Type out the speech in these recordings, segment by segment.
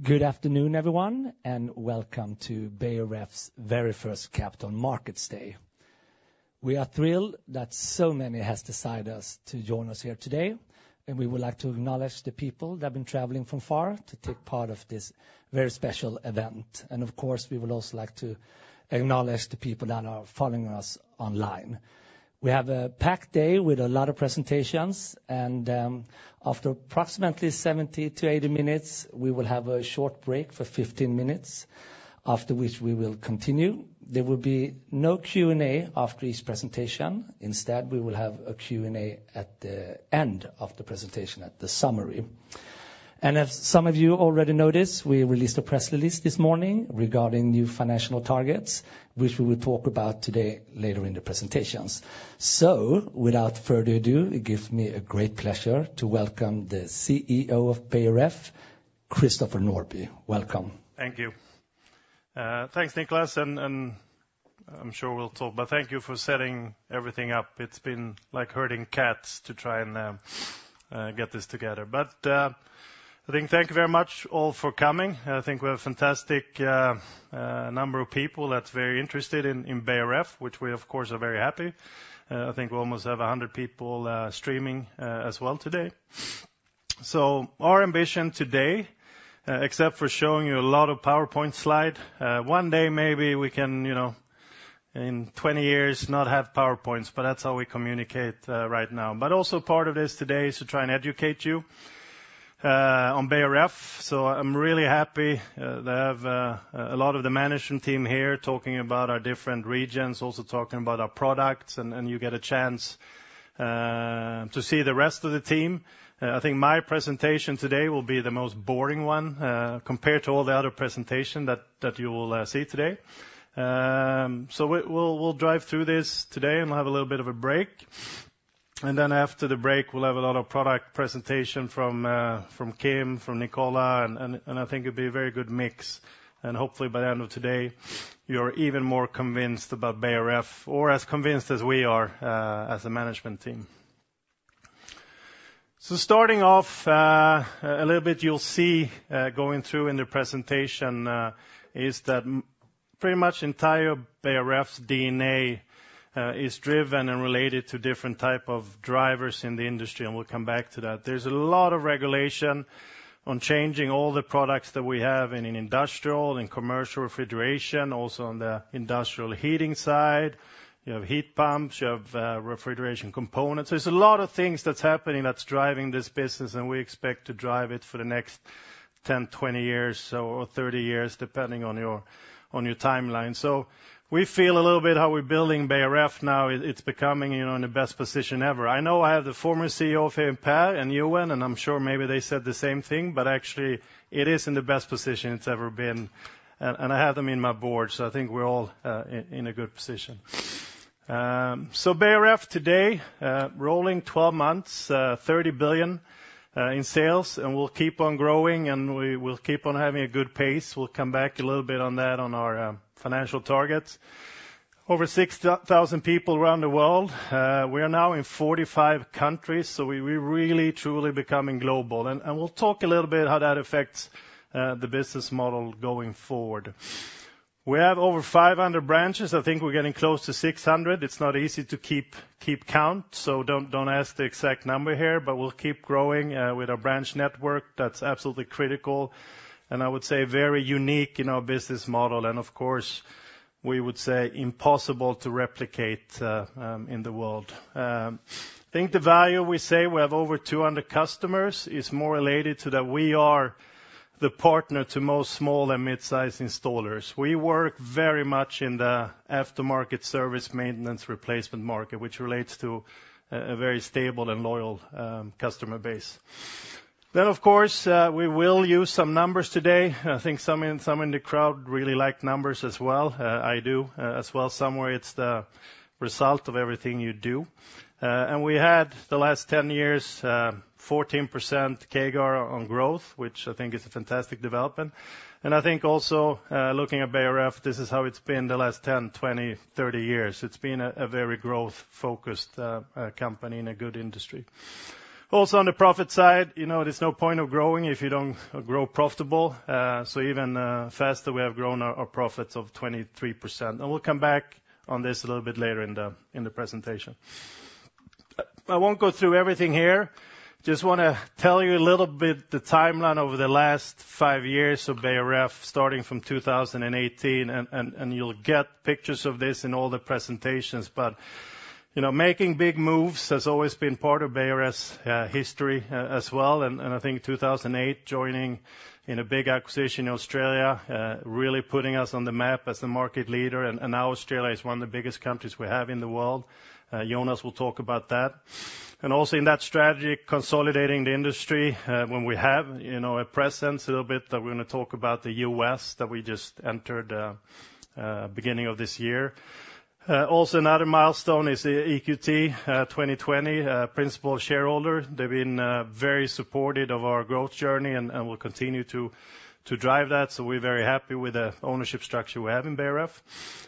Good afternoon, everyone, and welcome to Beijer Ref's very first Capital Markets Day. We are thrilled that so many have decided to join us here today, and we would like to acknowledge the people that have been traveling from far to take part of this very special event. Of course, we would also like to acknowledge the people that are following us online. We have a packed day with a lot of presentations, and after approximately 70-80 minutes, we will have a short break for 15 minutes, after which we will continue. There will be no Q&A after each presentation. Instead, we will have a Q&A at the end of the presentation, at the summary. As some of you already know this, we released a press release this morning regarding new financial targets, which we will talk about today later in the presentations. Without further ado, it gives me great pleasure to welcome the CEO of Beijer Ref, Christopher Norbye. Welcome. Thank you. Thanks, Niklas, and I'm sure we'll talk, but thank you for setting everything up. It's been like herding cats to try and get this together. But I think thank you very much all for coming. I think we have a fantastic number of people that's very interested in Beijer Ref, which we, of course, are very happy. I think we almost have 100 people streaming as well today. So our ambition today, except for showing you a lot of PowerPoint slide, one day, maybe we can, you know, in 20 years, not have PowerPoints, but that's how we communicate right now. But also part of this today is to try and educate you on Beijer Ref. So I'm really happy to have a lot of the management team here talking about our different regions, also talking about our products, and you get a chance to see the rest of the team. I think my presentation today will be the most boring one compared to all the other presentation that you will see today. So we'll drive through this today and we'll have a little bit of a break. And then after the break, we'll have a lot of product presentation from Kim, from Nicola, and I think it'll be a very good mix. And hopefully, by the end of today, you're even more convinced about Beijer Ref or as convinced as we are as a management team. So starting off, a little bit, you'll see, going through in the presentation, is that pretty much entire Beijer Ref's DNA is driven and related to different type of drivers in the industry, and we'll come back to that. There's a lot of regulation on changing all the products that we have in an industrial, in commercial refrigeration, also on the industrial heating side. You have heat pumps, you have refrigeration components. There's a lot of things that's happening that's driving this business, and we expect to drive it for the next 10, 20 years, so, or 30 years, depending on your, on your timeline. So we feel a little bit how we're building Beijer Ref now, it, it's becoming, you know, in the best position ever. I know I have the former CEO here, Per and Ulf, and I'm sure maybe they said the same thing, but actually it is in the best position it's ever been. And I have them in my board, so I think we're all in a good position. So Beijer Ref today, rolling twelve months, 30 billion in sales, and we'll keep on growing, and we will keep on having a good pace. We'll come back a little bit on that on our financial targets. Over 6,000 people around the world. We are now in 45 countries, so we really, truly becoming global. And we'll talk a little bit how that affects the business model going forward. We have over 500 branches. I think we're getting close to 600. It's not easy to keep count, so don't ask the exact number here, but we'll keep growing with our branch network. That's absolutely critical, and I would say very unique in our business model, and of course, we would say impossible to replicate in the world. I think the value we say we have over 200 customers is more related to that we are the partner to most small and mid-sized installers. We work very much in the aftermarket service, maintenance, replacement market, which relates to a very stable and loyal customer base. Then, of course, we will use some numbers today. I think some in the crowd really like numbers as well. I do as well. Somewhere, it's the result of everything you do. And we had, the last 10 years, 14% CAGR on growth, which I think is a fantastic development. And I think also, looking at Beijer Ref, this is how it's been the last 10, 20, 30 years. It's been a very growth-focused company in a good industry. Also, on the profit side, you know, there's no point of growing if you don't grow profitable. So even faster, we have grown our profits of 23%. And we'll come back on this a little bit later in the presentation. I won't go through everything here. Just wanna tell you a little bit the timeline over the last 5 years of Beijer Ref, starting from 2018, and you'll get pictures of this in all the presentations. But, you know, making big moves has always been part of Beijer Ref's history as well. And I think in 2008, joining in a big acquisition in Australia really putting us on the map as the market leader. And now Australia is one of the biggest countries we have in the world. Jonas will talk about that. And also in that strategy, consolidating the industry, when we have, you know, a presence a little bit, that we're gonna talk about the U.S., that we just entered, beginning of this year. Also another milestone is the EQT, 2020 principal shareholder. They've been very supportive of our growth journey and will continue to drive that. So we're very happy with the ownership structure we have in Beijer Ref.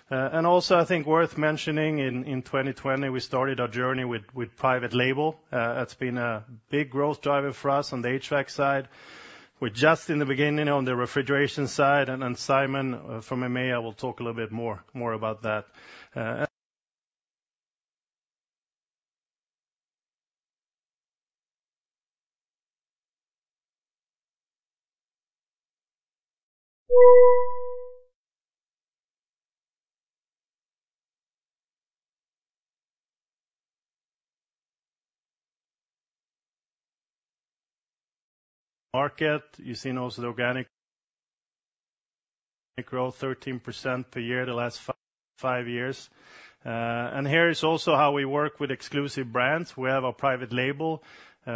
And also, I think worth mentioning, in 2020, we started our journey with private label. That's been a big growth driver for us on the HVAC side... We're just in the beginning on the refrigeration side, and then Simon from EMEA will talk a little bit more about that. Market, you've seen also the organic growth, 13% per year, the last five years. And here is also how we work with exclusive brands. We have our private label.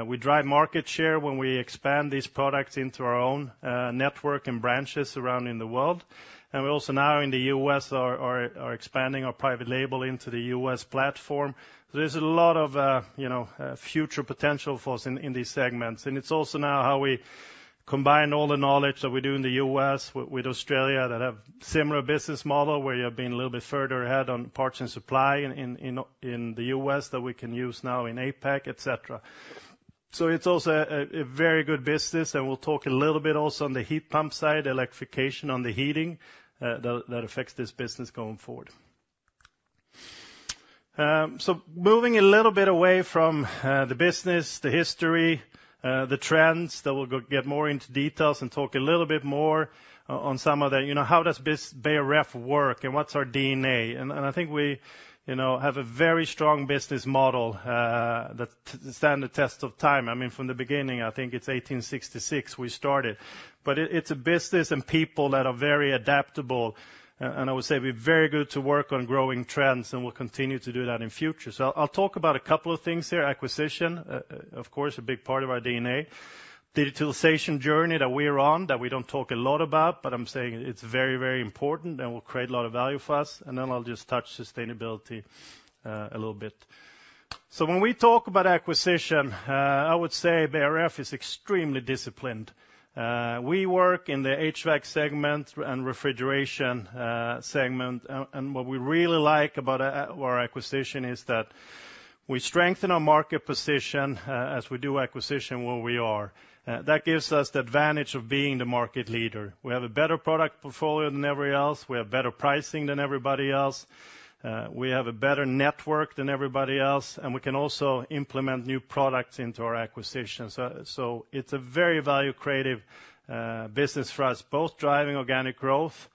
We drive market share when we expand these products into our own network and branches around in the world. And we're also now in the U.S. expanding our private label into the U.S. platform. There's a lot of, you know, future potential for us in these segments. And it's also now how we combine all the knowledge that we do in the U.S. with Australia, that have similar business model, where you have been a little bit further ahead on parts and supply in the U.S. that we can use now in APAC, etc. So it's also a very good business, and we'll talk a little bit also on the heat pump side, electrification on the heating, that affects this business going forward. So moving a little bit away from the business, the history, the trends, then we'll go get more into details and talk a little bit more on some of the, you know, how does Beijer Ref work, and what's our DNA? And I think we, you know, have a very strong business model, that stand the test of time. I mean, from the beginning, I think it's 1866, we started. But it's a business and people that are very adaptable, and I would say we're very good to work on growing trends, and we'll continue to do that in future. So I'll talk about a couple of things here. Acquisition, of course, a big part of our DNA. Digitalization journey that we're on, that we don't talk a lot about, but I'm saying it's very, very important and will create a lot of value for us. And then I'll just touch sustainability, a little bit. So when we talk about acquisition, I would say Beijer Ref is extremely disciplined. We work in the HVAC segment and refrigeration segment, and what we really like about our acquisition is that we strengthen our market position, as we do acquisition where we are. That gives us the advantage of being the market leader. We have a better product portfolio than everybody else, we have better pricing than everybody else, we have a better network than everybody else, and we can also implement new products into our acquisitions. So it's a very value-creative business for us, both driving organic growth,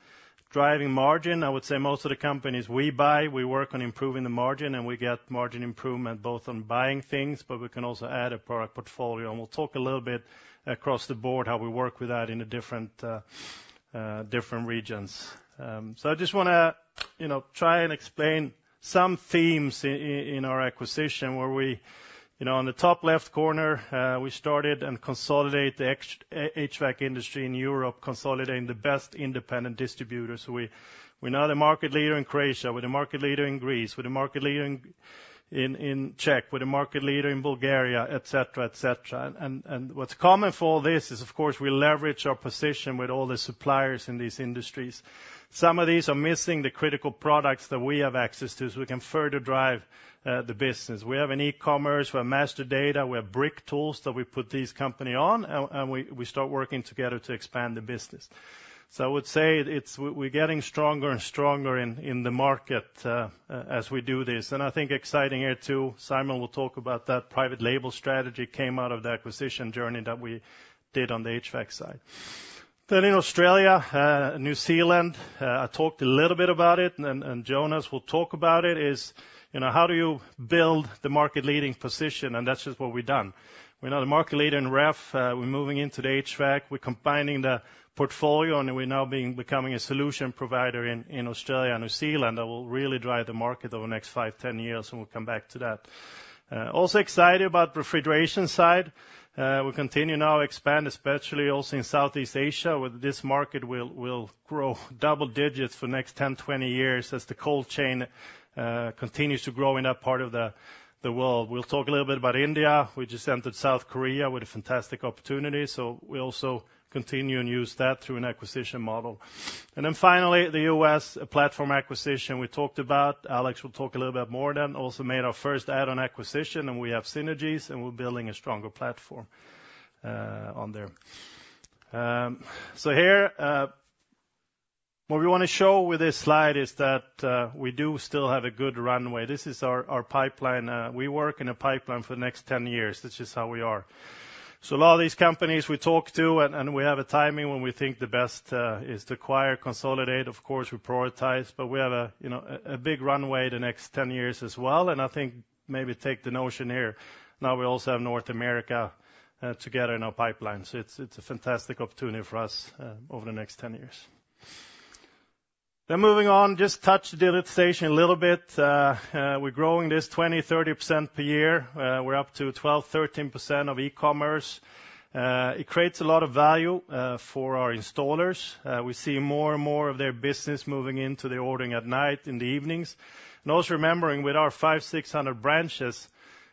driving margin. I would say most of the companies we buy, we work on improving the margin, and we get margin improvement, both on buying things, but we can also add a product portfolio. We'll talk a little bit across the board how we work with that in the different different regions. So I just wanna, you know, try and explain some themes in our acquisition, where we... You know, on the top left corner, we started and consolidate the ex- HVAC industry in Europe, consolidating the best independent distributors. We, we're now the market leader in Croatia, we're the market leader in Greece, we're the market leader in Czech, we're the market leader in Bulgaria, et cetera, et cetera. And what's common for all this is, of course, we leverage our position with all the suppliers in these industries. Some of these are missing the critical products that we have access to, so we can further drive the business. We have an e-commerce, we have master data, we have brick tools that we put these company on, and we start working together to expand the business. So I would say it's- we're getting stronger and stronger in the market as we do this, and I think exciting here, too. Simon will talk about that private label strategy came out of the acquisition journey that we did on the HVAC side. Then in Australia, New Zealand, I talked a little bit about it, and Jonas will talk about it, you know, how do you build the market-leading position? And that's just what we've done. We're now the market leader in Ref, we're moving into the HVAC. We're combining the portfolio, and we're now becoming a solution provider in Australia and New Zealand that will really drive the market over the next five-10 years, and we'll come back to that. Also excited about refrigeration side. We continue now expand, especially also in Southeast Asia, where this market will grow double digits for the next 10-20 years as the cold chain continues to grow in that part of the world. We'll talk a little bit about India. We just entered South Korea with a fantastic opportunity, so we also continue and use that through an acquisition model. And then finally, the U.S. platform acquisition we talked about. Alex will talk a little bit more then. Also made our first add-on acquisition, and we have synergies, and we're building a stronger platform on there. So here, what we want to show with this slide is that we do still have a good runway. This is our pipeline. We work in a pipeline for the next 10 years. This is how we are. So a lot of these companies we talk to, and we have a timing when we think the best is to acquire, consolidate. Of course, we prioritize, but we have a, you know, a big runway the next 10 years as well, and I think maybe take the notion here. Now we also have North America together in our pipeline, so it's a fantastic opportunity for us over the next 10 years. Then moving on, just touch digitalization a little bit. We're growing this 20%-30% per year. We're up to 12%-13% of e-commerce. It creates a lot of value for our installers. We see more and more of their business moving into the ordering at night, in the evenings. And also remembering, with our 500-600 branches,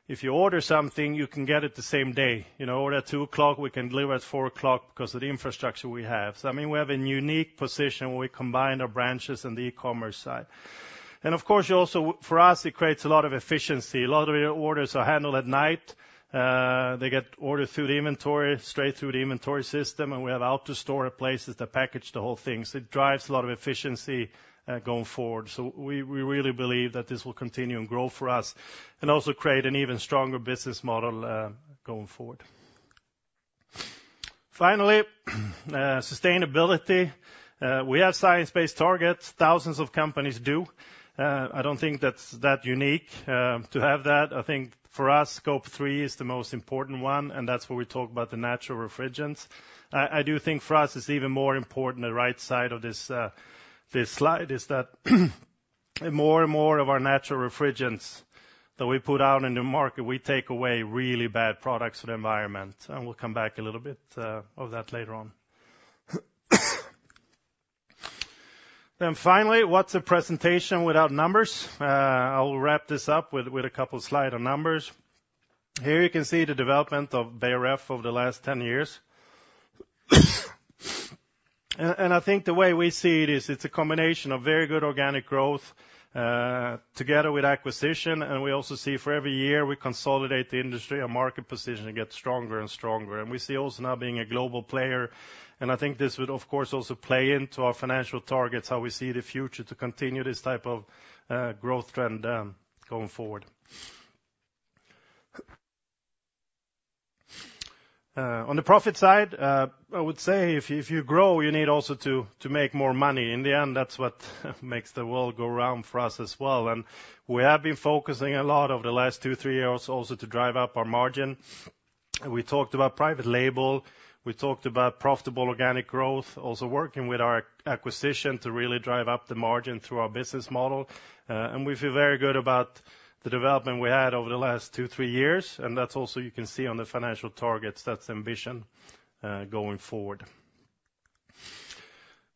if you order something, you can get it the same day. You know, order at 2:00, we can deliver at 4:00 because of the infrastructure we have. So, I mean, we have a unique position where we combine our branches and the e-commerce side. And of course, you also- for us, it creates a lot of efficiency. A lot of the orders are handled at night. They get ordered through the inventory, straight through the inventory system, and we have AutoStore places that package the whole thing. So it drives a lot of efficiency going forward. So we really believe that this will continue and grow for us and also create an even stronger business model, going forward. Finally, sustainability. We have Science-Based Targets; thousands of companies do. I don't think that's that unique to have that. I think for us, Scope 3 is the most important one, and that's where we talk about the natural refrigerants. I do think for us, it's even more important; the right side of this slide is that more and more of our natural refrigerants that we put out in the market, we take away really bad products for the environment, and we'll come back a little bit of that later on. Then finally, what's a presentation without numbers? I'll wrap this up with a couple slides of numbers. Here, you can see the development of Beijer Ref over the last 10 years. I think the way we see it is, it's a combination of very good organic growth, together with acquisition, and we also see for every year, we consolidate the industry, our market position gets stronger and stronger. We see also now being a global player, and I think this would, of course, also play into our financial targets, how we see the future to continue this type of growth trend, going forward. On the profit side, I would say if you grow, you need also to make more money. In the end, that's what makes the world go round for us as well. We have been focusing a lot over the last two, three years also, to drive up our margin. We talked about private label, we talked about profitable organic growth, also working with our acquisition to really drive up the margin through our business model. And we feel very good about the development we had over the last two, three years, and that's also you can see on the financial targets, that's the ambition, going forward.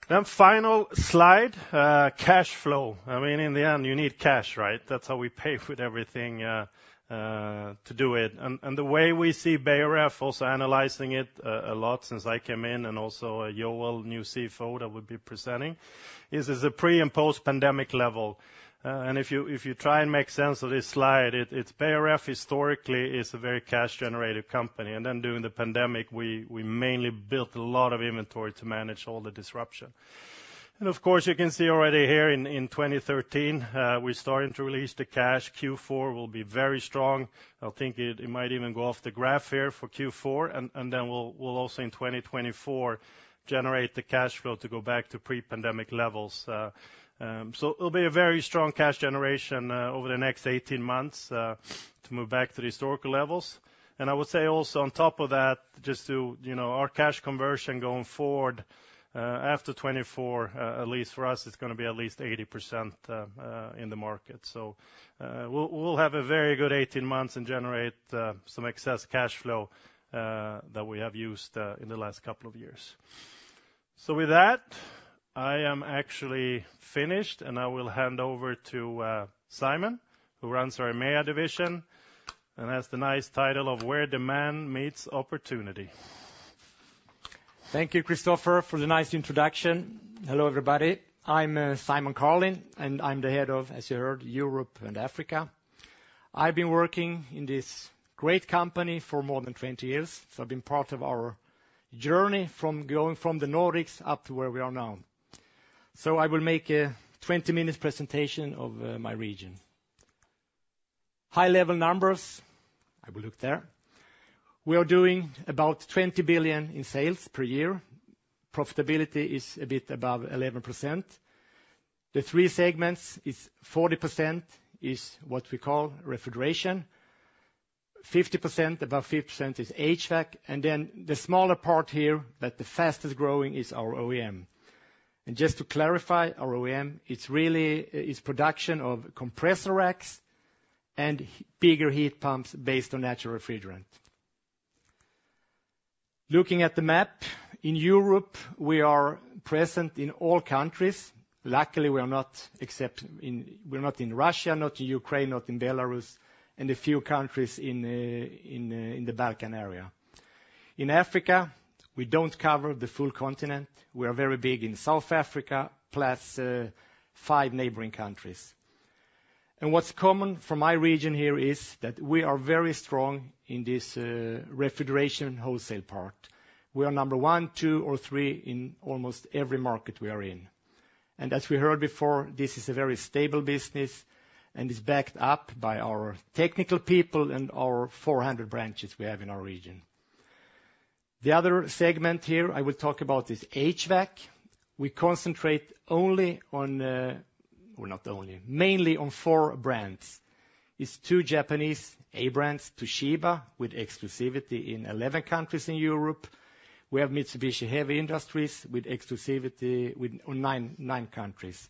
Then final slide, cash flow. I mean, in the end, you need cash, right? That's how we pay for everything, to do it. And the way we see Beijer Ref, also analyzing it a lot since I came in and also, Joel, new CFO, that will be presenting, is it's a pre- and post-pandemic level. If you try and make sense of this slide, it's Beijer Ref historically is a very cash-generative company, and then during the pandemic, we mainly built a lot of inventory to manage all the disruption. And of course, you can see already here in 2013, we're starting to release the cash. Q4 will be very strong. I think it might even go off the graph here for Q4, and then we'll also in 2024 generate the cash flow to go back to pre-pandemic levels. So it'll be a very strong cash generation over the next 18 months to move back to the historical levels. I would say also on top of that, just to, you know, our cash conversion going forward, at least for us, it's gonna be at least 80%, in the market. So, we'll, we'll have a very good 18 months and generate, some excess cash flow, that we have used, in the last couple of years. So with that, I am actually finished, and I will hand over to, Simon, who runs our EMEA division, and has the nice title of Where Demand Meets Opportunity. Thank you, Christopher, for the nice introduction. Hello, everybody. I'm Simon Karlin, and I'm the head of, as you heard, Europe and Africa. I've been working in this great company for more than 20 years, so I've been part of our journey from going from the Nordics up to where we are now. I will make a 20-minute presentation of my region. High-level numbers, I will look there. We are doing about 20 billion in sales per year. Profitability is a bit above 11%. The three segments is 40%, is what we call refrigeration. 50%, about 50% is HVAC, and then the smaller part here, but the fastest growing is our OEM. And just to clarify, our OEM, it's really is production of compressor racks and bigger heat pumps based on natural refrigerant. Looking at the map, in Europe, we are present in all countries. Luckily, we are not except in... We're not in Russia, not in Ukraine, not in Belarus, and a few countries in the Balkan area. In Africa, we don't cover the full continent. We are very big in South Africa, plus five neighboring countries. What's common for my region here is that we are very strong in this refrigeration wholesale part. We are number one, two, or three in almost every market we are in. As we heard before, this is a very stable business and is backed up by our technical people and our 400 branches we have in our region. The other segment here I will talk about is HVAC. We concentrate only on, well, not only, mainly on four brands. It's two Japanese A brands, Toshiba, with exclusivity in 11 countries in Europe. We have Mitsubishi Heavy Industries with exclusivity with nine, nine countries.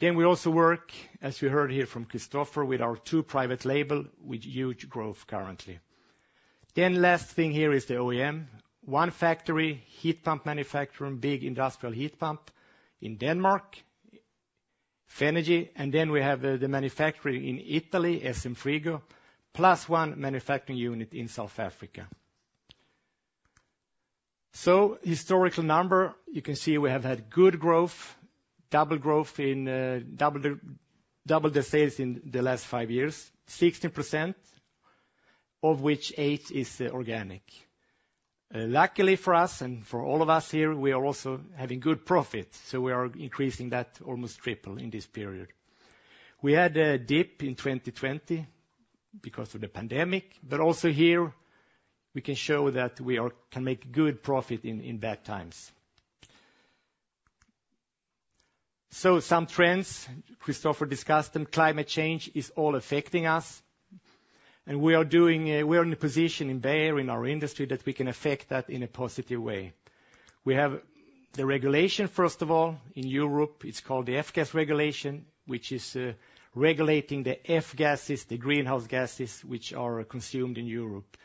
Then we also work, as you heard here from Christopher, with our two private label, with huge growth currently. Then last thing here is the OEM. One factory, heat pump manufacturing, big industrial heat pump in Denmark, Fenagy, and then we have the, the manufacturing in Italy, SCM Frigo, plus one manufacturing unit in South Africa. So historical number, you can see we have had good growth, double growth in, double the, double the sales in the last 5 years, 16%, of which 8% is organic. Luckily for us and for all of us here, we are also having good profit, so we are increasing that almost triple in this period. We had a dip in 2020-... because of the pandemic, but also here, we can show that we are can make good profit in bad times. So some trends Christopher discussed, and climate change is all affecting us, and we are in a position in Beijer, in our industry, that we can affect that in a positive way. We have the regulation, first of all, in Europe, it's called the F-gas Regulation, which is regulating the F-gases, the greenhouse gases, which are consumed in Europe.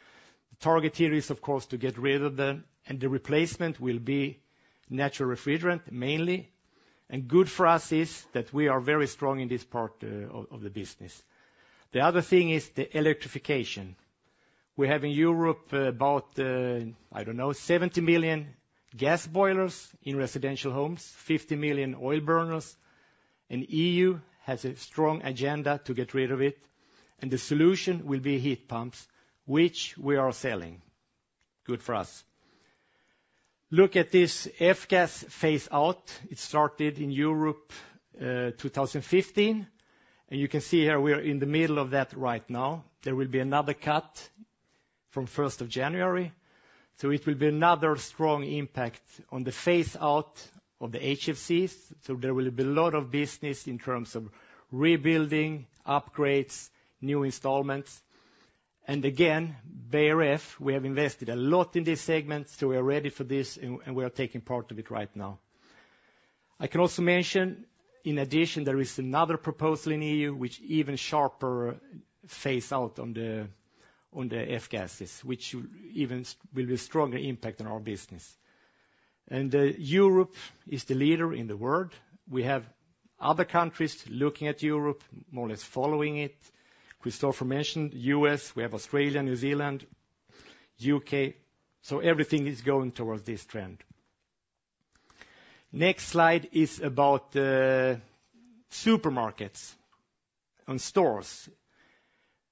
The target here is, of course, to get rid of them, and the replacement will be natural refrigerant, mainly. And good for us is that we are very strong in this part of the business. The other thing is the electrification. We have in Europe, about, I don't know, 70 million gas boilers in residential homes, 50 million oil burners, and the EU has a strong agenda to get rid of it, and the solution will be heat pumps, which we are selling. Good for us. Look at this F-gas phase out. It started in Europe, 2015, and you can see here we are in the middle of that right now. There will be another cut from January 1, so it will be another strong impact on the phase out of the HFCs, so there will be a lot of business in terms of rebuilding, upgrades, new installments. And again, Beijer Ref, we have invested a lot in this segment, so we are ready for this and we are taking part of it right now. I can also mention, in addition, there is another proposal in EU, which even sharper phase out on the, on the F-gases, which will be a stronger impact on our business. Europe is the leader in the world. We have other countries looking at Europe, more or less following it. Christopher mentioned U.S., we have Australia, New Zealand, U.K., so everything is going towards this trend. Next slide is about supermarkets and stores.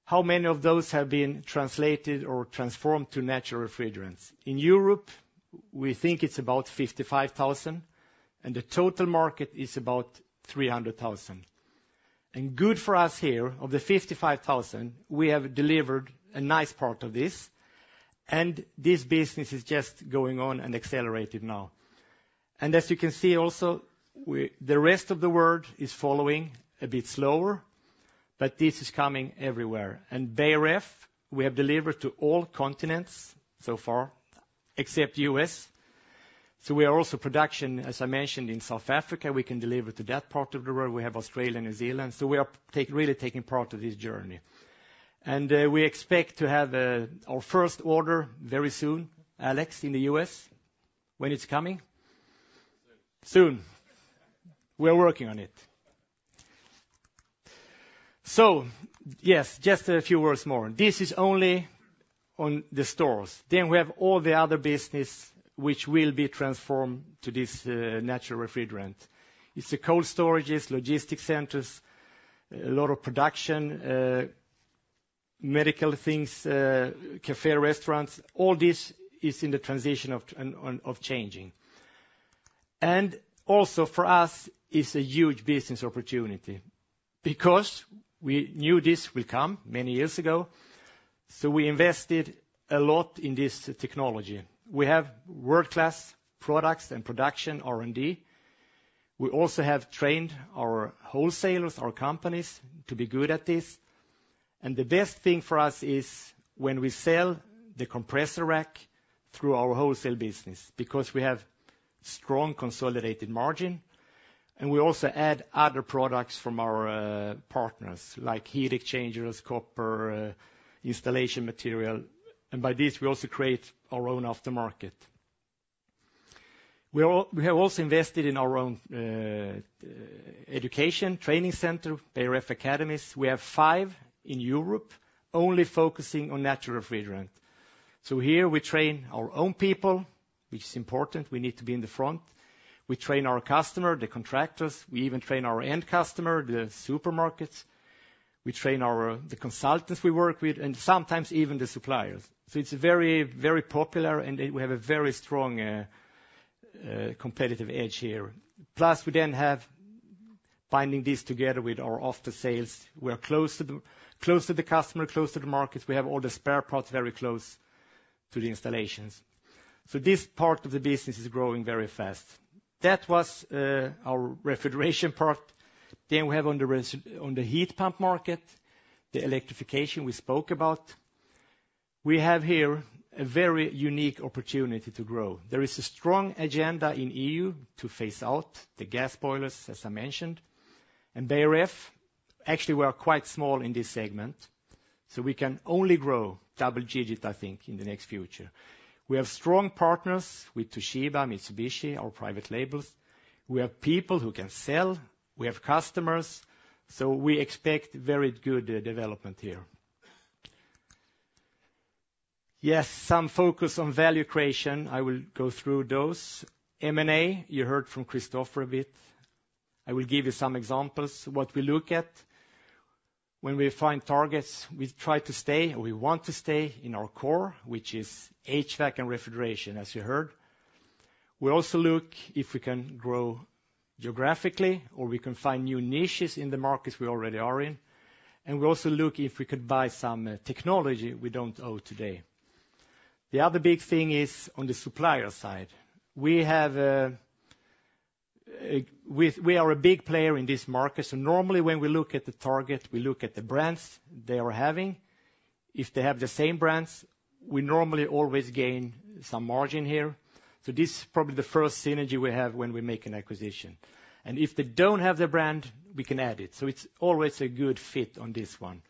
How many of those have been translated or transformed to natural refrigerants? In Europe, we think it's about 55,000, and the total market is about 300,000. Good for us here, of the 55,000, we have delivered a nice part of this, and this business is just going on and accelerated now. As you can see also, we, the rest of the world is following a bit slower, but this is coming everywhere. And Beijer Ref, we have delivered to all continents so far, except U.S. So we are also production, as I mentioned, in South Africa, we can deliver to that part of the world. We have Australia and New Zealand, so we are really taking part of this journey. And we expect to have our first order very soon. Alex, in the U.S., when it's coming? Soon. Soon. We are working on it. So yes, just a few words more. This is only on the stores. Then we have all the other business which will be transformed to this natural refrigerant. It's the cold storages, logistic centers, a lot of production, medical things, cafe, restaurants; all this is in the transition of and on, of changing. And also for us, it's a huge business opportunity because we knew this will come many years ago, so we invested a lot in this technology. We have world-class products and production, R&D. We also have trained our wholesalers, our companies, to be good at this. The best thing for us is when we sell the compressor rack through our wholesale business, because we have strong consolidated margin, and we also add other products from our partners, like heat exchangers, copper, installation material, and by this, we also create our own aftermarket. We have also invested in our own education training center, Beijer Ref Academies. We have five in Europe, only focusing on natural refrigerant. So here we train our own people, which is important, we need to be in the front. We train our customer, the contractors, we even train our end customer, the supermarkets, we train the consultants we work with, and sometimes even the suppliers. So it's very, very popular, and we have a very strong competitive edge here. Plus, we then have finding this together with our after sales. We are close to the customer, close to the markets. We have all the spare parts very close to the installations. So this part of the business is growing very fast. That was our refrigeration part. Then we have on the heat pump market, the electrification we spoke about. We have here a very unique opportunity to grow. There is a strong agenda in the EU to phase out the gas boilers, as I mentioned, and Beijer Ref, actually, we are quite small in this segment, so we can only grow double digit, I think, in the next future. We have strong partners with Toshiba, Mitsubishi, our private labels. We have people who can sell, we have customers, so we expect very good development here. Yes, some focus on value creation. I will go through those. M&A, you heard from Christopher a bit. I will give you some examples. What we look at when we find targets, we try to stay, and we want to stay in our core, which is HVAC and refrigeration, as you heard. We also look if we can grow geographically or we can find new niches in the markets we already are in, and we also look if we could buy some technology we don't own today. The other big thing is on the supplier side. We are a big player in this market, so normally, when we look at the target, we look at the brands they are having. If they have the same brands, we normally always gain some margin here. So this is probably the first synergy we have when we make an acquisition. If they don't have the brand, we can add it. So it's always a good fit on this one.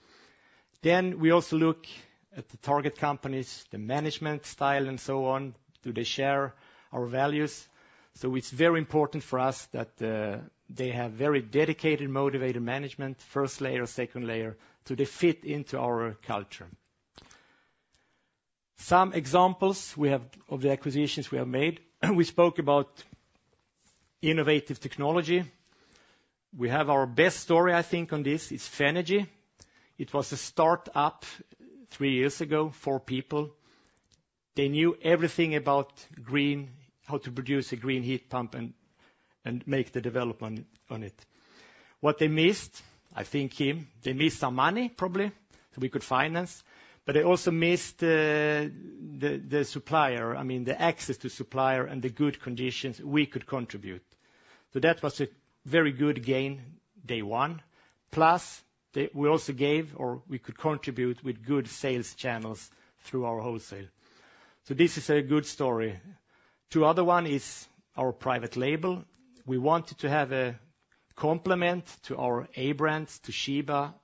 Then we also look at the target companies, the management style, and so on. Do they share our values? So it's very important for us that they have very dedicated, motivated management, first layer, second layer, so they fit into our culture. Some examples we have of the acquisitions we have made, we spoke about innovative technology. We have our best story, I think, on this, is Fenagy. It was a start-up three years ago, four people. They knew everything about green how to produce a green heat pump and make the development on it. What they missed, I think, they missed some money, probably, so we could finance, but they also missed the supplier, I mean, the access to supplier and the good conditions we could contribute. So that was a very good gain, day one. Plus, they, we also gave, or we could contribute with good sales channels through our wholesale. So this is a good story. Two other one is our private label. We wanted to have a complement to our A brands, to Toshiba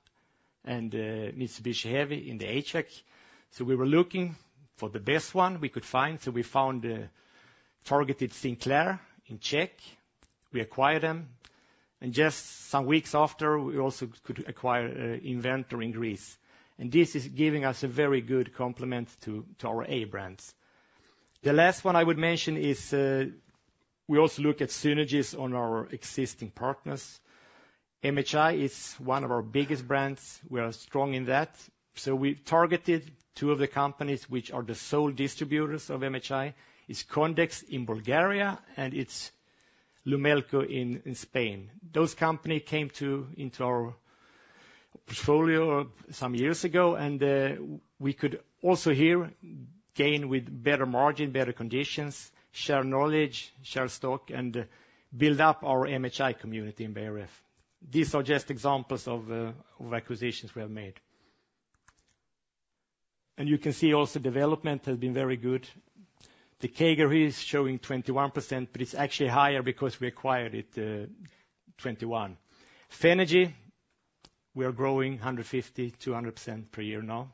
and, Mitsubishi Heavy in the HVAC. So we were looking for the best one we could find, so we found the targeted Sinclair in Czech. We acquired them, and just some weeks after, we also could acquire, Inventor in Greece. And this is giving us a very good complement to our A brands. The last one I would mention is, we also look at synergies on our existing partners. MHI is one of our biggest brands. We are strong in that. So we've targeted two of the companies which are the sole distributors of MHI. It's Condex in Bulgaria, and it's Lumelco in Spain. Those companies came into our portfolio some years ago, and we could also here gain with better margin, better conditions, share knowledge, share stock, and build up our MHI community in Beijer Ref. These are just examples of acquisitions we have made. You can see also development has been very good. The CAGR is showing 21%, but it's actually higher because we acquired it 2021. Fenagy, we are growing 150, 200% per year now,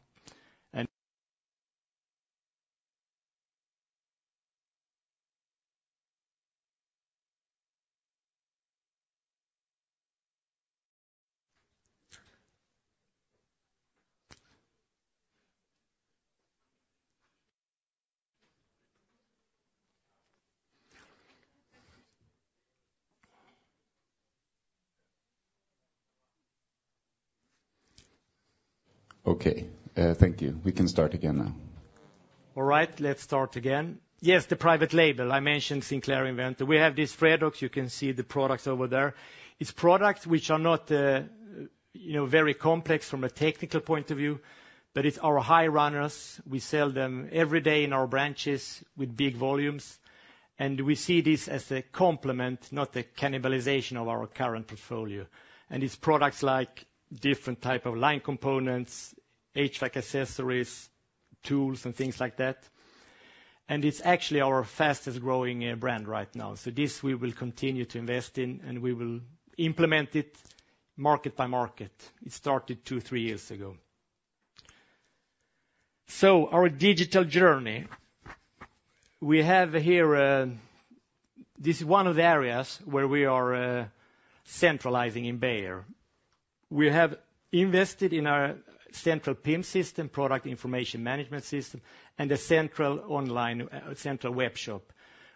and- Okay, thank you. We can start again now. All right, let's start again. Yes, the private label, I mentioned Sinclair Inventor. We have this Freddox. You can see the products over there. It's products which are not, you know, very complex from a technical point of view, but it's our high runners. We sell them every day in our branches with big volumes, and we see this as a complement, not a cannibalization of our current portfolio. And it's products like different type of line components, HVAC accessories, tools, and things like that. And it's actually our fastest-growing brand right now. So this we will continue to invest in, and we will implement it market by market. It started two, three years ago. So our digital journey. We have here... This is one of the areas where we are centralizing in Beijer. We have invested in our central PIM system, Product Information Management system, and a central online, central web shop.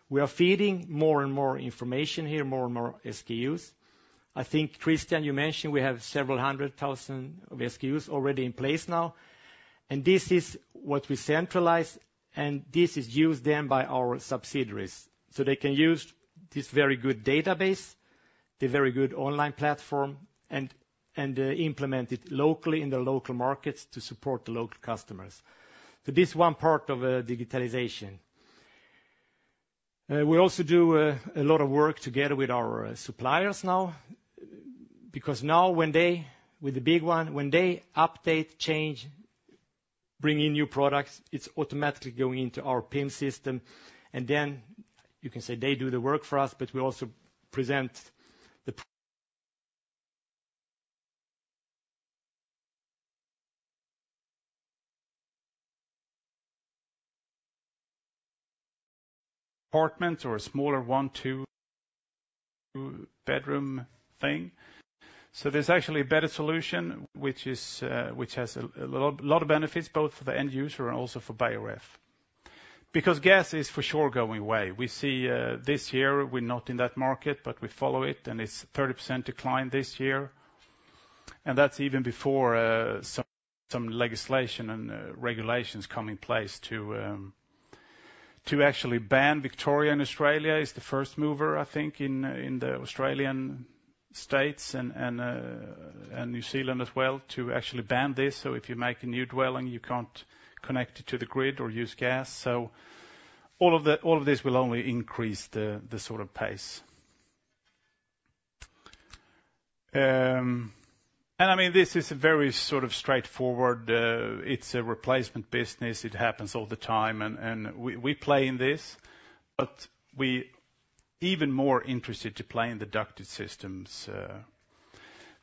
We are feeding more and more information here, more and more SKUs. I think, Christian, you mentioned we have several hundred thousand of SKUs already in place now, and this is what we centralize, and this is used then by our subsidiaries. So they can use this very good database, the very good online platform, and, and, implement it locally in the local markets to support the local customers. So this is one part of, digitalization. We also do a lot of work together with our suppliers now, because now when they, with the big one, when they update, change, bring in new products, it's automatically going into our PIM system, and then you can say they do the work for us, but we also present the apartments or a smaller one, two-bedroom thing. So there's actually a better solution, which is which has a lot of benefits, both for the end user and also for Beijer Ref. Because gas is for sure going away. We see this year, we're not in that market, but we follow it, and it's 30% decline this year. ...And that's even before some legislation and regulations come in place to actually ban. Victoria in Australia is the first mover, I think, in the Australian states and New Zealand as well, to actually ban this. So if you make a new dwelling, you can't connect it to the grid or use gas. So all of this will only increase the sort of pace. And I mean, this is very sort of straightforward. It's a replacement business. It happens all the time, and we play in this, but we even more interested to play in the ducted systems.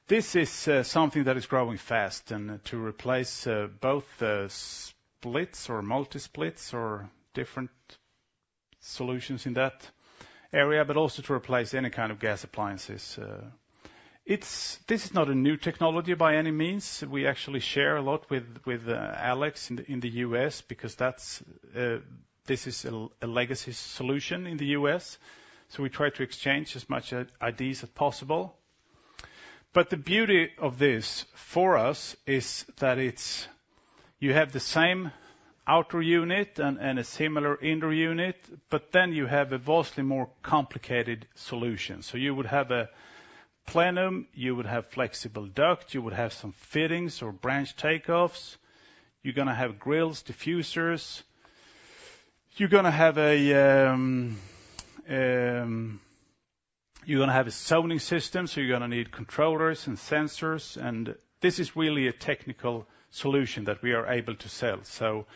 This is something that is growing fast and to replace both splits or multi-splits or different solutions in that area, but also to replace any kind of gas appliances. This is not a new technology by any means. We actually share a lot with Alex in the U.S., because that's a legacy solution in the U.S., so we try to exchange as much ideas as possible. But the beauty of this, for us, is that you have the same outer unit and a similar inner unit, but then you have a vastly more complicated solution. So you would have a plenum, you would have flexible duct, you would have some fittings or branch takeoffs. You're gonna have grills, diffusers. You're gonna have a zoning system, so you're gonna need controllers and sensors, and this is really a technical solution that we are able to sell. So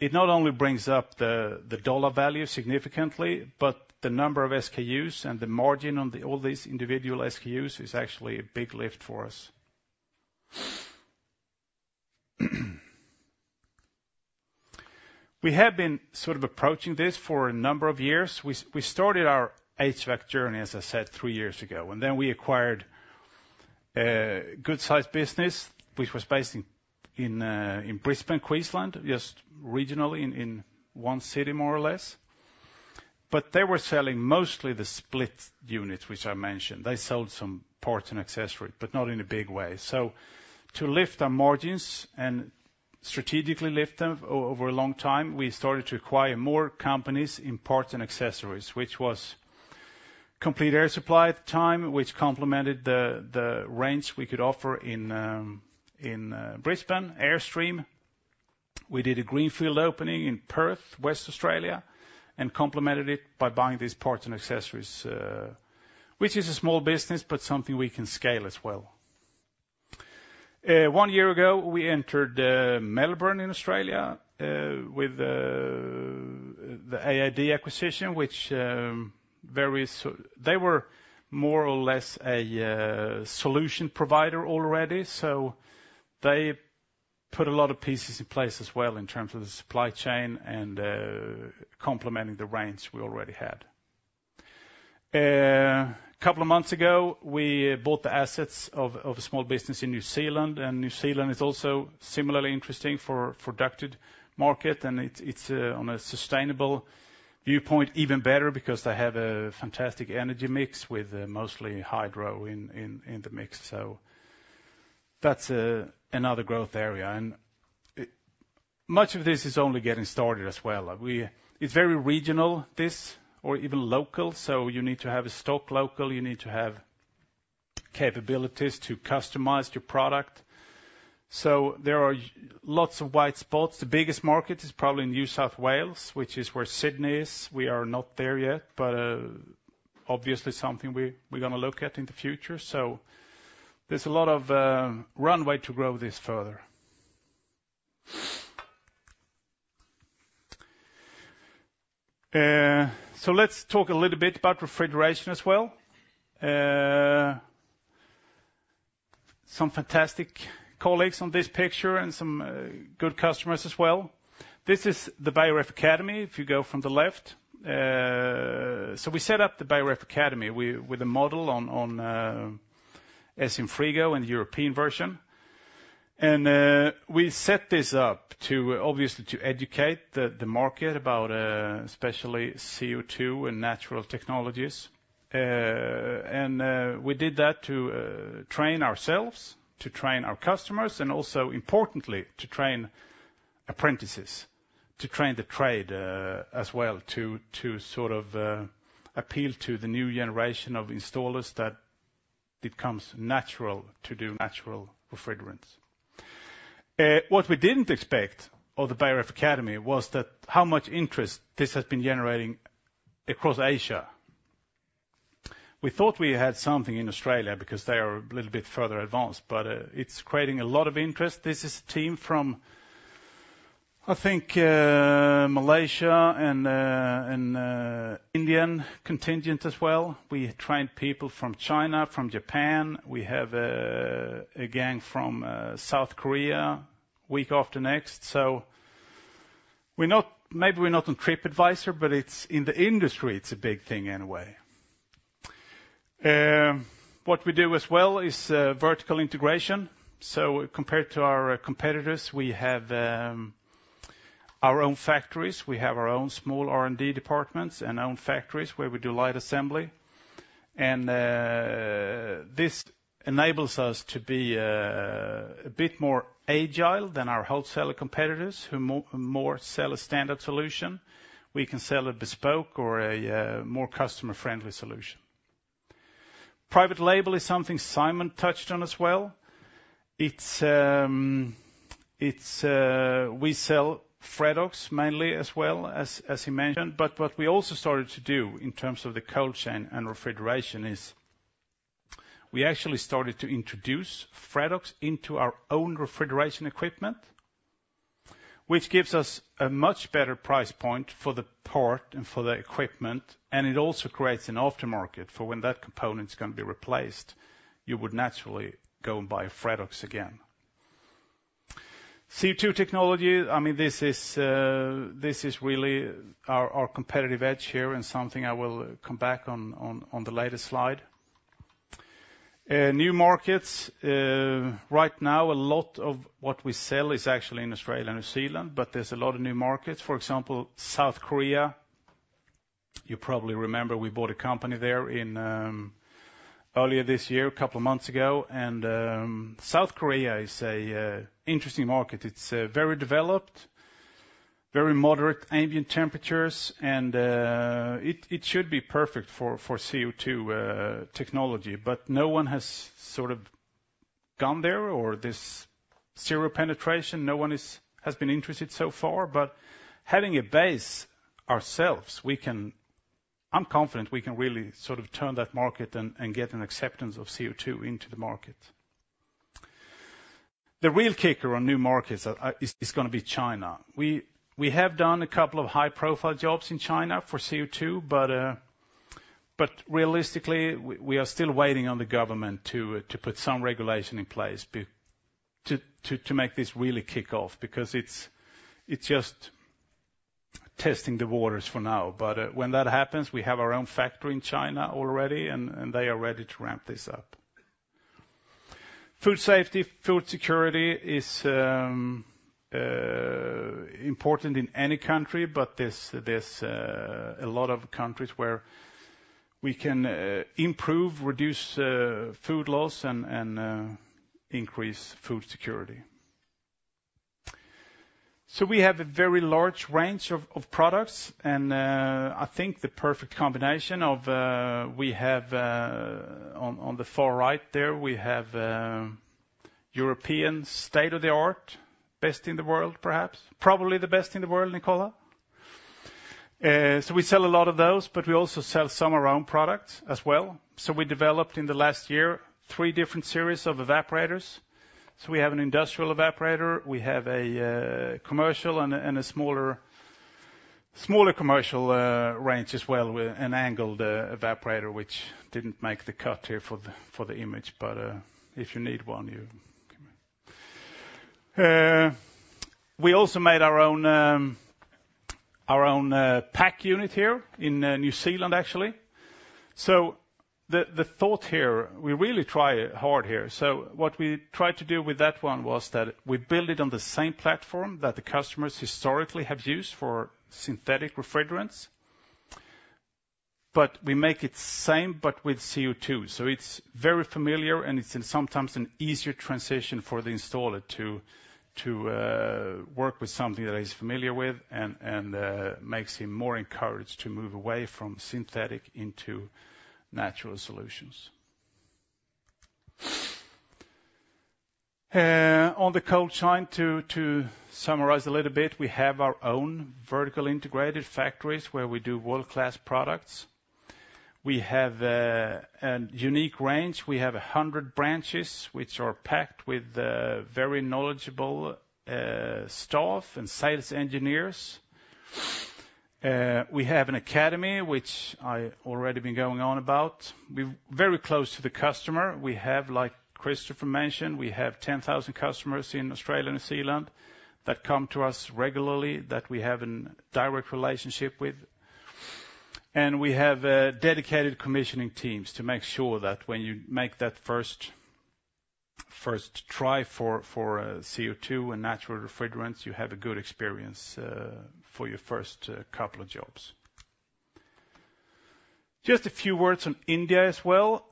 it not only brings up the dollar value significantly, but the number of SKUs and the margin on all these individual SKUs is actually a big lift for us. We have been sort of approaching this for a number of years. We started our HVAC journey, as I said, three years ago, and then we acquired a good-sized business, which was based in Brisbane, Queensland, just regionally in one city, more or less. But they were selling mostly the split units, which I mentioned. They sold some parts and accessories, but not in a big way. To lift our margins and strategically lift them over a long time, we started to acquire more companies in parts and accessories, which was Complete Air Supply at the time, which complemented the range we could offer in Brisbane, Airstream. We did a greenfield opening in Perth, Western Australia, and complemented it by buying these parts and accessories, which is a small business, but something we can scale as well. One year ago, we entered Melbourne in Australia with the AID acquisition, which they were more or less a solution provider already, so they put a lot of pieces in place as well in terms of the supply chain and complementing the range we already had. A couple of months ago, we bought the assets of a small business in New Zealand, and New Zealand is also similarly interesting for ducted market, and it's on a sustainable viewpoint, even better because they have a fantastic energy mix with mostly hydro in the mix. So that's another growth area, and much of this is only getting started as well. It's very regional, this, or even local, so you need to have a stock local, you need to have capabilities to customize your product. So there are lots of white spots. The biggest market is probably in New South Wales, which is where Sydney is. We are not there yet, but obviously something we're gonna look at in the future. So there's a lot of runway to grow this further. So let's talk a little bit about refrigeration as well. Some fantastic colleagues on this picture and some good customers as well. This is the Beijer Ref Academy, if you go from the left. So we set up the Beijer Ref Academy with a model on SCM Frigo and European version. We set this up to obviously to educate the market about especially CO2 and natural technologies. We did that to train ourselves, to train our customers, and also, importantly, to train apprentices, to train the trade as well, to sort of appeal to the new generation of installers that it comes natural to do natural refrigerants. What we didn't expect of the Beijer Ref Academy was that how much interest this has been generating across Asia. We thought we had something in Australia because they are a little bit further advanced, but it's creating a lot of interest. This is a team from, I think, Malaysia and an Indian contingent as well. We trained people from China, from Japan. We have a gang from South Korea, week after next. So we're not, maybe we're not on TripAdvisor, but it's, in the industry, it's a big thing anyway. What we do as well is vertical integration. So compared to our competitors, we have our own factories, we have our own small R&D departments and own factories, where we do light assembly. And this enables us to be a bit more agile than our wholesaler competitors, who more sell a standard solution. We can sell a bespoke or a more customer-friendly solution. Private label is something Simon touched on as well. It's, it's, we sell Freddox mainly as well, as, as he mentioned, but what we also started to do in terms of the cold chain and refrigeration is, we actually started to introduce Freddox into our own refrigeration equipment, which gives us a much better price point for the part and for the equipment, and it also creates an aftermarket for when that component is gonna be replaced, you would naturally go and buy Freddox again. CO₂ technology, I mean, this is, this is really our, our competitive edge here, and something I will come back on, on, on the latest slide. New markets, right now, a lot of what we sell is actually in Australia and New Zealand, but there's a lot of new markets, for example, South Korea. You probably remember we bought a company there in earlier this year, a couple of months ago, and South Korea is a interesting market. It's very developed, very moderate ambient temperatures, and it should be perfect for CO2 technology, but no one has sort of gone there, or there's zero penetration. No one has been interested so far, but having a base ourselves, we can... I'm confident we can really sort of turn that market and get an acceptance of CO2 into the market. The real kicker on new markets is gonna be China. We have done a couple of high-profile jobs in China for CO2, but realistically, we are still waiting on the government to put some regulation in place to make this really kick off, because it's just testing the waters for now, but when that happens, we have our own factory in China already, and they are ready to ramp this up. Food safety, food security is important in any country, but there's a lot of countries where we can improve, reduce food loss, and increase food security. So we have a very large range of products, and I think the perfect combination of we have on the far right there, we have European state-of-the-art, best in the world, perhaps. Probably the best in the world, Nicola? So we sell a lot of those, but we also sell some of our own products as well. So we developed, in the last year, three different series of evaporators. So we have an industrial evaporator, we have a commercial and a smaller commercial range as well, with an angled evaporator, which didn't make the cut here for the image, but if you need one, you... We also made our own pack unit here in New Zealand, actually. So the thought here, we really try hard here, so what we tried to do with that one was that we build it on the same platform that the customers historically have used for synthetic refrigerants, but we make it same, but with CO₂. So it's very familiar, and it's sometimes an easier transition for the installer to work with something that he's familiar with and makes him more encouraged to move away from synthetic into natural solutions. On the cold chain, to summarize a little bit, we have our own vertically integrated factories, where we do world-class products. We have a unique range. We have 100 branches, which are packed with very knowledgeable staff and sales engineers. We have an academy, which I already been going on about. We're very close to the customer. We have, like Christopher mentioned, we have 10,000 customers in Australia and New Zealand that come to us regularly, that we have a direct relationship with. And we have dedicated commissioning teams to make sure that when you make that first try for CO2 and natural refrigerants, you have a good experience for your first couple of jobs. Just a few words on India as well,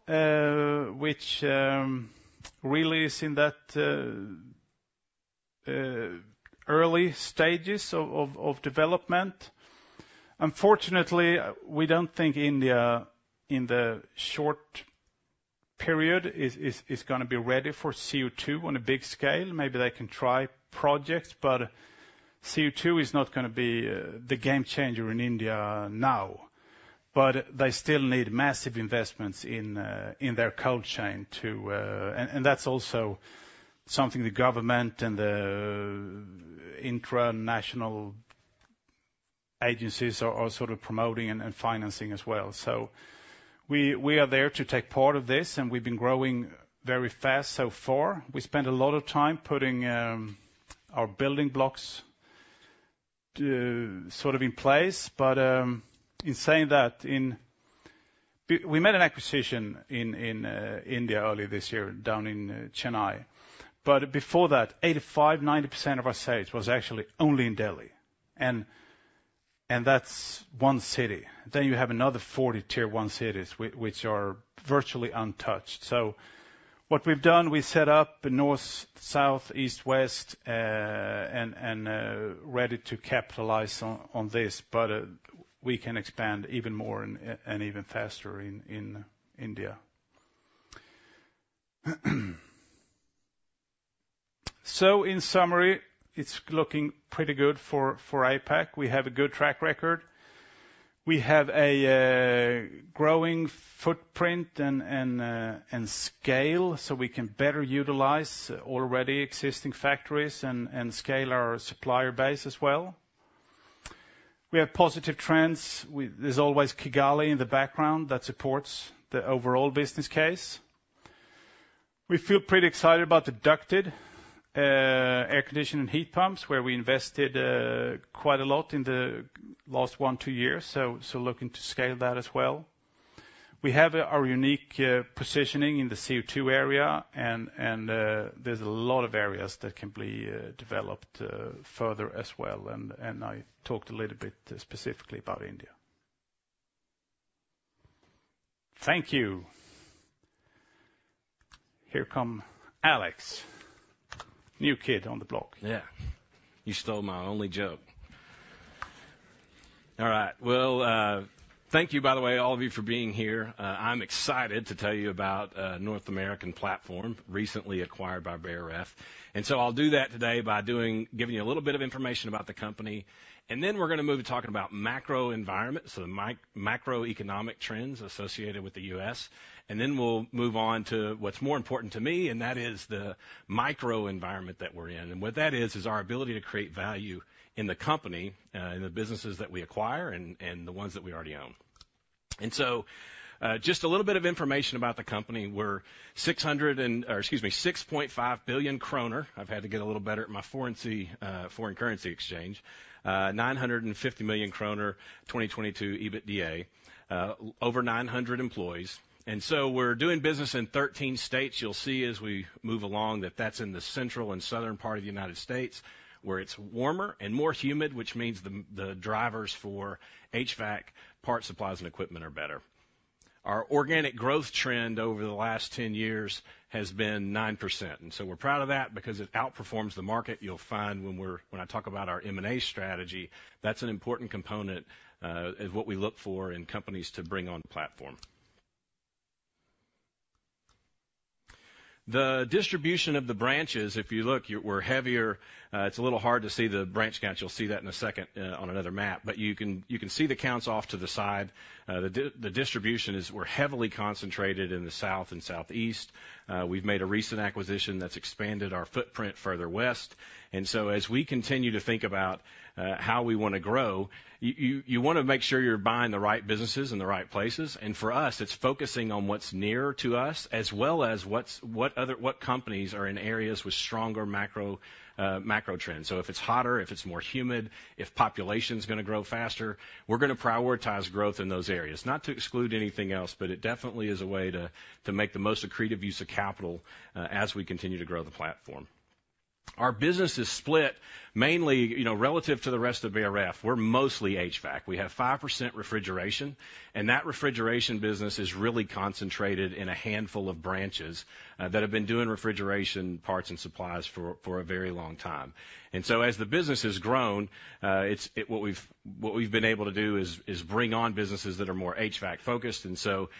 which really is in that early stages of development. Unfortunately, we don't think India, in the short period, is gonna be ready for CO2 on a big scale. Maybe they can try projects, but CO2 is not gonna be the game changer in India now. But they still need massive investments in their cold chain to... And that's also something the government and the international agencies are sort of promoting and financing as well. So we, we are there to take part of this, and we've been growing very fast so far. We spent a lot of time putting our building blocks to sort of in place, but in saying that... We, we made an acquisition in India earlier this year, down in Chennai. But before that, 85%-90% of our sales was actually only in Delhi, and that's one city. Then you have another 40 tier one cities, which are virtually untouched. So what we've done, we set up a north, south, east, west, and ready to capitalize on this, but we can expand even more and even faster in India. So in summary, it's looking pretty good for APAC. We have a good track record. We have a growing footprint and scale, so we can better utilize already existing factories and scale our supplier base as well. We have positive trends. We-- There's always Kigali in the background that supports the overall business case. We feel pretty excited about the ducted air conditioning and heat pumps, where we invested quite a lot in the last one, two years, so looking to scale that as well. We have our unique positioning in the CO2 area, and there's a lot of areas that can be developed further as well, and I talked a little bit specifically about India. Thank you. Here come Alex, new kid on the block. Yeah. You stole my only joke. All right. Well, thank you, by the way, all of you, for being here. I'm excited to tell you about the North American platform, recently acquired by Beijer Ref. And so I'll do that today by giving you a little bit of information about the company, and then we're gonna move to talking about macro environment, so macroeconomic trends associated with the U.S. And then we'll move on to what's more important to me, and that is the micro environment that we're in. And what that is, is our ability to create value in the company, in the businesses that we acquire and the ones that we already own. And so, just a little bit of information about the company. We're 6.5 billion kronor. I've had to get a little better at my foreign currency exchange. Nine hundred and fifty million kroner, 2022 EBITDA, over 900 employees, and so we're doing business in 13 states. You'll see as we move along that that's in the central and southern part of the United States, where it's warmer and more humid, which means the drivers for HVAC parts, supplies, and equipment are better. Our organic growth trend over the last 10 years has been 9%, and so we're proud of that because it outperforms the market. You'll find when I talk about our M&A strategy, that's an important component of what we look for in companies to bring on the platform. The distribution of the branches, if you look, we're heavier. It's a little hard to see the branch counts. You'll see that in a second, on another map, but you can, you can see the counts off to the side. The distribution is we're heavily concentrated in the South and Southeast. We've made a recent acquisition that's expanded our footprint further west. And so, as we continue to think about, how we wanna grow, you, you, you wanna make sure you're buying the right businesses in the right places. And for us, it's focusing on what's nearer to us, as well as what's, what other-- what companies are in areas with stronger macro, macro trends. So if it's hotter, if it's more humid, if population's gonna grow faster, we're gonna prioritize growth in those areas. Not to exclude anything else, but it definitely is a way to make the most accretive use of capital as we continue to grow the platform. Our business is split mainly, you know, relative to the rest of Beijer Ref. We're mostly HVAC. We have 5% refrigeration, and that refrigeration business is really concentrated in a handful of branches that have been doing refrigeration parts and supplies for a very long time. And so, as the business has grown, it's what we've been able to do is bring on businesses that are more HVAC-focused, and so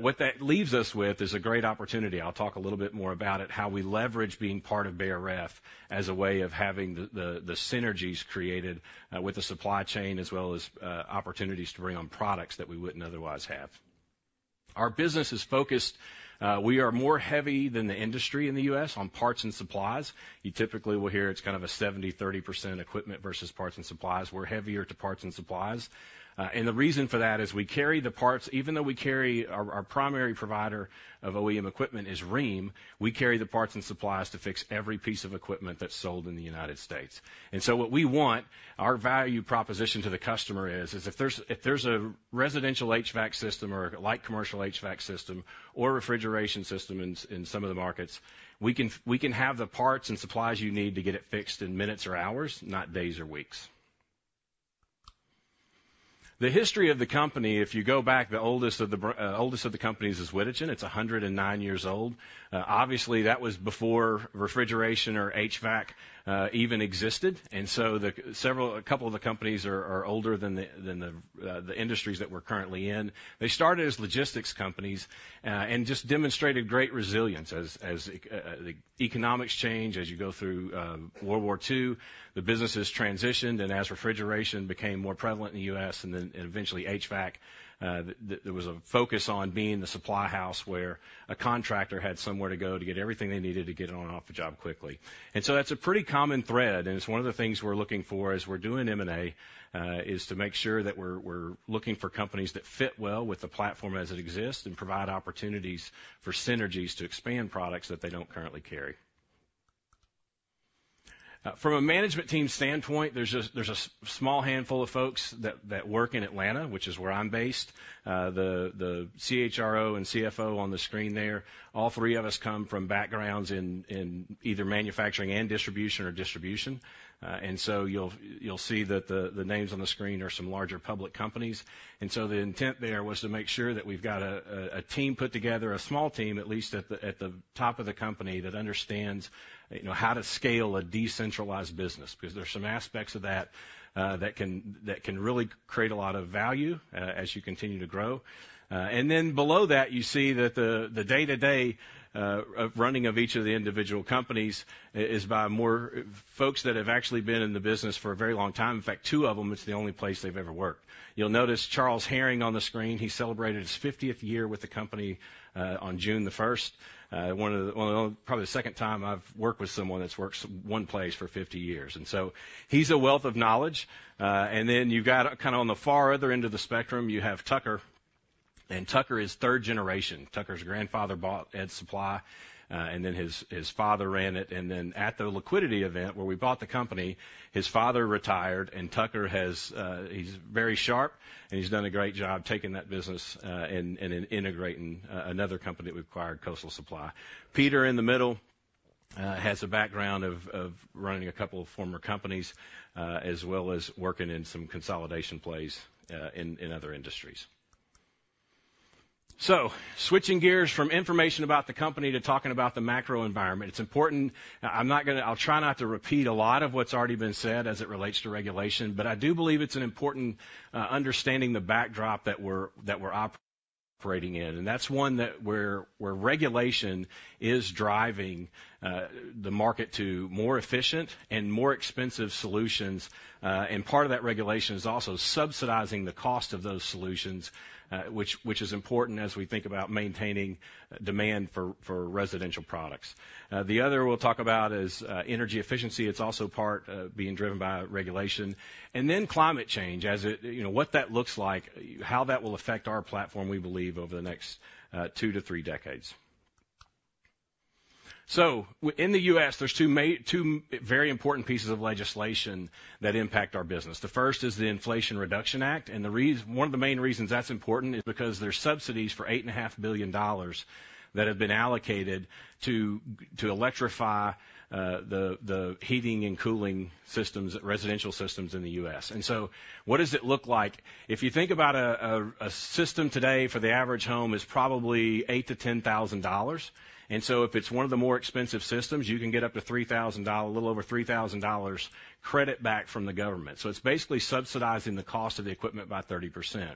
what that leaves us with is a great opportunity. I'll talk a little bit more about it, how we leverage being part of Beijer Ref as a way of having the synergies created with the supply chain, as well as opportunities to bring on products that we wouldn't otherwise have. Our business is focused. We are more heavy than the industry in the U.S. on parts and supplies. You typically will hear it's kind of a 70%-30% equipment versus parts and supplies. We're heavier to parts and supplies. And the reason for that is we carry the parts. Even though we carry our primary provider of OEM equipment is Rheem, we carry the parts and supplies to fix every piece of equipment that's sold in the United States. And so what we want, our value proposition to the customer is, if there's a residential HVAC system or a light commercial HVAC system or refrigeration system in some of the markets, we can have the parts and supplies you need to get it fixed in minutes or hours, not days or weeks. The history of the company, if you go back, the oldest of the companies is Wittichen, it's 109 years old. Obviously, that was before refrigeration or HVAC even existed, and so several, a couple of the companies are older than the industries that we're currently in. They started as logistics companies and just demonstrated great resilience. As the economics change, as you go through World War II, the businesses transitioned, and as refrigeration became more prevalent in the U.S., and then, and eventually HVAC, there was a focus on being the supply house, where a contractor had somewhere to go to get everything they needed to get on and off the job quickly. And so that's a pretty common thread, and it's one of the things we're looking for as we're doing M&A, is to make sure that we're looking for companies that fit well with the platform as it exists and provide opportunities for synergies to expand products that they don't currently carry. From a management team standpoint, there's a small handful of folks that work in Atlanta, which is where I'm based. The CHRO and CFO on the screen there, all three of us come from backgrounds in either manufacturing and distribution or distribution. And so you'll see that the names on the screen are some larger public companies. And so the intent there was to make sure that we've got a team put together, a small team, at least at the top of the company, that understands, you know, how to scale a decentralized business. Because there's some aspects of that that can really create a lot of value as you continue to grow. And then below that, you see that the day-to-day running of each of the individual companies is by more folks that have actually been in the business for a very long time. In fact, two of them, it's the only place they've ever worked. You'll notice Charles Herring on the screen. He celebrated his 50th year with the company on June 1st. Probably the second time I've worked with someone that's worked one place for 50 years, and so he's a wealth of knowledge. And then you've got, kind of on the far other end of the spectrum, you have Tucker, and Tucker is third generation. Tucker's grandfather bought Ed's Supply, and then his, his father ran it. And then at the liquidity event where we bought the company, his father retired, and Tucker has... He's very sharp, and he's done a great job taking that business, and, and integrating another company that we acquired, Coastal Supply. Peter, in the middle, has a background of running a couple of former companies, as well as working in some consolidation plays, in other industries. So switching gears from information about the company to talking about the macro environment. It's important. I'm not gonna. I'll try not to repeat a lot of what's already been said as it relates to regulation, but I do believe it's an important understanding the backdrop that we're operating in, and that's one where regulation is driving the market to more efficient and more expensive solutions. And part of that regulation is also subsidizing the cost of those solutions, which is important as we think about maintaining demand for residential products. The other we'll talk about is energy efficiency. It's also part being driven by regulation. Then climate change, as it, you know, what that looks like, how that will affect our platform, we believe, over the next two to three decades. So in the U.S., there's two very important pieces of legislation that impact our business. The first is the Inflation Reduction Act, and one of the main reasons that's important is because there's subsidies for $8.5 billion that have been allocated to electrify the heating and cooling systems, residential systems in the US. So what does it look like? If you think about a system today for the average home is probably $8,000-$10,000. And so if it's one of the more expensive systems, you can get up to $3,000, a little over $3,000 credit back from the government. So it's basically subsidizing the cost of the equipment by 30%.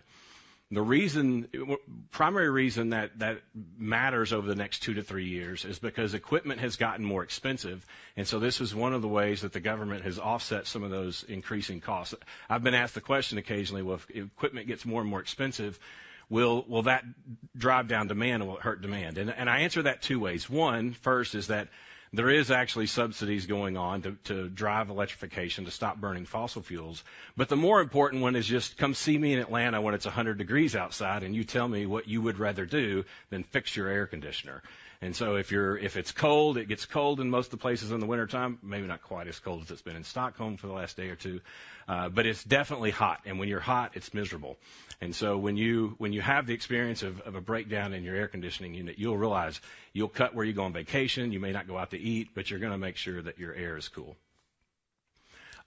The reason, primary reason that that matters over the next two to three years is because equipment has gotten more expensive, and so this is one of the ways that the government has offset some of those increasing costs. I've been asked the question occasionally, "Well, if equipment gets more and more expensive, will that drive down demand or will it hurt demand?" And I answer that two ways. One, first, is that there is actually subsidies going on to drive electrification, to stop burning fossil fuels. But the more important one is just, come see me in Atlanta when it's 100 degrees outside, and you tell me what you would rather do than fix your air conditioner. If it's cold, it gets cold in most of the places in the wintertime, maybe not quite as cold as it's been in Stockholm for the last day or two, but it's definitely hot, and when you're hot, it's miserable. And so when you have the experience of a breakdown in your air conditioning unit, you'll realize you'll cut where you go on vacation, you may not go out to eat, but you're gonna make sure that your air is cool.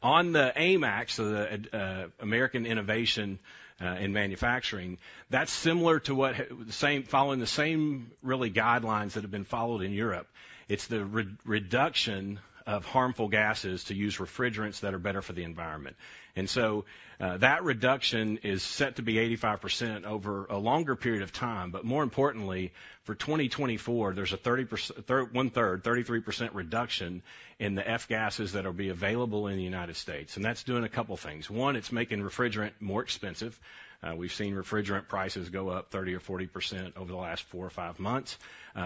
On the AIM Act, so the American Innovation and Manufacturing Act, that's similar to what the same, following the same really guidelines that have been followed in Europe. It's the reduction of harmful gases to use refrigerants that are better for the environment. And so, that reduction is set to be 85% over a longer period of time, but more importantly, for 2024, there's a 30%... one-third, 33% reduction in the F-gases that'll be available in the United States, and that's doing a couple things. One, it's making refrigerant more expensive. We've seen refrigerant prices go up 30% or 40% over the last four or five months.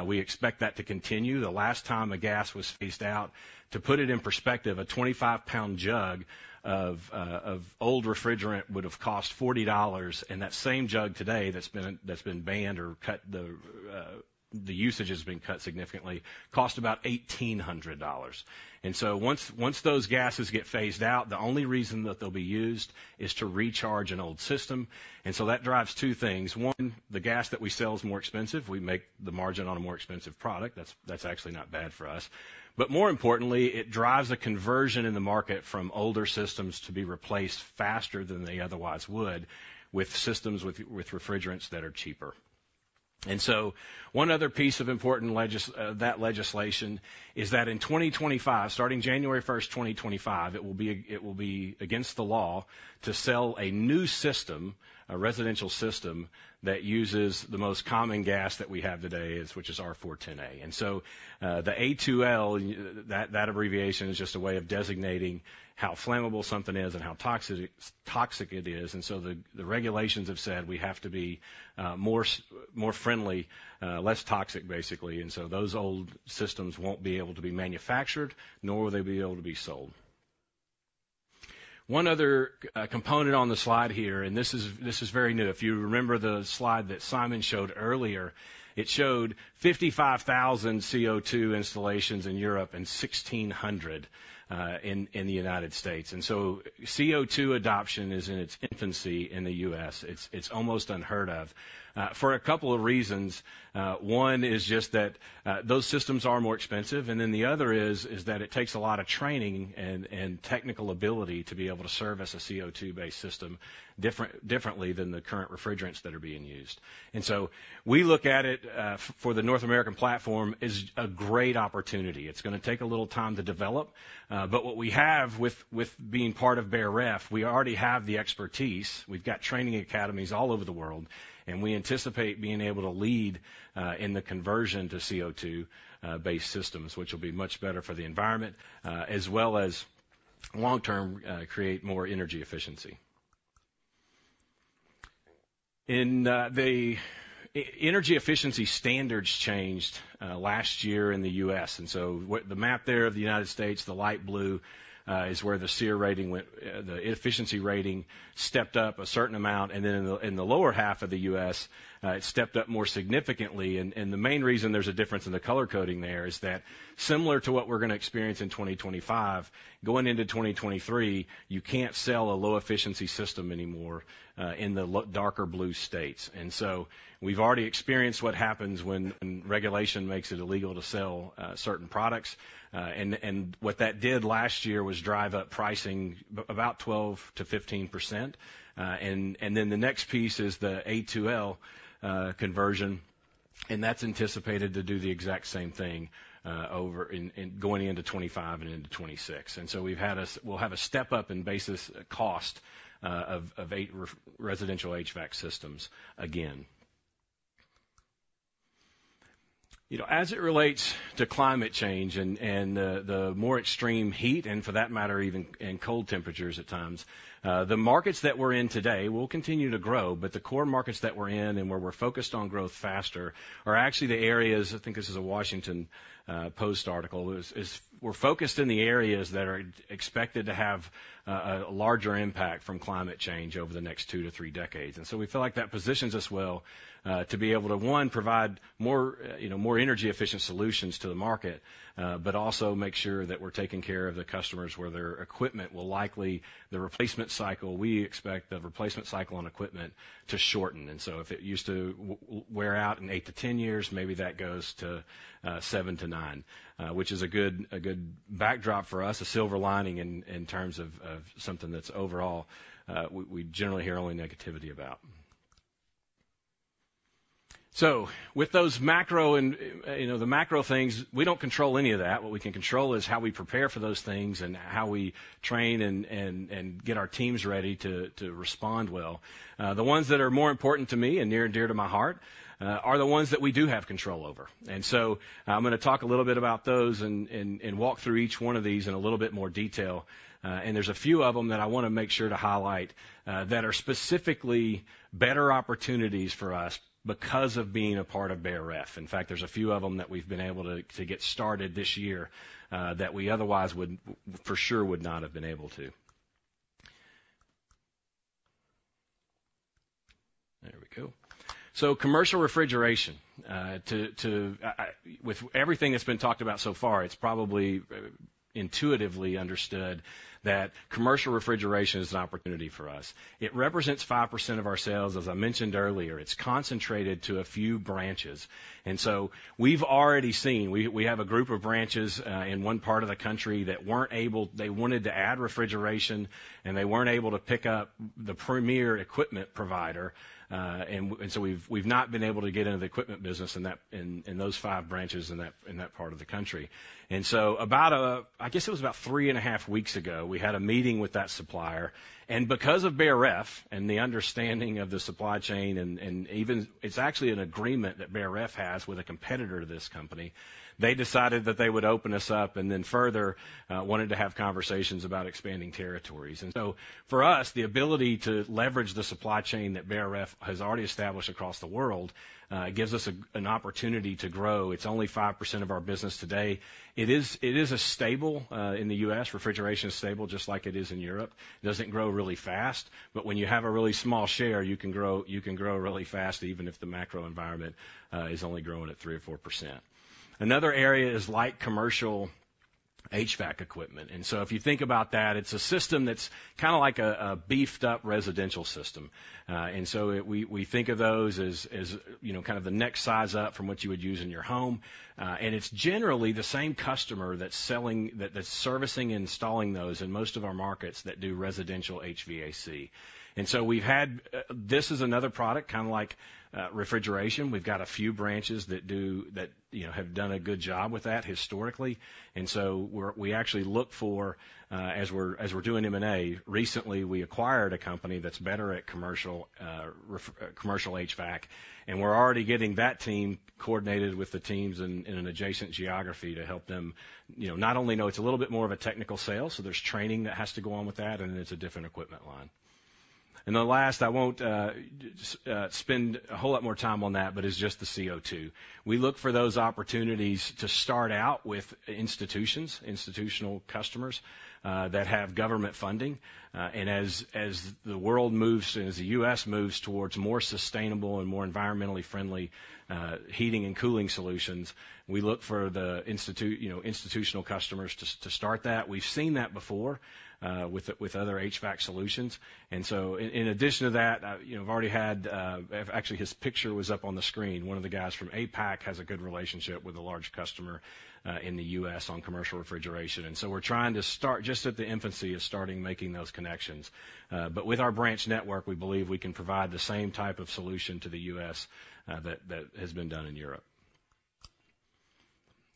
We expect that to continue. The last time a gas was phased out, to put it in perspective, a 25-pound jug of, of old refrigerant would have cost $40, and that same jug today that's been, that's been banned or cut, the, the usage has been cut significantly, costs about $1,800. And so once, once those gases get phased out, the only reason that they'll be used is to recharge an old system. And so that drives two things: one, the gas that we sell is more expensive. We make the margin on a more expensive product. That's, that's actually not bad for us. But more importantly, it drives a conversion in the market from older systems to be replaced faster than they otherwise would, with systems with, with refrigerants that are cheaper. And so one other piece of important legislation is that in 2025, starting January 1st, 2025, it will be, it will be against the law to sell a new system, a residential system, that uses the most common gas that we have today, is, which is R410A. And so, the A2L, that, that abbreviation is just a way of designating how flammable something is and how toxic, toxic it is. And so the regulations have said we have to be more friendly, less toxic, basically. And so those old systems won't be able to be manufactured, nor will they be able to be sold. One other component on the slide here, and this is very new. If you remember the slide that Simon showed earlier, it showed 55,000 CO2 installations in Europe and 1,600 in the United States. And so CO2 adoption is in its infancy in the U.S. It's almost unheard of for a couple of reasons. One is just that those systems are more expensive, and then the other is that it takes a lot of training and technical ability to be able to service a CO2-based system differently than the current refrigerants that are being used. And so we look at it for the North American platform as a great opportunity. It's gonna take a little time to develop, but what we have with being part of Beijer Ref, we already have the expertise. We've got training academies all over the world, and we anticipate being able to lead in the conversion to CO₂-based systems, which will be much better for the environment as well as long-term create more energy efficiency. In the energy efficiency standards changed last year in the U.S., and so what the map there of the United States, the light blue is where the SEER rating went the efficiency rating stepped up a certain amount, and then in the lower half of the U.S. it stepped up more significantly. The main reason there's a difference in the color coding there is that similar to what we're gonna experience in 2025, going into 2023, you can't sell a low-efficiency system anymore in the darker blue states. And so we've already experienced what happens when regulation makes it illegal to sell certain products. And what that did last year was drive up pricing about 12%-15%. And then the next piece is the A2L conversion, and that's anticipated to do the exact same thing in going into 2025 and into 2026. And so we'll have a step up in basis cost of 8% residential HVAC systems again. You know, as it relates to climate change and the more extreme heat, and for that matter, even in cold temperatures at times, the markets that we're in today will continue to grow, but the core markets that we're in and where we're focused on growth faster are actually the areas... I think this is a Washington Post article. We're focused in the areas that are expected to have a larger impact from climate change over the next two to three decades. And so we feel like that positions us well to be able to, one, provide more, you know, more energy-efficient solutions to the market, but also make sure that we're taking care of the customers where their equipment will likely... The replacement cycle, we expect the replacement cycle on equipment to shorten. So if it used to wear out in eight-10 years, maybe that goes to seven to nine, which is a good backdrop for us, a silver lining in terms of something that's overall we generally hear only negativity about. With those macro and you know the macro things, we don't control any of that. What we can control is how we prepare for those things and how we train and get our teams ready to respond well. The ones that are more important to me and near and dear to my heart are the ones that we do have control over. So I'm gonna talk a little bit about those and walk through each one of these in a little bit more detail. And there's a few of them that I want to make sure to highlight, that are specifically better opportunities for us because of being a part of Beijer Ref. In fact, there's a few of them that we've been able to get started this year, that we otherwise would-- for sure would not have been able to. There we go. So commercial refrigeration. With everything that's been talked about so far, it's probably intuitively understood that commercial refrigeration is an opportunity for us. It represents 5% of our sales, as I mentioned earlier. It's concentrated to a few branches. And so we've already seen, we have a group of branches in one part of the country that weren't able-- they wanted to add refrigeration, and they weren't able to pick up the premier equipment provider. So we've not been able to get into the equipment business in that, in those five branches in that part of the country. And so about, I guess it was about three and a half weeks ago, we had a meeting with that supplier, and because of Beijer Ref and the understanding of the supply chain and... It's actually an agreement that Beijer Ref has with a competitor to this company. They decided that they would open us up and then further wanted to have conversations about expanding territories. And so for us, the ability to leverage the supply chain that Beijer Ref has already established across the world gives us an opportunity to grow. It's only 5% of our business today. It is a stable in the U.S. Refrigeration is stable, just like it is in Europe. It doesn't grow really fast, but when you have a really small share, you can grow, you can grow really fast, even if the macro environment is only growing at 3%-4%. Another area is light commercial HVAC equipment. So if you think about that, it's a system that's kind of like a beefed-up residential system. And so we think of those as, you know, kind of the next size up from what you would use in your home. And it's generally the same customer that's selling, that's servicing and installing those in most of our markets that do residential HVAC. So we've had... This is another product, kind of like refrigeration. We've got a few branches that do that, you know, have done a good job with that historically. And so we're actually looking for, as we're doing M&A, recently, we acquired a company that's better at commercial HVAC, and we're already getting that team coordinated with the teams in an adjacent geography to help them, you know, not only know it's a little bit more of a technical sale, so there's training that has to go on with that, and it's a different equipment line. And the last, I won't just spend a whole lot more time on that, but it's just the CO2. We look for those opportunities to start out with institutional customers that have government funding. And as the world moves and as the U.S. moves towards more sustainable and more environmentally friendly heating and cooling solutions, we look for institutional customers, you know, to start that. We've seen that before with other HVAC solutions. And so in addition to that, you know, I've already had... Actually, his picture was up on the screen. One of the guys from APAC has a good relationship with a large customer in the U.S. on commercial refrigeration. And so we're trying to start just at the infancy of starting making those connections. But with our branch network, we believe we can provide the same type of solution to the U.S. that has been done in Europe.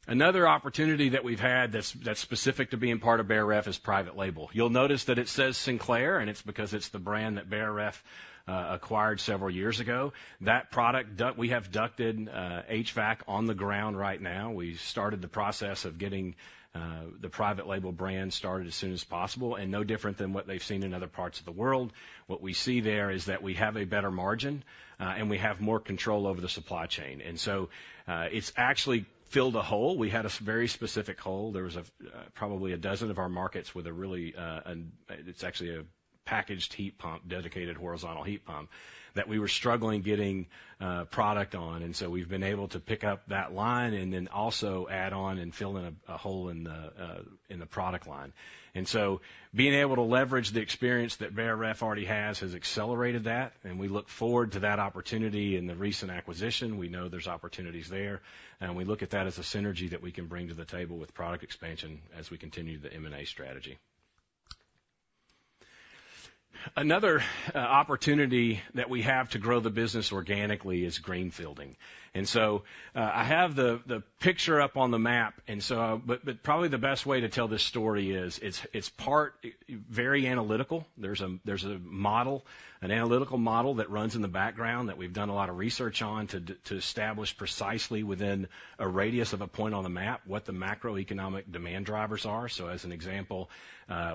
Another opportunity that we've had that's specific to being part of Beijer Ref is private label. You'll notice that it says Sinclair, and it's because it's the brand that Beijer Ref acquired several years ago. That product ducted HVAC on the ground right now. We've started the process of getting the private label brand started as soon as possible, and no different than what they've seen in other parts of the world. What we see there is that we have a better margin, and we have more control over the supply chain. And so, it's actually filled a hole. We had a very specific hole. There was probably a dozen of our markets with a really it's actually a packaged heat pump, dedicated horizontal heat pump, that we were struggling getting product on. We've been able to pick up that line and then also add on and fill in a hole in the product line. Being able to leverage the experience that Beijer Ref already has has accelerated that, and we look forward to that opportunity. In the recent acquisition, we know there's opportunities there, and we look at that as a synergy that we can bring to the table with product expansion as we continue the M&A strategy. Another opportunity that we have to grow the business organically is greenfielding. I have the picture up on the map, and so... But probably the best way to tell this story is, it's part very analytical. There's a model, an analytical model that runs in the background that we've done a lot of research on to establish precisely within a radius of a point on the map, what the macroeconomic demand drivers are. So as an example,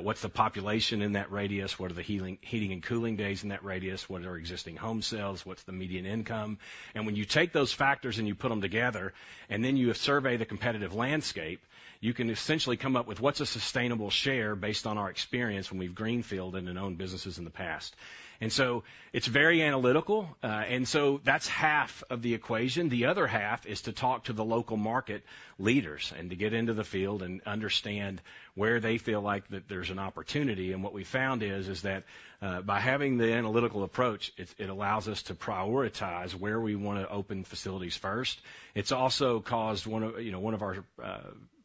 what's the population in that radius? What are the heating and cooling days in that radius? What are existing home sales? What's the median income? And when you take those factors and you put them together, and then you survey the competitive landscape, you can essentially come up with what's a sustainable share based on our experience when we've greenfielded and owned businesses in the past. And so it's very analytical. And so that's half of the equation. The other half is to talk to the local market leaders, and to get into the field and understand where they feel like that there's an opportunity. What we found is that by having the analytical approach, it allows us to prioritize where we wanna open facilities first. It's also caused one of, you know, one of our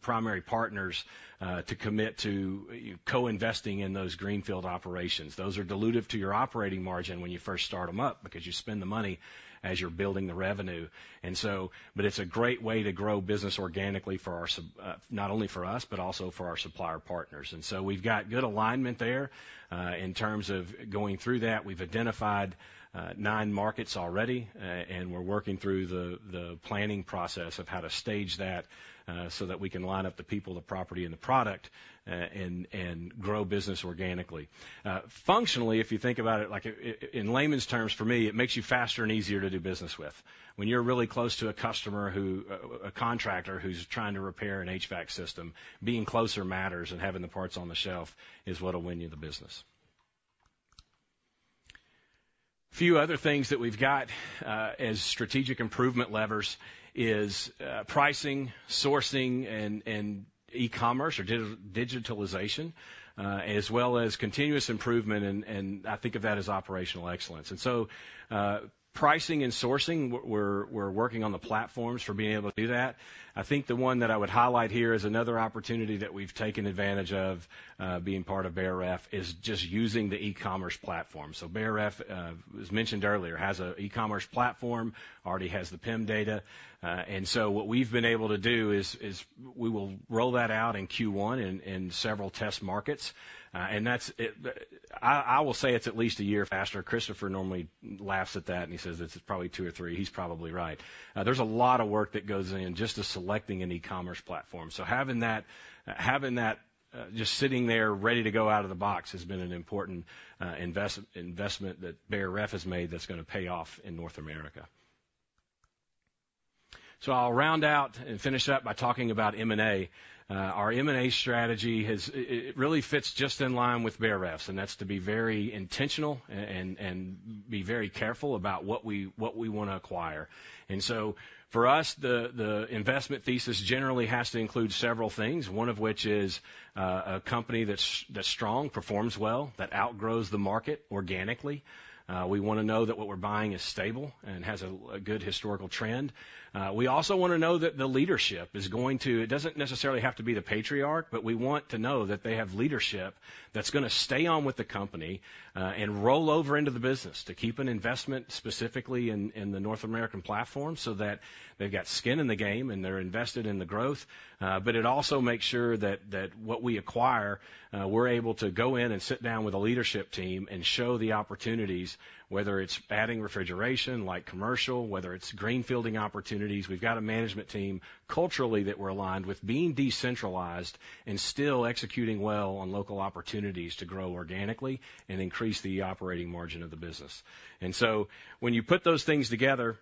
primary partners to commit to co-investing in those greenfield operations. Those are dilutive to your operating margin when you first start them up, because you spend the money as you're building the revenue. But it's a great way to grow business organically for our suppliers, not only for us, but also for our supplier partners. And so we've got good alignment there. In terms of going through that, we've identified nine markets already, and we're working through the planning process of how to stage that, so that we can line up the people, the property, and the product, and grow business organically. Functionally, if you think about it, like in layman's terms, for me, it makes you faster and easier to do business with. When you're really close to a customer, a contractor who's trying to repair an HVAC system, being closer matters, and having the parts on the shelf is what'll win you the business. Few other things that we've got as strategic improvement levers is pricing, sourcing, and e-commerce or digitalization, as well as continuous improvement, and I think of that as operational excellence. So, pricing and sourcing, we're working on the platforms for being able to do that. I think the one that I would highlight here is another opportunity that we've taken advantage of, being part of Beijer Ref, is just using the e-commerce platform. So Beijer Ref, as mentioned earlier, has an e-commerce platform, already has the PIM data. And so what we've been able to do is we will roll that out in Q1 in several test markets. And that's it. I will say it's at least a year faster. Christopher normally laughs at that, and he says it's probably two or three. He's probably right. There's a lot of work that goes in just to selecting an e-commerce platform. So having that just sitting there ready to go out of the box has been an important investment that Beijer Ref has made that's gonna pay off in North America. So I'll round out and finish up by talking about M&A. Our M&A strategy has. It really fits just in line with Beijer Ref's, and that's to be very intentional and be very careful about what we wanna acquire. And so for us, the investment thesis generally has to include several things, one of which is a company that's strong, performs well, that outgrows the market organically. We wanna know that what we're buying is stable and has a good historical trend. We also wanna know that the leadership is going to, it doesn't necessarily have to be the patriarch, but we want to know that they have leadership that's gonna stay on with the company, and roll over into the business to keep an investment specifically in the North American platform, so that they've got skin in the game, and they're invested in the growth. But it also makes sure that what we acquire, we're able to go in and sit down with the leadership team and show the opportunities, whether it's adding refrigeration like commercial, whether it's greenfielding opportunities. We've got a management team, culturally, that we're aligned with, being decentralized and still executing well on local opportunities to grow organically and increase the operating margin of the business. And so when you put those things together...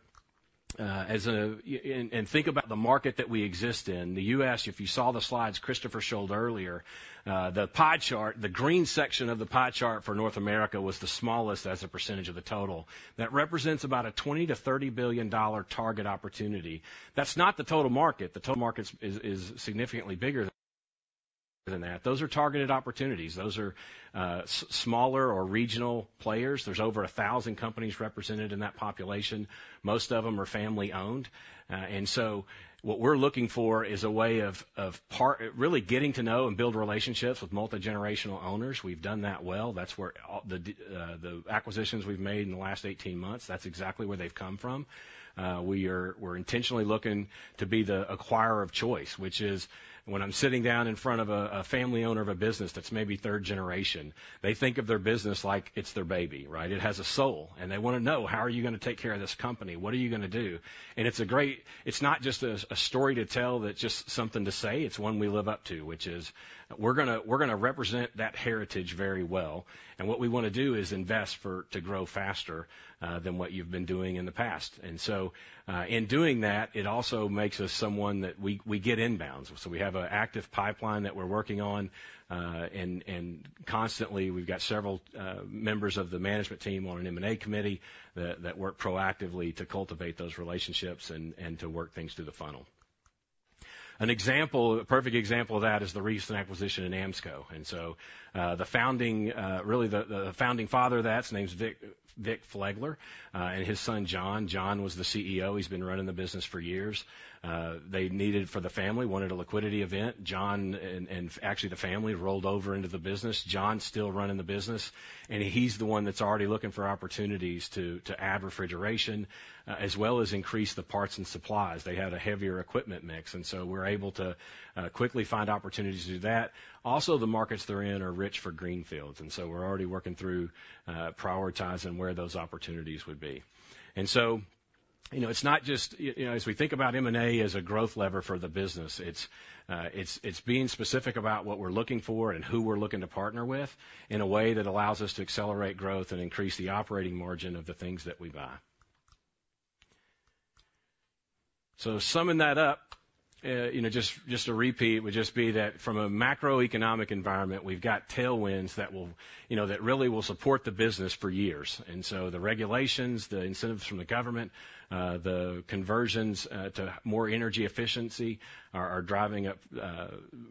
Think about the market that we exist in. The US, if you saw the slides Christopher showed earlier, the pie chart, the green section of the pie chart for North America was the smallest as a percentage of the total. That represents about a $20 billion-$30 billion target opportunity. That's not the total market. The total market is significantly bigger than that. Those are targeted opportunities. Those are smaller or regional players. There's over 1,000 companies represented in that population. Most of them are family-owned. And so what we're looking for is a way of really getting to know and build relationships with multigenerational owners. We've done that well. That's where all the acquisitions we've made in the last 18 months, that's exactly where they've come from. We're intentionally looking to be the acquirer of choice, which is when I'm sitting down in front of a family owner of a business that's maybe third generation, they think of their business like it's their baby, right? It has a soul, and they wanna know, how are you gonna take care of this company? What are you gonna do? And it's a great... It's not just a story to tell, that's just something to say, it's one we live up to, which is we're gonna, we're gonna represent that heritage very well. And what we wanna do is invest for, to grow faster than what you've been doing in the past. And so, in doing that, it also makes us someone that we, we get inbounds. So we have an active pipeline that we're working on, and constantly, we've got several members of the management team on an M&A committee that work proactively to cultivate those relationships and to work things through the funnel. An example, a perfect example of that is the recent acquisition in Amsco. And so, the founding, really, the founding father of that, his name is Vic Flegler, and his son, John. John was the CEO. He's been running the business for years. They needed, for the family, wanted a liquidity event. John, and actually, the family, rolled over into the business. John's still running the business, and he's the one that's already looking for opportunities to add refrigeration, as well as increase the parts and supplies. They had a heavier equipment mix, and so we're able to quickly find opportunities to do that. Also, the markets they're in are rich for greenfields, and so we're already working through prioritizing where those opportunities would be. And so, you know, it's not just, you know, as we think about M&A as a growth lever for the business, it's, it's being specific about what we're looking for and who we're looking to partner with in a way that allows us to accelerate growth and increase the operating margin of the things that we buy. So to sum up, you know, just, just to repeat, would just be that from a macroeconomic environment, we've got tailwinds that will, you know, that really will support the business for years. And so the regulations, the incentives from the government, the conversions to more energy efficiency are driving up,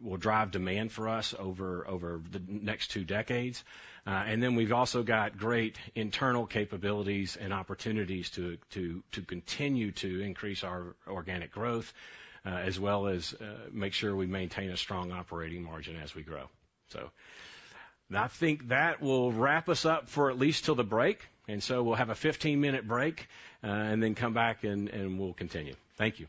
will drive demand for us over the next two decades. And then we've also got great internal capabilities and opportunities to continue to increase our organic growth, as well as make sure we maintain a strong operating margin as we grow. So I think that will wrap us up for at least till the break, and so we'll have a 15-minute break, and then come back and we'll continue. Thank you.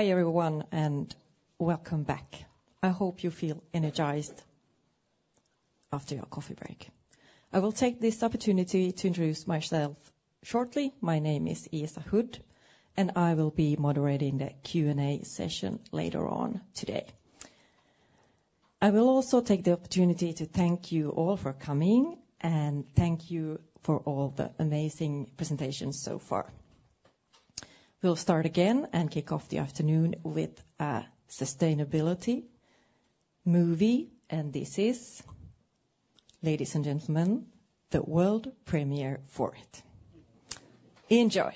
Hi, everyone, and welcome back. I hope you feel energized after your coffee break. I will take this opportunity to introduce myself shortly. My name is Isa Hudd, and I will be moderating the Q&A session later on today. I will also take the opportunity to thank you all for coming, and thank you for all the amazing presentations so far. We'll start again and kick off the afternoon with a sustainability movie, and this is, ladies and gentlemen, the world premiere for it. Enjoy!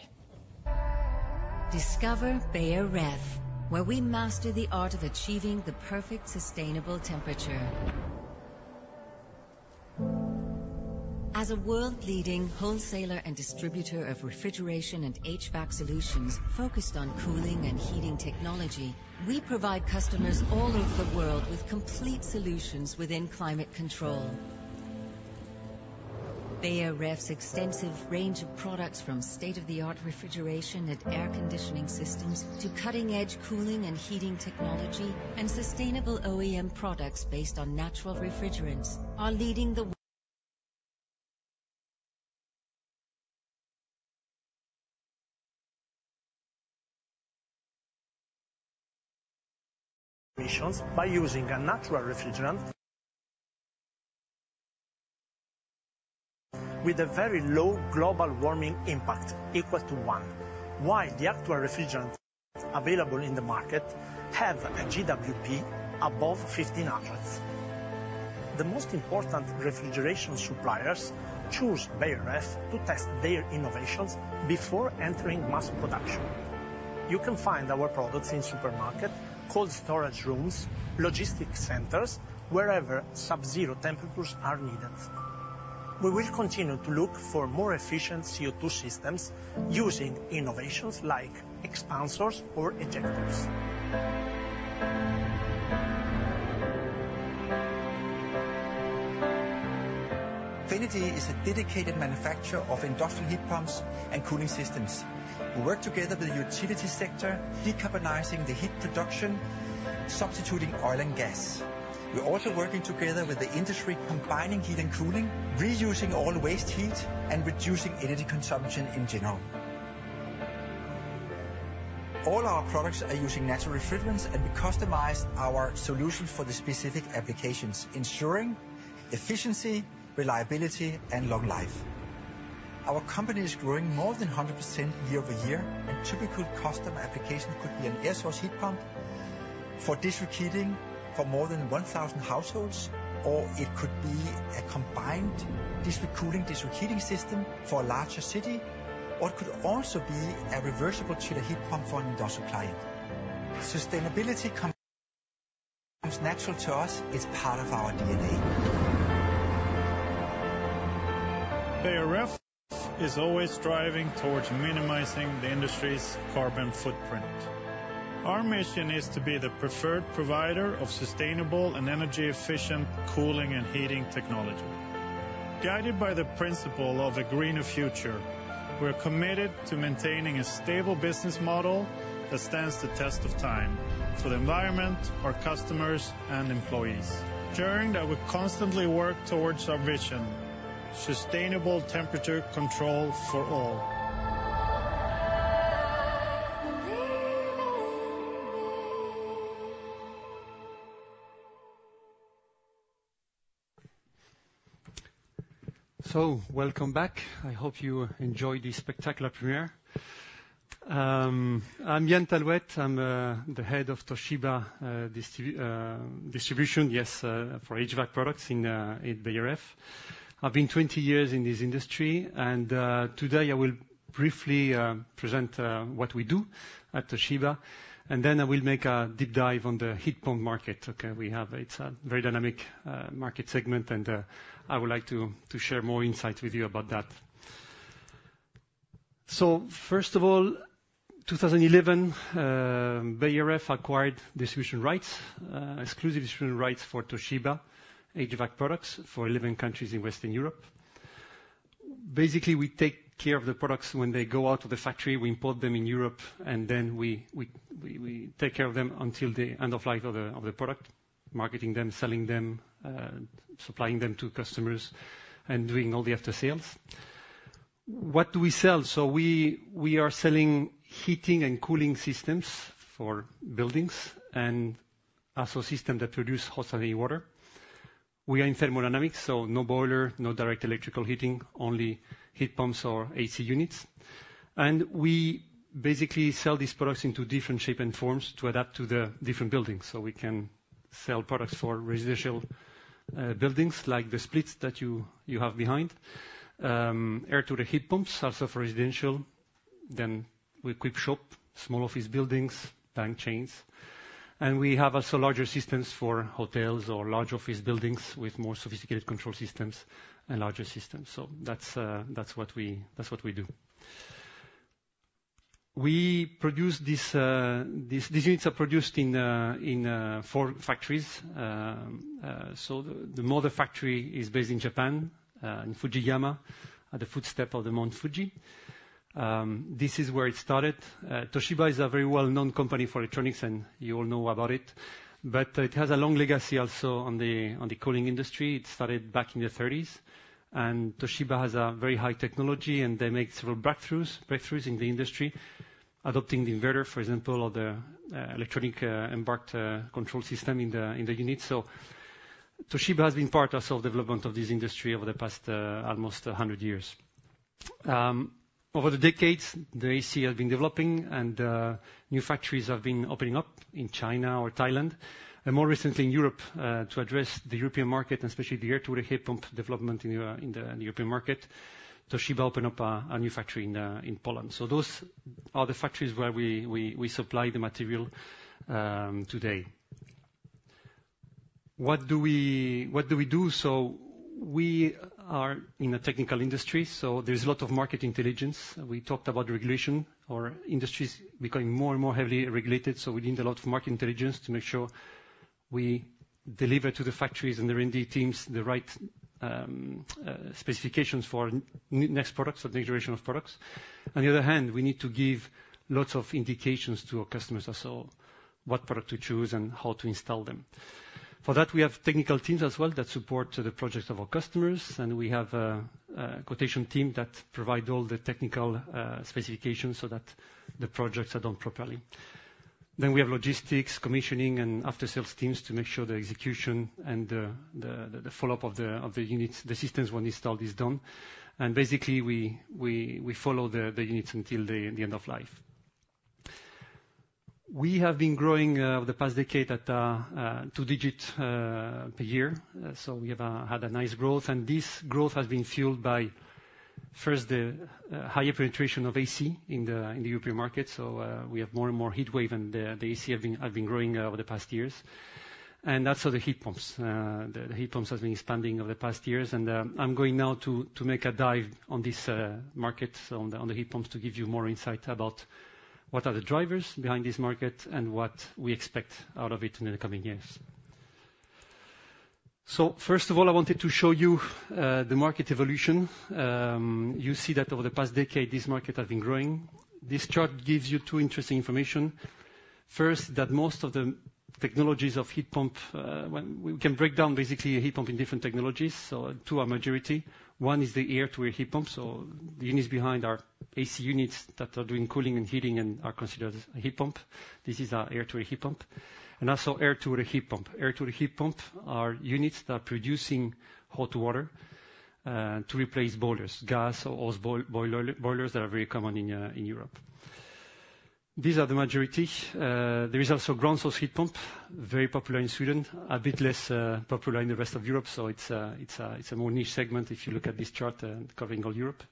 Discover Beijer Ref, where we master the art of achieving the perfect sustainable temperature. As a world-leading wholesaler and distributor of refrigeration and HVAC solutions focused on cooling and heating technology, we provide customers all over the world with complete solutions within climate control. Beijer Ref's extensive range of products, from state-of-the-art refrigeration and air conditioning systems to cutting-edge cooling and heating technology and sustainable OEM products based on natural refrigerants, are leading the. Emissions by using a natural refrigerant... With a very low global warming impact, equal to one. While the actual refrigerant available in the market have a GWP above 1,500. The most important refrigeration suppliers choose Beijer Ref to test their innovations before entering mass production. You can find our products in supermarket, cold storage rooms, logistics centers, wherever sub-zero temperatures are needed. We will continue to look for more efficient CO2 systems using innovations like expanders or ejectors. Fenagy is a dedicated manufacturer of industrial heat pumps and cooling systems. We work together with the utility sector, decarbonizing the heat production, substituting oil and gas. We're also working together with the industry, combining heat and cooling, reusing all waste heat, and reducing energy consumption in general. All our products are using natural refrigerants, and we customize our solutions for the specific applications, ensuring efficiency, reliability, and long life. Our company is growing more than 100% year-over-year, and typical customer application could be an air source heat pump for district heating for more than 1,000 households, or it could be a combined district cooling, district heating system for a larger city, or it could also be a reversible chiller heat pump for an industrial client. Sustainability comes natural to us, it's part of our DNA. Beijer Ref is always striving towards minimizing the industry's carbon footprint. Our mission is to be the preferred provider of sustainable and energy-efficient cooling and heating technology. Guided by the principle of a greener future, we're committed to maintaining a stable business model that stands the test of time for the environment, our customers, and employees. Journey that we constantly work towards our vision: sustainable temperature control for all. So welcome back. I hope you enjoyed this spectacular premiere. I'm Yann Talhouet. I'm the head of Toshiba distribution, yes, for HVAC products in Beijer Ref. I've been 20 years in this industry, and today I will briefly present what we do at Toshiba, and then I will make a deep dive on the heat pump market, okay. It's a very dynamic market segment, and I would like to share more insights with you about that. So first of all, 2011, Beijer Ref acquired distribution rights, exclusive distribution rights for Toshiba HVAC products for 11 countries in Western Europe. Basically, we take care of the products when they go out of the factory. We import them in Europe, and then we take care of them until the end of life of the product, marketing them, selling them, supplying them to customers, and doing all the aftersales. What do we sell? We are selling heating and cooling systems for buildings, and also systems that produce hot water. We are in thermodynamics, so no boiler, no direct electrical heating, only heat pumps or AC units. We basically sell these products into different shape and forms to adapt to the different buildings. We can sell products for residential buildings, like the splits that you have behind. Air-to-water heat pumps, also for residential. Then we equip shops, small office buildings, bank chains, and we have also larger systems for hotels or large office buildings with more sophisticated control systems and larger systems. So that's what we do. We produce this; these units are produced in 4 factories. So the mother factory is based in Japan, in Fujiyama, at the footstep of Mount Fuji. This is where it started. Toshiba is a very well-known company for electronics, and you all know about it, but it has a long legacy also on the cooling industry. It started back in the 1930s, and Toshiba has a very high technology, and they make several breakthroughs in the industry, adopting the inverter, for example, or the electronic embedded control system in the unit. So Toshiba has been part also of development of this industry over the past almost 100 years. Over the decades, the AC has been developing and new factories have been opening up in China or Thailand, and more recently in Europe to address the European market, and especially the air-to-water heat pump development in the European market. Toshiba opened up a new factory in Poland. So those are the factories where we supply the material today. What do we do? So we are in a technical industry, so there is a lot of market intelligence. We talked about regulation. Our industry is becoming more and more heavily regulated, so we need a lot of market intelligence to make sure we deliver to the factories and their R&D teams the right specifications for next products or the generation of products. On the other hand, we need to give lots of indications to our customers as well, what product to choose and how to install them. For that, we have technical teams as well that support the projects of our customers, and we have a quotation team that provide all the technical specifications so that the projects are done properly. Then we have logistics, commissioning, and after-sales teams to make sure the execution and the follow-up of the units, the systems when installed, is done. And basically, we follow the units until the end of life. We have been growing over the past decade at two-digit per year. So we have had a nice growth, and this growth has been fueled by, first, the higher penetration of AC in the European market. So we have more and more heat wave, and the AC have been growing over the past years. And that's so the heat pumps. The heat pumps has been expanding over the past years. And I'm going now to make a dive on this market, on the heat pumps, to give you more insight about what are the drivers behind this market and what we expect out of it in the coming years. So first of all, I wanted to show you the market evolution. You see that over the past decade, this market has been growing. This chart gives you two interesting information. We can break down basically a heat pump in different technologies. So two are majority. One is the air-to-water heat pump, so the units behind our AC units that are doing cooling and heating and are considered as a heat pump. This is our air-to-water heat pump, and also air-to-water heat pump. Air-to-water heat pump are units that are producing hot water to replace boilers, gas or oil boilers that are very common in Europe. These are the majority. There is also ground source heat pump, very popular in Sweden, a bit less popular in the rest of Europe. So it's a more niche segment if you look at this chart covering all Europe.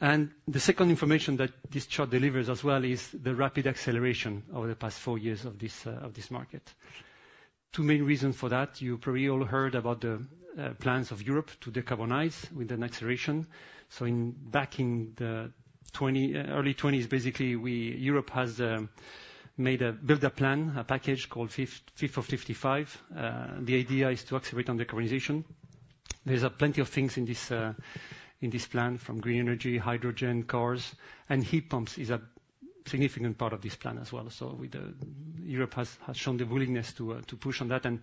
The second information that this chart delivers as well is the rapid acceleration over the past four years of this, of this market. Two main reasons for that. You probably all heard about the, plans of Europe to decarbonize with an acceleration. So back in the early 20s, basically, Europe has made a, built a plan, a package called Fit for 55. The idea is to accelerate on decarbonization. There are plenty of things in this, in this plan, from green energy, hydrogen, cars, and heat pumps is a significant part of this plan as well. So with the... Europe has shown the willingness to push on that, and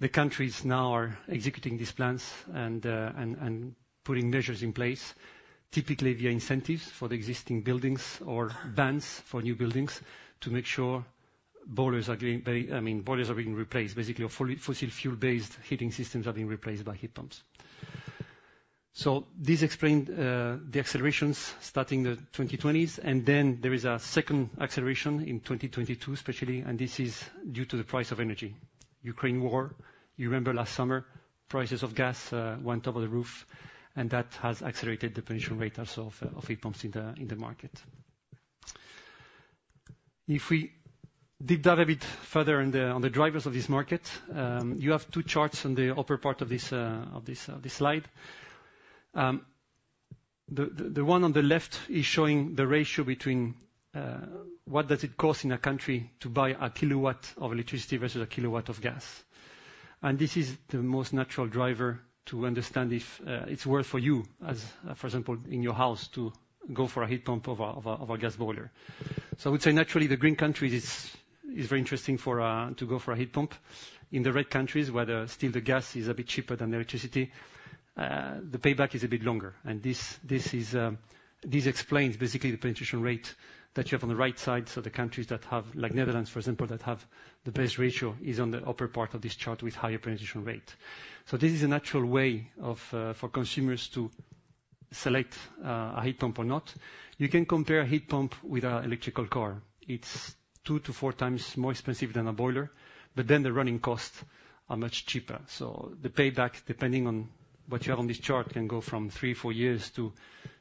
the countries now are executing these plans and putting measures in place, typically via incentives for the existing buildings or bans for new buildings to make sure boilers are being, I mean, boilers are being replaced. Basically, all fossil fuel-based heating systems are being replaced by heat pumps. So this explained the accelerations starting the 2020s, and then there is a second acceleration in 2022 especially, and this is due to the price of energy. Ukraine war. You remember last summer, prices of gas went over the roof, and that has accelerated the penetration rate also of heat pumps in the market. If we deep dive a bit further on the drivers of this market, you have two charts on the upper part of this slide. The one on the left is showing the ratio between what does it cost in a country to buy a kilowatt of electricity versus a kilowatt of gas. And this is the most natural driver to understand if it's worth for you, as, for example, in your house, to go for a heat pump over a gas boiler. So I would say, naturally, the green countries is very interesting for to go for a heat pump. In the red countries, where still the gas is a bit cheaper than electricity, the payback is a bit longer. This, this is, this explains basically the penetration rate that you have on the right side. So the countries that have, like Netherlands, for example, that have the best ratio, is on the upper part of this chart with higher penetration rate. So this is a natural way of, for consumers to select, a heat pump or not, you can compare a heat pump with an electrical car. It's two to four times more expensive than a boiler, but then the running costs are much cheaper. So the payback, depending on what you have on this chart, can go fromthree to four years to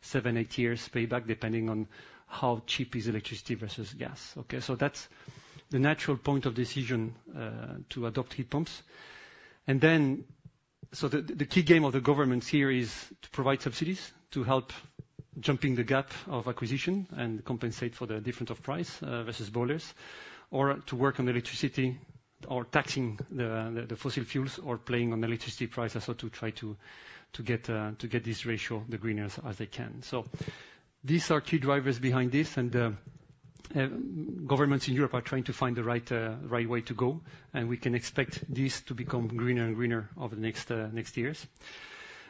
seven to eight years payback, depending on how cheap is electricity versus gas. Okay, so that's the natural point of decision, to adopt heat pumps. So the key game of the government here is to provide subsidies to help jumping the gap of acquisition and compensate for the difference of price versus boilers, or to work on electricity, or taxing the fossil fuels, or playing on the electricity price, and so to try to get this ratio the greenest as they can. So these are key drivers behind this, and governments in Europe are trying to find the right way to go, and we can expect this to become greener and greener over the next years.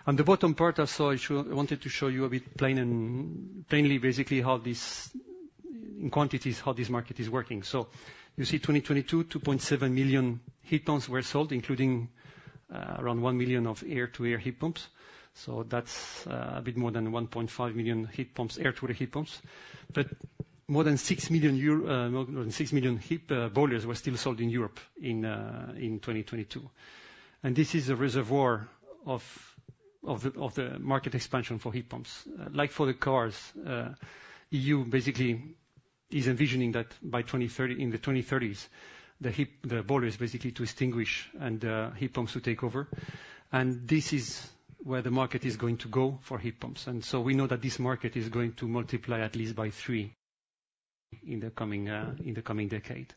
On the bottom part, I wanted to show you plainly, basically how this, in quantities, how this market is working. So you see, 2022, 2.7 million heat pumps were sold, including around one million of air-to-air heat pumps. So that's a bit more than 1.5 million heat pumps, air-to-air heat pumps. But more than 6 million euro, more than six million heat boilers were still sold in Europe in 2022. And this is a reservoir of the market expansion for heat pumps. Like for the cars, EU basically is envisioning that by 2030, in the 2030s, the heat, the boiler is basically to extinguish and the heat pumps to take over. And this is where the market is going to go for heat pumps. And so we know that this market is going to multiply at least by three in the coming decade.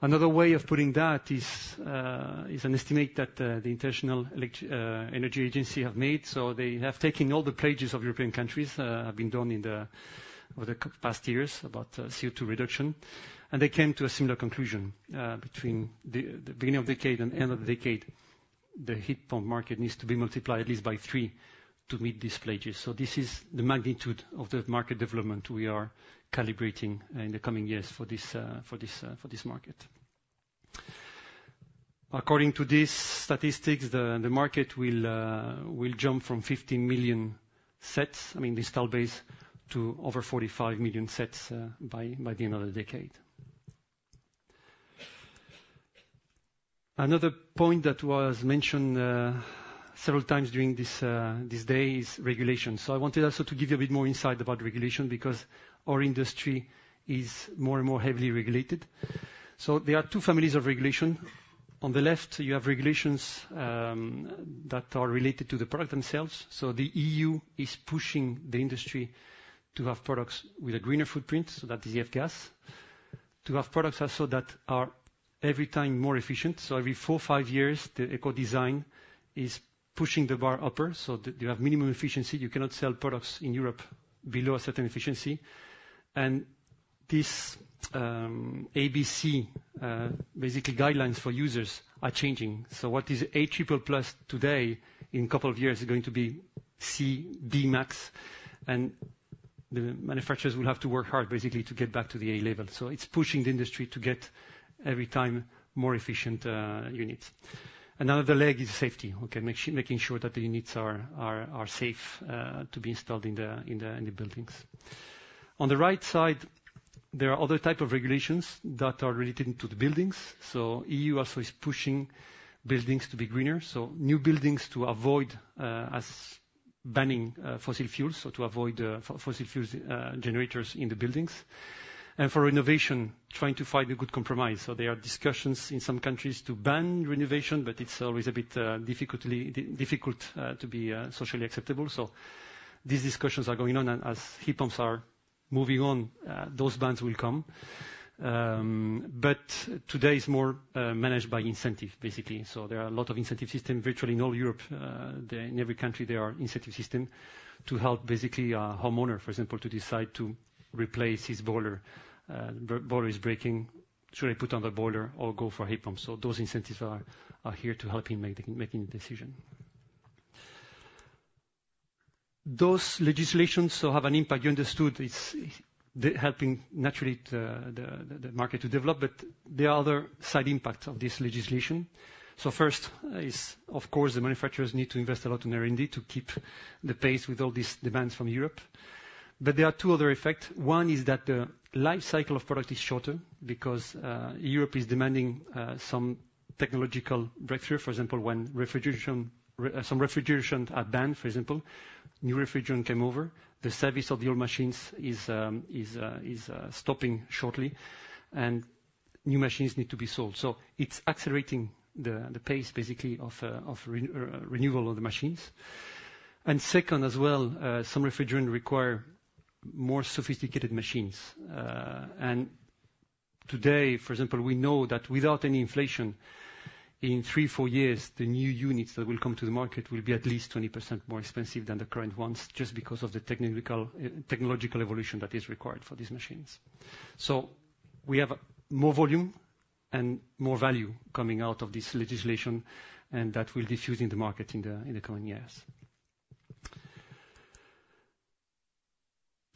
Another way of putting that is an estimate that the International Energy Agency have made. So they have taken all the pledges of European countries have been done in the over the past years about CO2 reduction, and they came to a similar conclusion between the beginning of the decade and end of the decade, the heat pump market needs to be multiplied at least by three to meet these pledges. So this is the magnitude of the market development we are calibrating in the coming years for this for this for this market. According to these statistics, the market will jump from 15 million sets, I mean, the install base, to over 45 million sets by the end of the decade. Another point that was mentioned several times during this day is regulation. So I wanted also to give you a bit more insight about regulation, because our industry is more and more heavily regulated. So there are two families of regulation. On the left, you have regulations that are related to the product themselves. So the EU is pushing the industry to have products with a greener footprint, so that is the F-gas. To have products also that are every time more efficient. So every four, five years, the Ecodesign is pushing the bar upper, so that you have minimum efficiency, you cannot sell products in Europe below a certain efficiency. And this ABC basically guidelines for users are changing. So what is A triple plus today, in a couple of years is going to be C, B max, and the manufacturers will have to work hard, basically, to get back to the A level. So it's pushing the industry to get every time more efficient units. Another leg is safety, okay? Make sure that the units are safe to be installed in the buildings. On the right side, there are other type of regulations that are related to the buildings. So EU also is pushing buildings to be greener. So new buildings to avoid, as banning, fossil fuels, so to avoid fossil fuels generators in the buildings. And for renovation, trying to find a good compromise. So there are discussions in some countries to ban renovation, but it's always a bit difficult to be socially acceptable. So these discussions are going on, and as heat pumps are moving on, those bans will come. But today is more managed by incentive, basically. So there are a lot of incentive system virtually in all Europe. In every country, there are incentive system to help basically a homeowner, for example, to decide to replace his boiler. Boiler is breaking, should I put on the boiler or go for heat pump? So those incentives are here to help him make the decision. Those legislations so have an impact. You understood it's helping, naturally, the market to develop, but there are other side impacts of this legislation. So first is, of course, the manufacturers need to invest a lot in R&D to keep the pace with all these demands from Europe. But there are two other effects. One is that the life cycle of product is shorter because Europe is demanding some technological breakthrough. For example, when refrigeration, some refrigerant are banned, for example, new refrigerant came over, the service of the old machines is stopping shortly, and new machines need to be sold. So it's accelerating the pace basically of renewal of the machines. And second, as well, some refrigerant require more sophisticated machines. Today, for example, we know that without any inflation, in three, four years, the new units that will come to the market will be at least 20% more expensive than the current ones, just because of the technical, technological evolution that is required for these machines. We have more volume and more value coming out of this legislation, and that will diffuse in the market in the coming years.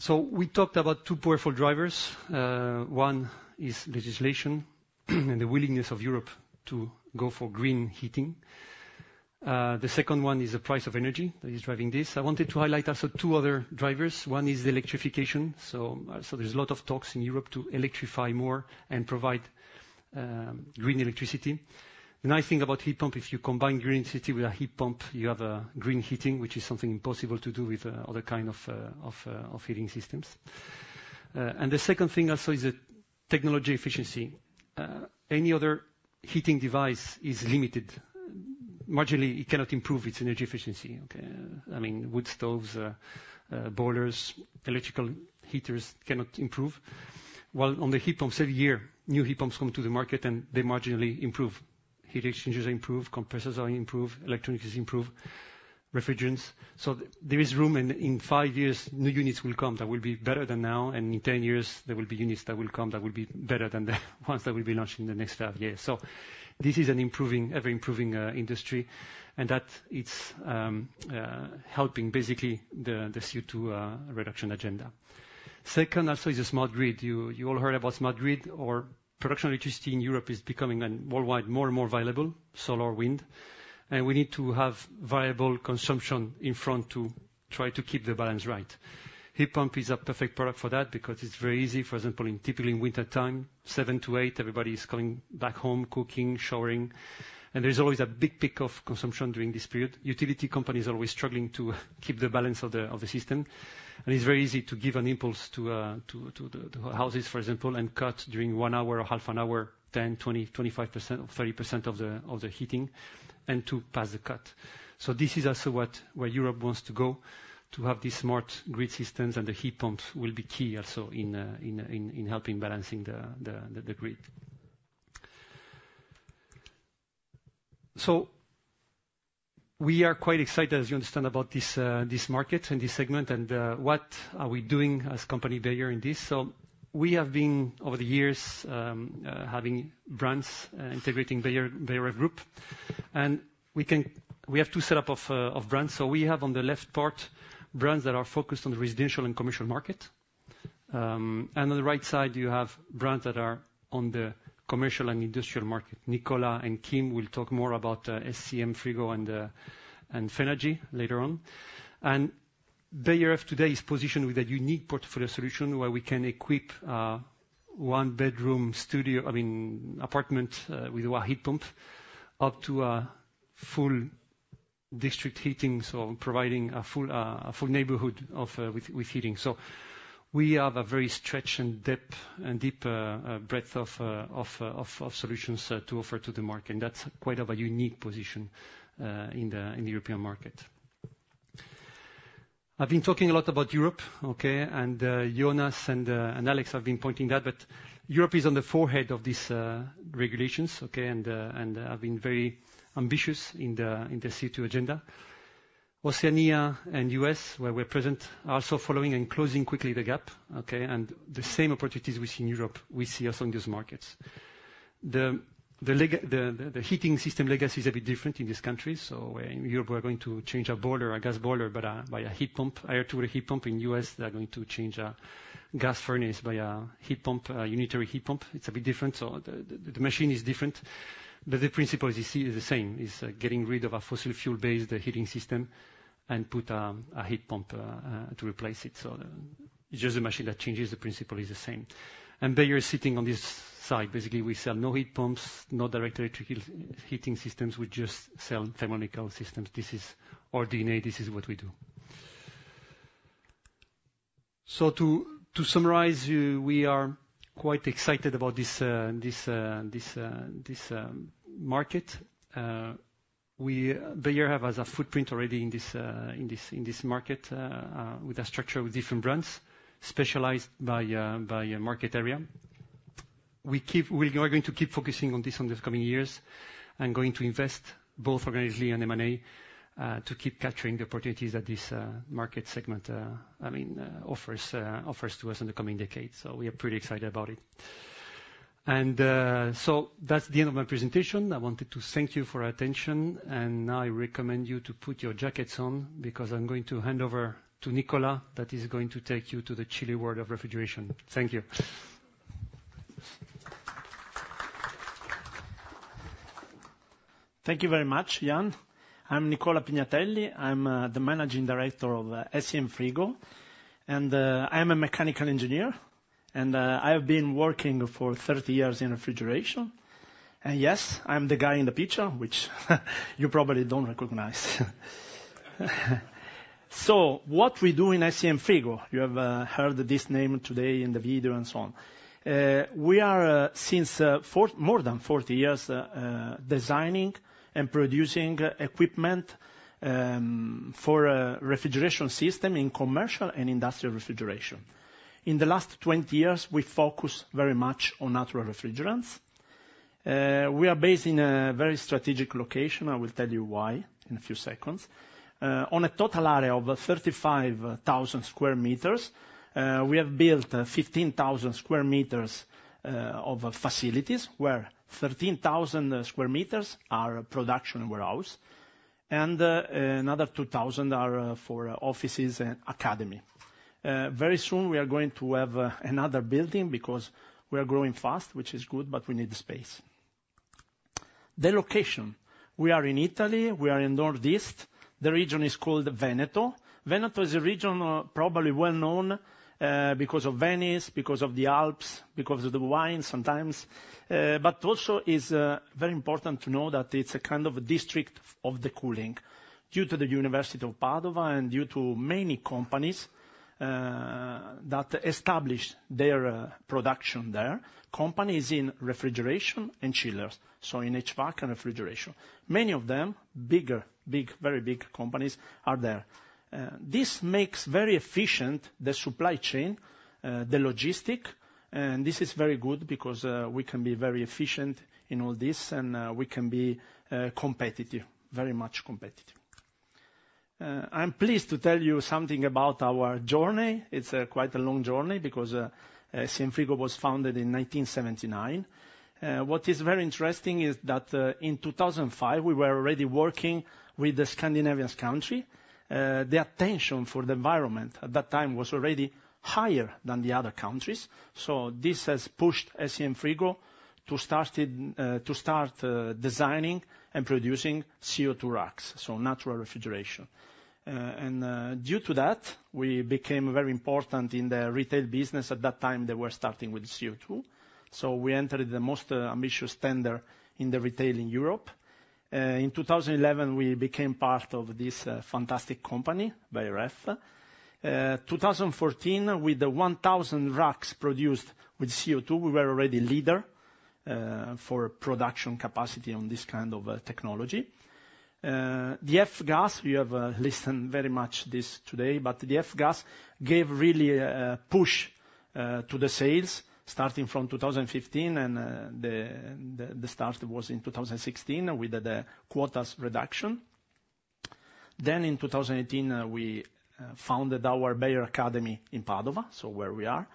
We talked about two powerful drivers. One is legislation, and the willingness of Europe to go for green heating. The second one is the price of energy that is driving this. I wanted to highlight also two other drivers. One is the electrification. So there's a lot of talks in Europe to electrify more and provide green electricity. The nice thing about heat pump, if you combine green city with a heat pump, you have a green heating, which is something impossible to do with other kind of heating systems. And the second thing also is the technology efficiency. Any other heating device is limited. Marginally, it cannot improve its energy efficiency, okay? I mean, wood stoves, boilers, electrical heaters cannot improve. While on the heat pumps, every year, new heat pumps come to the market and they marginally improve. Heat exchangers improve, compressors are improved, electronics is improved, refrigerants. So there is room, and in five years, new units will come that will be better than now, and in 10 years, there will be units that will come that will be better than the ones that will be launched in the next five years. So this is an improving, ever-improving, industry, and that it's, helping basically the, the CO2, reduction agenda. Second, also, is a smart grid. You all heard about smart grid, or production electricity in Europe is becoming and worldwide, more and more viable, solar, wind, and we need to have viable consumption in front to try to keep the balance right. Heat pump is a perfect product for that because it's very easy. For example, in typically in wintertime, seven to eight, everybody is coming back home, cooking, showering, and there is always a big peak of consumption during this period. Utility companies are always struggling to keep the balance of the system, and it's very easy to give an impulse to the houses, for example, and cut during one hour or half an hour, 10, 20, 25% or 30% of the heating, and to pass the cut. So this is also what where Europe wants to go, to have these smart grid systems and the heat pumps will be key also in helping balancing the grid. So we are quite excited, as you understand, about this market and this segment, and what are we doing as Beijer Ref in this? So we have been, over the years, having brands, integrating Beijer, Beijer Group. And we can we have two set up of brands. So we have on the left part, brands that are focused on residential and commercial market. And on the right side, you have brands that are on the commercial and industrial market. Nicola and Kim will talk more about SCM Frigo and Fenagy later on. And Beijer of today is positioned with a unique portfolio solution, where we can equip one bedroom studio, I mean, apartment, with a heat pump, up to a full district heating. So providing a full neighborhood with heating. So we have a very stretch and depth and deep breadth of solutions to offer to the market, and that's quite a unique position in the European market. I've been talking a lot about Europe, okay? Jonas and Alex have been pointing that, but Europe is on the forefront of this regulations, okay, and have been very ambitious in the, in the CO2 agenda. Oceania and U.S., where we're present, are also following and closing quickly the gap, okay? The same opportunities we see in Europe, we see also in these markets. The heating system legacy is a bit different in these countries. So in Europe, we're going to change our boiler, our gas boiler, but by a heat pump, air to heat pump. In U.S., they are going to change a gas furnace by a heat pump, unitary heat pump. It's a bit different, so the machine is different, but the principle is the same. It's getting rid of a fossil fuel-based heating system and put a heat pump to replace it. So it's just the machine that changes, the principle is the same. And Beijer is sitting on this side. Basically, we sell no heat pumps, no direct electric heating systems. We just sell thermodynamic systems. This is our DNA. This is what we do. So to summarize, we are quite excited about this market. We, Beijer have a footprint already in this market, with a structure of different brands specialized by market area. We keep... We are going to keep focusing on this on these coming years and going to invest both organically and M&A, to keep capturing the opportunities that this, market segment, I mean, offers, offers to us in the coming decades. So we are pretty excited about it. And, so that's the end of my presentation. I wanted to thank you for your attention, and now I recommend you to put your jackets on, because I'm going to hand over to Nicola, that is going to take you to the chilly world of refrigeration. Thank you. Thank you very much, Jan. I'm Nicola Pignatelli. I'm the Managing Director of SCM Frigo, and I'm a mechanical engineer, and I have been working for 30 years in refrigeration. Yes, I'm the guy in the picture, which you probably don't recognize. So what we do in SCM Frigo, you have heard this name today in the video and so on. We are since more than 40 years designing and producing equipment for a refrigeration system in commercial and industrial refrigeration. In the last 20 years, we focus very much on natural refrigerants. We are based in a very strategic location. I will tell you why in a few seconds. On a total area of 35,000 square meters, we have built 15,000 square meters of facilities, where 13,000 square meters are production warehouse. And another 2,000 are for offices and academy. Very soon, we are going to have another building because we are growing fast, which is good, but we need the space. The location, we are in Italy, we are in northeast. The region is called Veneto. Veneto is a region, probably well known, because of Venice, because of the Alps, because of the wine sometimes. But also is very important to know that it's a kind of a district of the cooling. Due to the University of Padova and due to many companies that established their production there, companies in refrigeration and chillers, so in HVAC and refrigeration. Many of them, bigger, big, very big companies are there. This makes very efficient the supply chain, the logistic, and this is very good because we can be very efficient in all this, and we can be competitive, very much competitive. I'm pleased to tell you something about our journey. It's quite a long journey because SCM Frigo was founded in 1979. What is very interesting is that in 2005, we were already working with the Scandinavian countries. Their attention for the environment at that time was already higher than the other countries, so this has pushed SCM Frigo to start designing and producing CO2 racks, so natural refrigeration. And due to that, we became very important in the retail business. At that time, they were starting with CO2, so we entered the most ambitious tender in the retail in Europe. In 2011, we became part of this fantastic company, Beijer Ref. In 2014, with the 1,000 racks produced with CO2, we were already leader for production capacity on this kind of technology. The F-gas, we have listened very much this today, but the F-gas gave really a push to the sales, starting from 2015, and the start was in 2016, with the quotas reduction. Then in 2018, we founded our Beijer Academy in Padova, so where we are.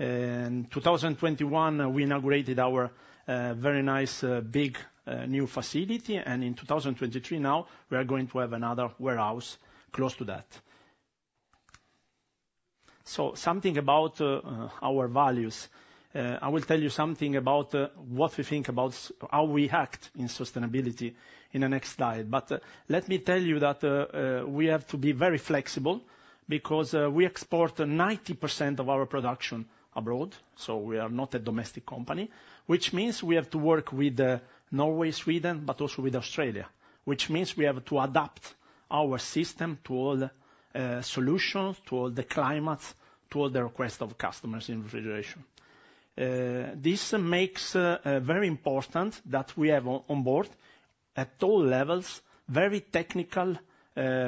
In 2021, we inaugurated our very nice big new facility, and in 2023, now we are going to have another warehouse close to that. So something about our values. I will tell you something about what we think about how we act in sustainability in the next slide. But let me tell you that we have to be very flexible because we export 90% of our production abroad, so we are not a domestic company, which means we have to work with Norway, Sweden, but also with Australia. Which means we have to adapt our system to all solutions, to all the climates, to all the requests of customers in refrigeration. This makes very important that we have on board, at all levels, very technical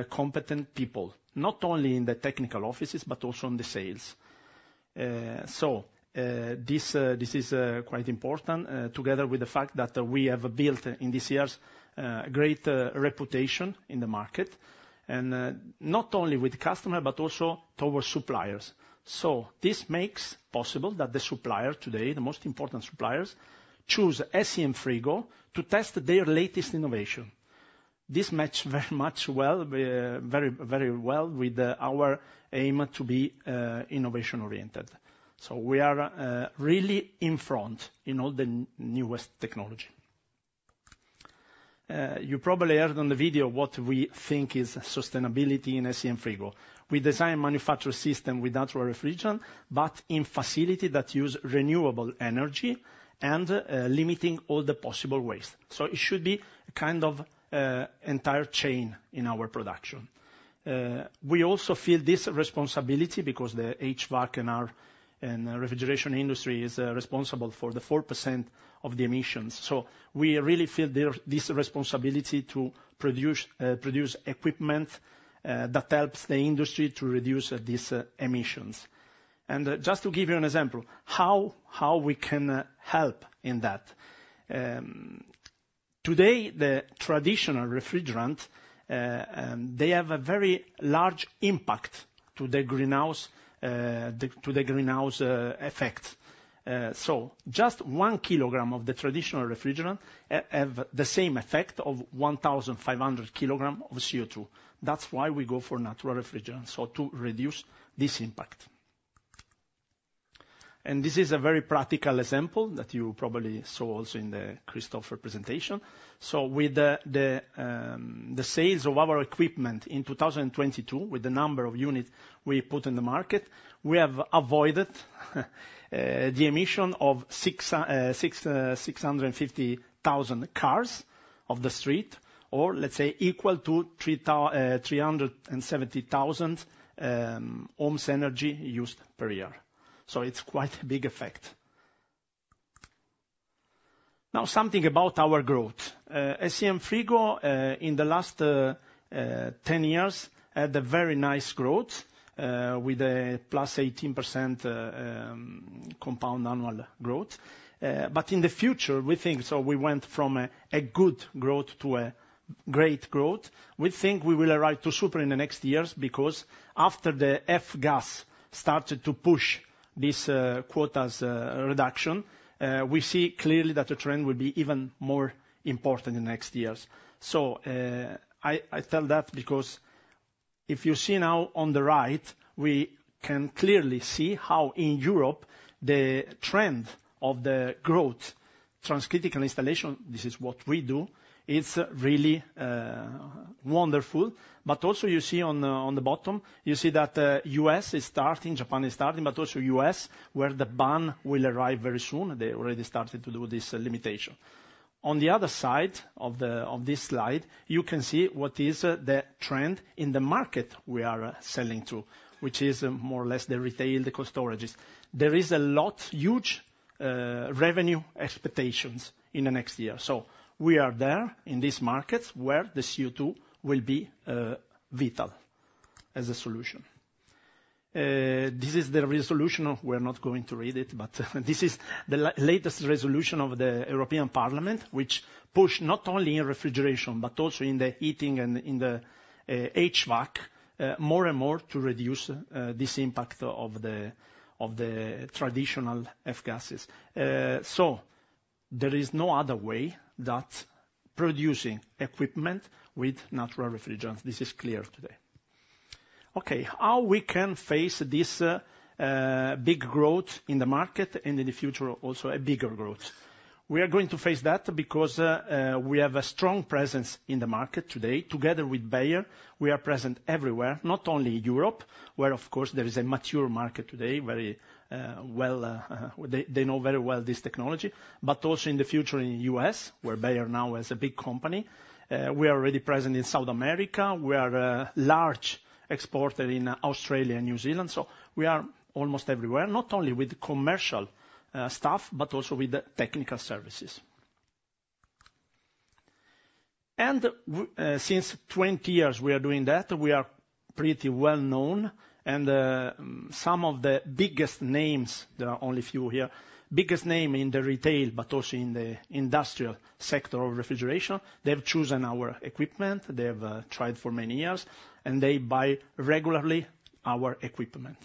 competent people, not only in the technical offices, but also on the sales. So this is quite important together with the fact that we have built in these years great reputation in the market, and not only with the customer, but also toward suppliers. So this makes possible that the supplier today, the most important suppliers, choose SCM Frigo to test their latest innovation. This match very much well, very, very well with our aim to be innovation-oriented. So we are really in front in all the newest technology. You probably heard on the video what we think is sustainability in SCM Frigo. We design manufacture system with natural refrigerant, but in facility that use renewable energy and, limiting all the possible waste. So it should be kind of, entire chain in our production. We also feel this responsibility because the HVAC and our, and refrigeration industry is, responsible for the 4% of the emissions. So we really feel their, this responsibility to produce, produce equipment, that helps the industry to reduce, these, emissions. And just to give you an example, how, how we can, help in that. Today, the traditional refrigerant, they have a very large impact to the greenhouse, the, to the greenhouse, effect. So just one kilogram of the traditional refrigerant have the same effect of 1,500 kilogram of CO2. That's why we go for natural refrigerant, so to reduce this impact. This is a very practical example that you probably saw also in the Christopher presentation. With the sales of our equipment in 2022, with the number of units we put in the market, we have avoided the emission of 650,000 cars off the street, or let's say, equal to 370,000 homes energy used per year. So it's quite a big effect. Now, something about our growth. SCM Frigo in the last 10 years had a very nice growth with a +18% compound annual growth. But in the future, we think, so we went from a good growth to a great growth. We think we will arrive to super in the next years because after the F-gas started to push this quotas reduction, we see clearly that the trend will be even more important in next years. So, I tell that because if you see now on the right, we can clearly see how in Europe, the trend of the growth, transcritical installation, this is what we do, is really wonderful. But also you see on the bottom, you see that U.S. is starting, Japan is starting, but also U.S., where the ban will arrive very soon. They already started to do this limitation. On the other side of this slide, you can see what is the trend in the market we are selling to, which is more or less the retail, the cold storages. There is a lot, huge, revenue expectations in the next year. So we are there in these markets, where the CO2 will be vital as a solution. This is the resolution of... We're not going to read it, but this is the latest resolution of the European Parliament, which push not only in refrigeration, but also in the heating and in the HVAC, more and more to reduce this impact of the traditional F-gases. So there is no other way that producing equipment with natural refrigerants. This is clear today. Okay, how we can face this big growth in the market, and in the future, also a bigger growth? We are going to face that because we have a strong presence in the market today. Together with Beijer, we are present everywhere, not only Europe, where of course there is a mature market today, very, well, they, they know very well this technology, but also in the future in the US, where Beijer now is a big company. We are already present in South America. We are a large exporter in Australia and New Zealand. So we are almost everywhere, not only with commercial, staff, but also with the technical services. And since 20 years, we are doing that, we are pretty well-known, and, some of the biggest names, there are only few here, biggest name in the retail, but also in the industrial sector of refrigeration, they've chosen our equipment. They have, tried for many years, and they buy regularly our equipment.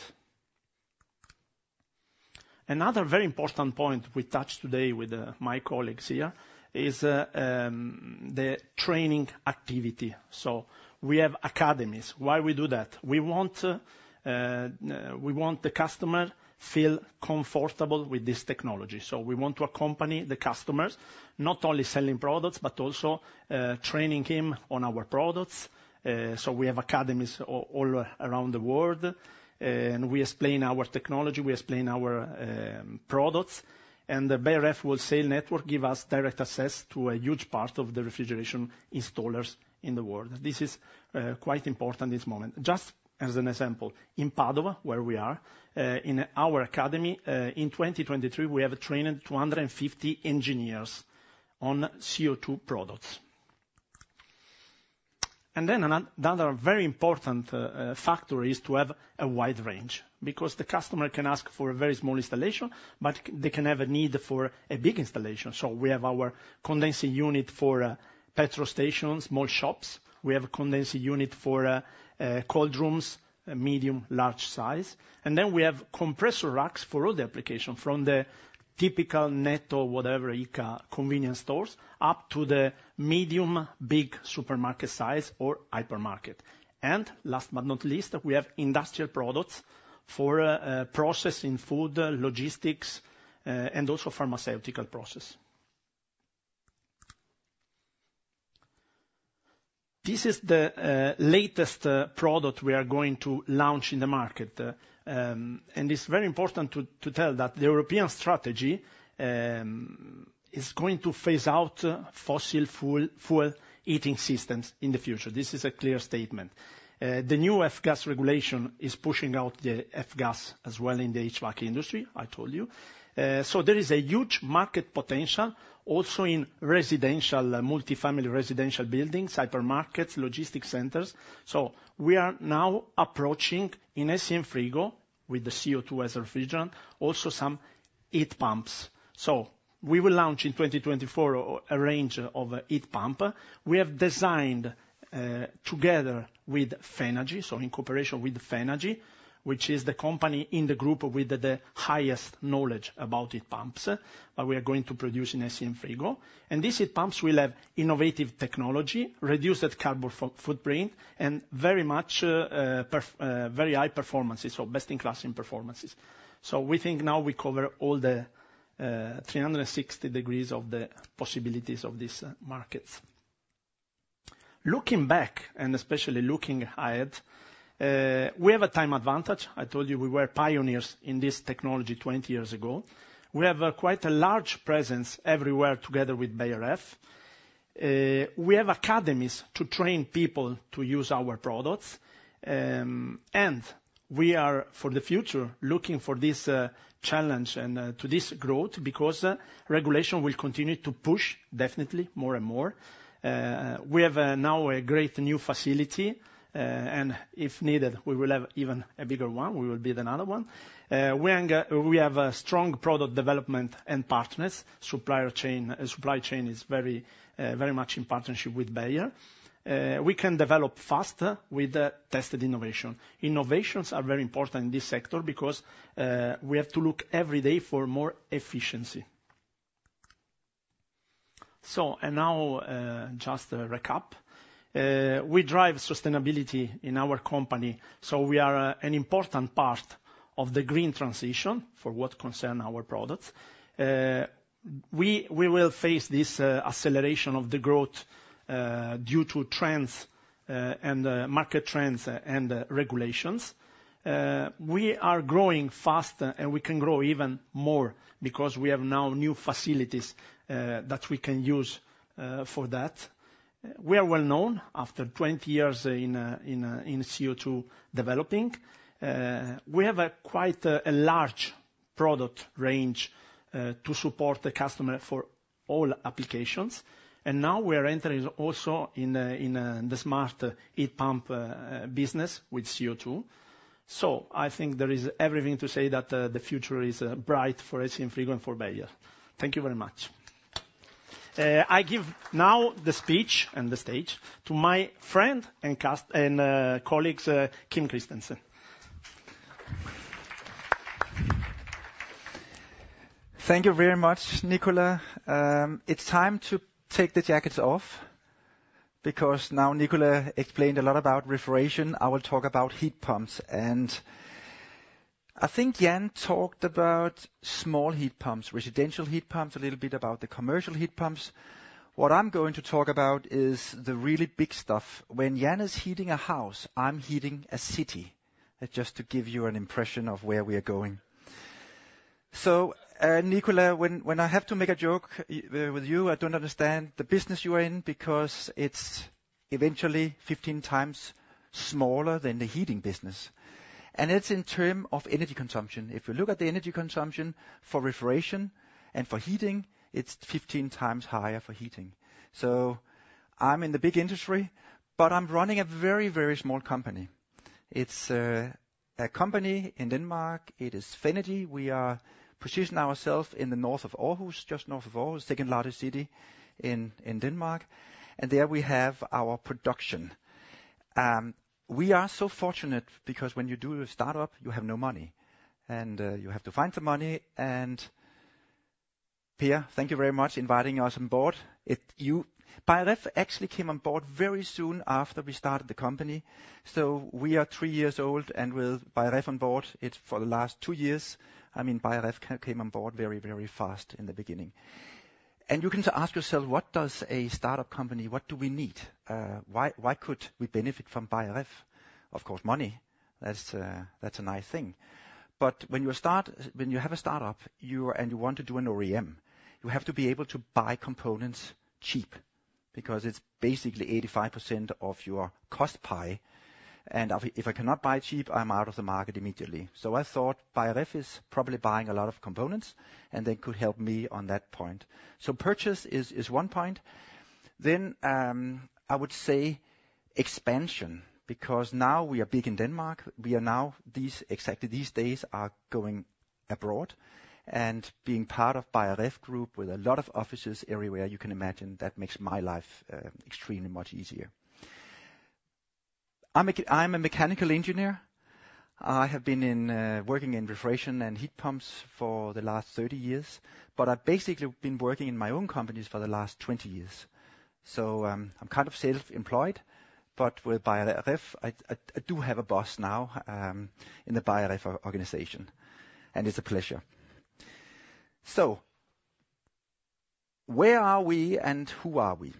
Another very important point we touch today with my colleagues here is the training activity. So we have academies. Why we do that? We want we want the customer feel comfortable with this technology, so we want to accompany the customers, not only selling products, but also training him on our products. So we have academies all around the world, and we explain our technology, we explain our products, and the Beijer Ref wholesale network give us direct access to a huge part of the refrigeration installers in the world. This is quite important, this moment. Just as an example, in Padova, where we are in our academy in 2023, we have trained 250 engineers on CO2 products. And then another very important factor is to have a wide range, because the customer can ask for a very small installation, but they can have a need for a big installation. So we have our condensing unit for petrol stations, small shops. We have a condensing unit for cold rooms, medium, large size. And then we have compressor racks for all the application, from the typical Netto, whatever, ICA convenience stores, up to the medium, big supermarket size or hypermarket. And last but not least, we have industrial products for processing food, logistics, and also pharmaceutical process. This is the latest product we are going to launch in the market. And it's very important to tell that the European strategy is going to phase out fossil fuel heating systems in the future. This is a clear statement. The new F-gas regulation is pushing out the F-gas as well in the HVAC industry, I told you. So there is a huge market potential also in residential, multifamily residential buildings, hypermarkets, logistics centers. So we are now approaching in SCM Frigo, with the CO2 as a refrigerant, also some heat pumps. So we will launch in 2024 a range of a heat pump. We have designed together with Fenagy, so in cooperation with Fenagy, which is the company in the group with the highest knowledge about heat pumps, we are going to produce in SCM Frigo. And these heat pumps will have innovative technology, reduced carbon footprint, and very much, very high performances, so best-in-class in performances. So we think now we cover all the 360 degrees of the possibilities of these markets. Looking back, and especially looking ahead, we have a time advantage. I told you we were pioneers in this technology 20 years ago. We have a quite a large presence everywhere together with Beijer Ref. We have academies to train people to use our products. And we are, for the future, looking for this challenge and to this growth, because regulation will continue to push, definitely more and more. We have now a great new facility, and if needed, we will have even a bigger one. We will build another one. We have a strong product development and partners. Supply chain is very, very much in partnership with Beijer Ref. We can develop faster with tested innovation. Innovations are very important in this sector because we have to look every day for more efficiency. So, and now, just a recap. We drive sustainability in our company, so we are an important part of the green transition for what concern our products. We will face this acceleration of the growth due to trends and market trends and regulations. We are growing faster, and we can grow even more because we have now new facilities that we can use for that. We are well-known after 20 years in CO2 developing. We have a quite a large product range to support the customer for all applications, and now we are entering also in the smart heat pump business with CO₂. So I think there is everything to say that the future is bright for SCM Frigo and for Beijer Ref. Thank you very much. I give now the speech and the stage to my friend and colleague Kim Christensen. Thank you very much, Nicola. It's time to take the jackets off because now Nicola explained a lot about refrigeration. I will talk about heat pumps, and I think Jan talked about small heat pumps, residential heat pumps, a little bit about the commercial heat pumps. What I'm going to talk about is the really big stuff. When Jan is heating a house, I'm heating a city. Just to give you an impression of where we are going. So, Nicola, when I have to make a joke with you, I don't understand the business you are in, because it's eventually 15 times smaller than the heating business, and it's in term of energy consumption. If you look at the energy consumption for refrigeration and for heating, it's 15 times higher for heating. So I'm in the big industry, but I'm running a very, very small company. It's a company in Denmark. It is Fenagy. We are positioned ourselves in the north of Aarhus, just north of Aarhus, second largest city in Denmark, and there we have our production. We are so fortunate because when you do a start-up, you have no money, and you have to find the money, and Pia, thank you very much inviting us on board. You, Beijer Ref actually came on board very soon after we started the company, so we are three years old, and with Beijer Ref on board, it's for the last two years. I mean, Beijer Ref came on board very, very fast in the beginning. And you can ask yourself: What does a start-up company, what do we need? Why could we benefit from Beijer Ref? Of course, money. That's a nice thing. But when you start, when you have a start-up, and you want to do an OEM, you have to be able to buy components cheap, because it's basically 85% of your cost pie, and if I cannot buy cheap, I'm out of the market immediately. So I thought Beijer Ref is probably buying a lot of components, and they could help me on that point. So purchase is one point. Then I would say expansion, because now we are big in Denmark, we are now, these exactly, these days, going abroad and being part of Beijer Ref Group with a lot of offices everywhere you can imagine, that makes my life extremely much easier. I'm a mechanical engineer. I have been in working in refrigeration and heat pumps for the last 30 years, but I've basically been working in my own companies for the last 20 years. I'm kind of self-employed, but with Beijer Ref, I do have a boss now in the Beijer Ref organization, and it's a pleasure. Where are we and who are we?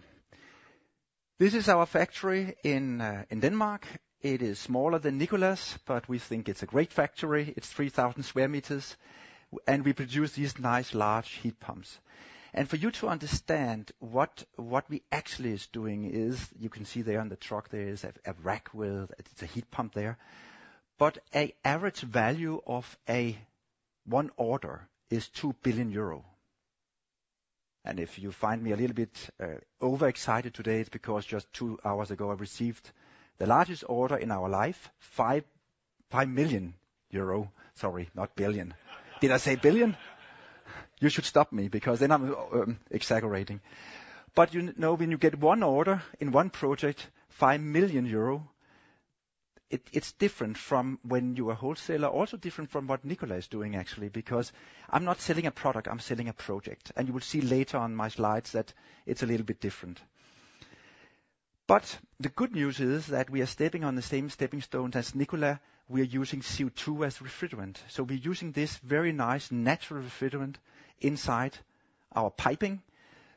This is our factory in Denmark. It is smaller than Nicola's, but we think it's a great factory. It's 3,000 square meters, and we produce these nice large heat pumps. For you to understand what we actually is doing is, you can see there on the truck, there is a rack with the heat pump there, but an average value of one order is 2 billion euro. And if you find me a little bit overexcited today, it's because just 2 hours ago, I received the largest order in our life, 5 million euro. Sorry, not billion. Did I say billion? You should stop me, because then I'm exaggerating. But, you know, when you get one order in one project, 5 million euro, it's different from when you're a wholesaler. Also, different from what Nicola is doing, actually, because I'm not selling a product, I'm selling a project, and you will see later on my slides that it's a little bit different. But the good news is that we are stepping on the same stepping stones as Nicola. We are using CO₂ as refrigerant, so we're using this very nice natural refrigerant inside our piping,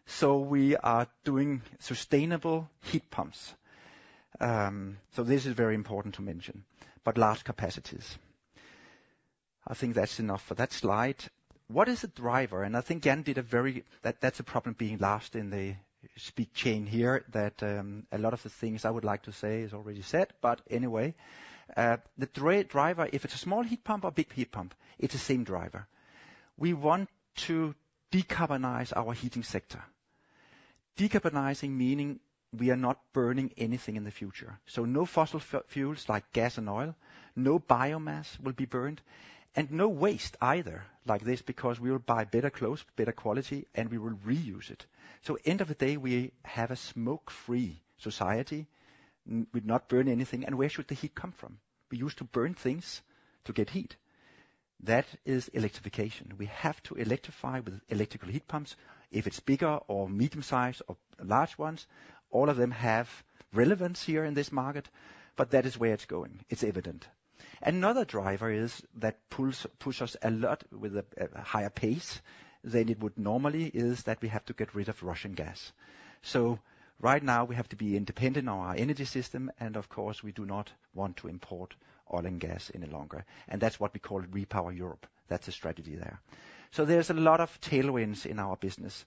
so we are doing sustainable heat pumps. So this is very important to mention, but large capacities. I think that's enough for that slide. What is the driver? And I think Jan did a very... That's a problem being last in the speech chain here, that a lot of the things I would like to say is already said, but anyway. The driver, if it's a small heat pump or big heat pump, it's the same driver. We want to decarbonize our heating sector. Decarbonizing meaning we are not burning anything in the future. So no fossil fuels like gas and oil, no biomass will be burned, and no waste either like this, because we will buy better clothes, better quality, and we will reuse it. So end of the day, we have a smoke-free society. We not burn anything, and where should the heat come from? We used to burn things to get heat. That is electrification. We have to electrify with electrical heat pumps. If it's bigger or medium-sized or large ones, all of them have relevance here in this market, but that is where it's going. It's evident. Another driver is that pulls, pushes us a lot with a higher pace than it would normally, is that we have to get rid of Russian gas. So right now, we have to be independent on our energy system, and of course, we do not want to import oil and gas any longer. And that's what we call REPowerEU. That's the strategy there. So there's a lot of tailwinds in our business.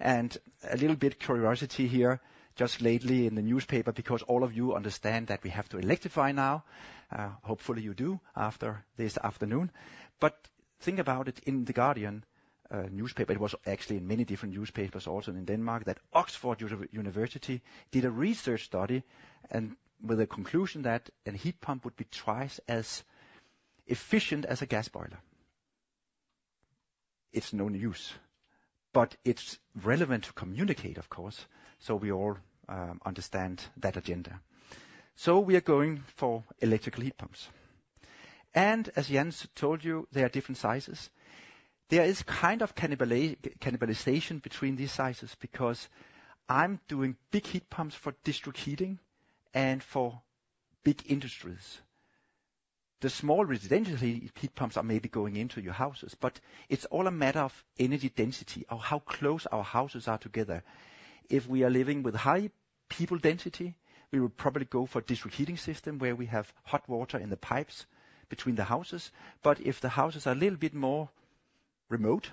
And a little bit curiosity here, just lately in the newspaper, because all of you understand that we have to electrify now, hopefully, you do after this afternoon. But think about it, in The Guardian newspaper, it was actually in many different newspapers, also in Denmark, that Oxford University did a research study and with a conclusion that a heat pump would be twice as efficient as a gas boiler. It's no use, but it's relevant to communicate, of course, so we all understand that agenda. So we are going for electrical heat pumps. And as Jan told you, there are different sizes. There is kind of cannibalization between these sizes because I'm doing big heat pumps for district heating and for big industries. The small residential heat pumps are maybe going into your houses, but it's all a matter of energy density or how close our houses are together. If we are living with high people density, we would probably go for district heating system, where we have hot water in the pipes between the houses. But if the houses are a little bit more remote,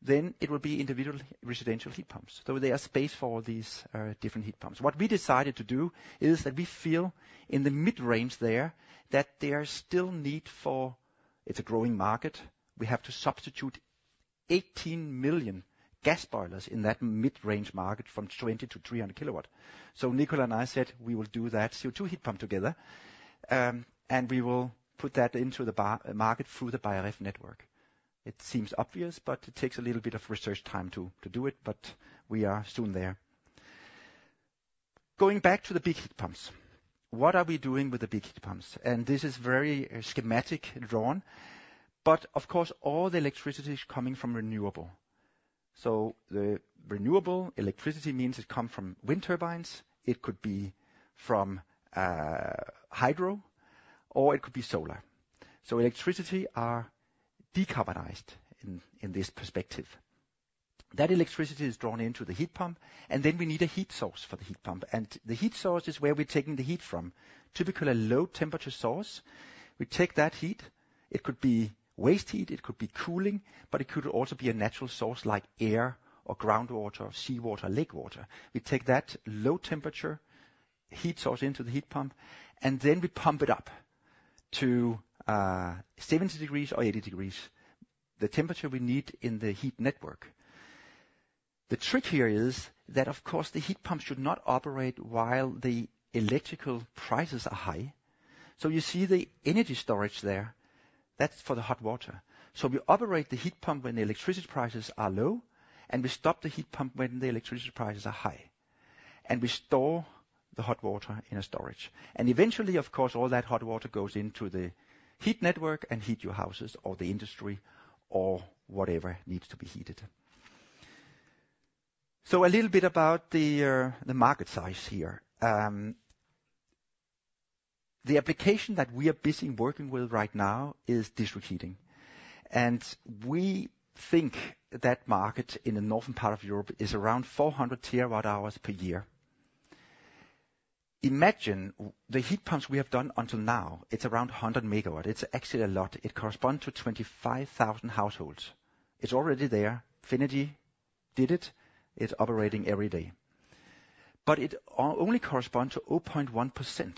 then it will be individual residential heat pumps. So there are space for these, different heat pumps. What we decided to do is that we feel in the mid-range there, that there is still need for... It's a growing market. We have to substitute 18 million gas boilers in that mid-range market from 20 to 300 kilowatt. So Nicola and I said, we will do that CO2 heat pump together, and we will put that into the Beijer market through the Beijer network. It seems obvious, but it takes a little bit of research time to, to do it, but we are soon there. Going back to the big heat pumps. What are we doing with the big heat pumps? This is very schematic drawn, but of course, all the electricity is coming from renewable. The renewable electricity means it come from wind turbines, it could be from hydro, or it could be solar. Electricity are decarbonized in this perspective. That electricity is drawn into the heat pump, and then we need a heat source for the heat pump. The heat source is where we're taking the heat from. Typically, a low-temperature source. We take that heat. It could be waste heat, it could be cooling, but it could also be a natural source like air or groundwater or seawater, lake water. We take that low temperature heat source into the heat pump, and then we pump it up to, 70 degrees or 80 degrees, the temperature we need in the heat network. The trick here is that, of course, the heat pump should not operate while the electrical prices are high. So you see the energy storage there. That's for the hot water. So we operate the heat pump when the electricity prices are low, and we stop the heat pump when the electricity prices are high. And we store the hot water in a storage. And eventually, of course, all that hot water goes into the heat network and heat your houses or the industry or whatever needs to be heated. So a little bit about the, the market size here. The application that we are busy working with right now is district heating, and we think that market in the northern part of Europe is around 400 TWh per year. Imagine the heat pumps we have done until now, it's around 100 MW. It's actually a lot. It corresponds to 25,000 households. It's already there. Fenagy did it. It's operating every day. But it only corresponds to 0.1%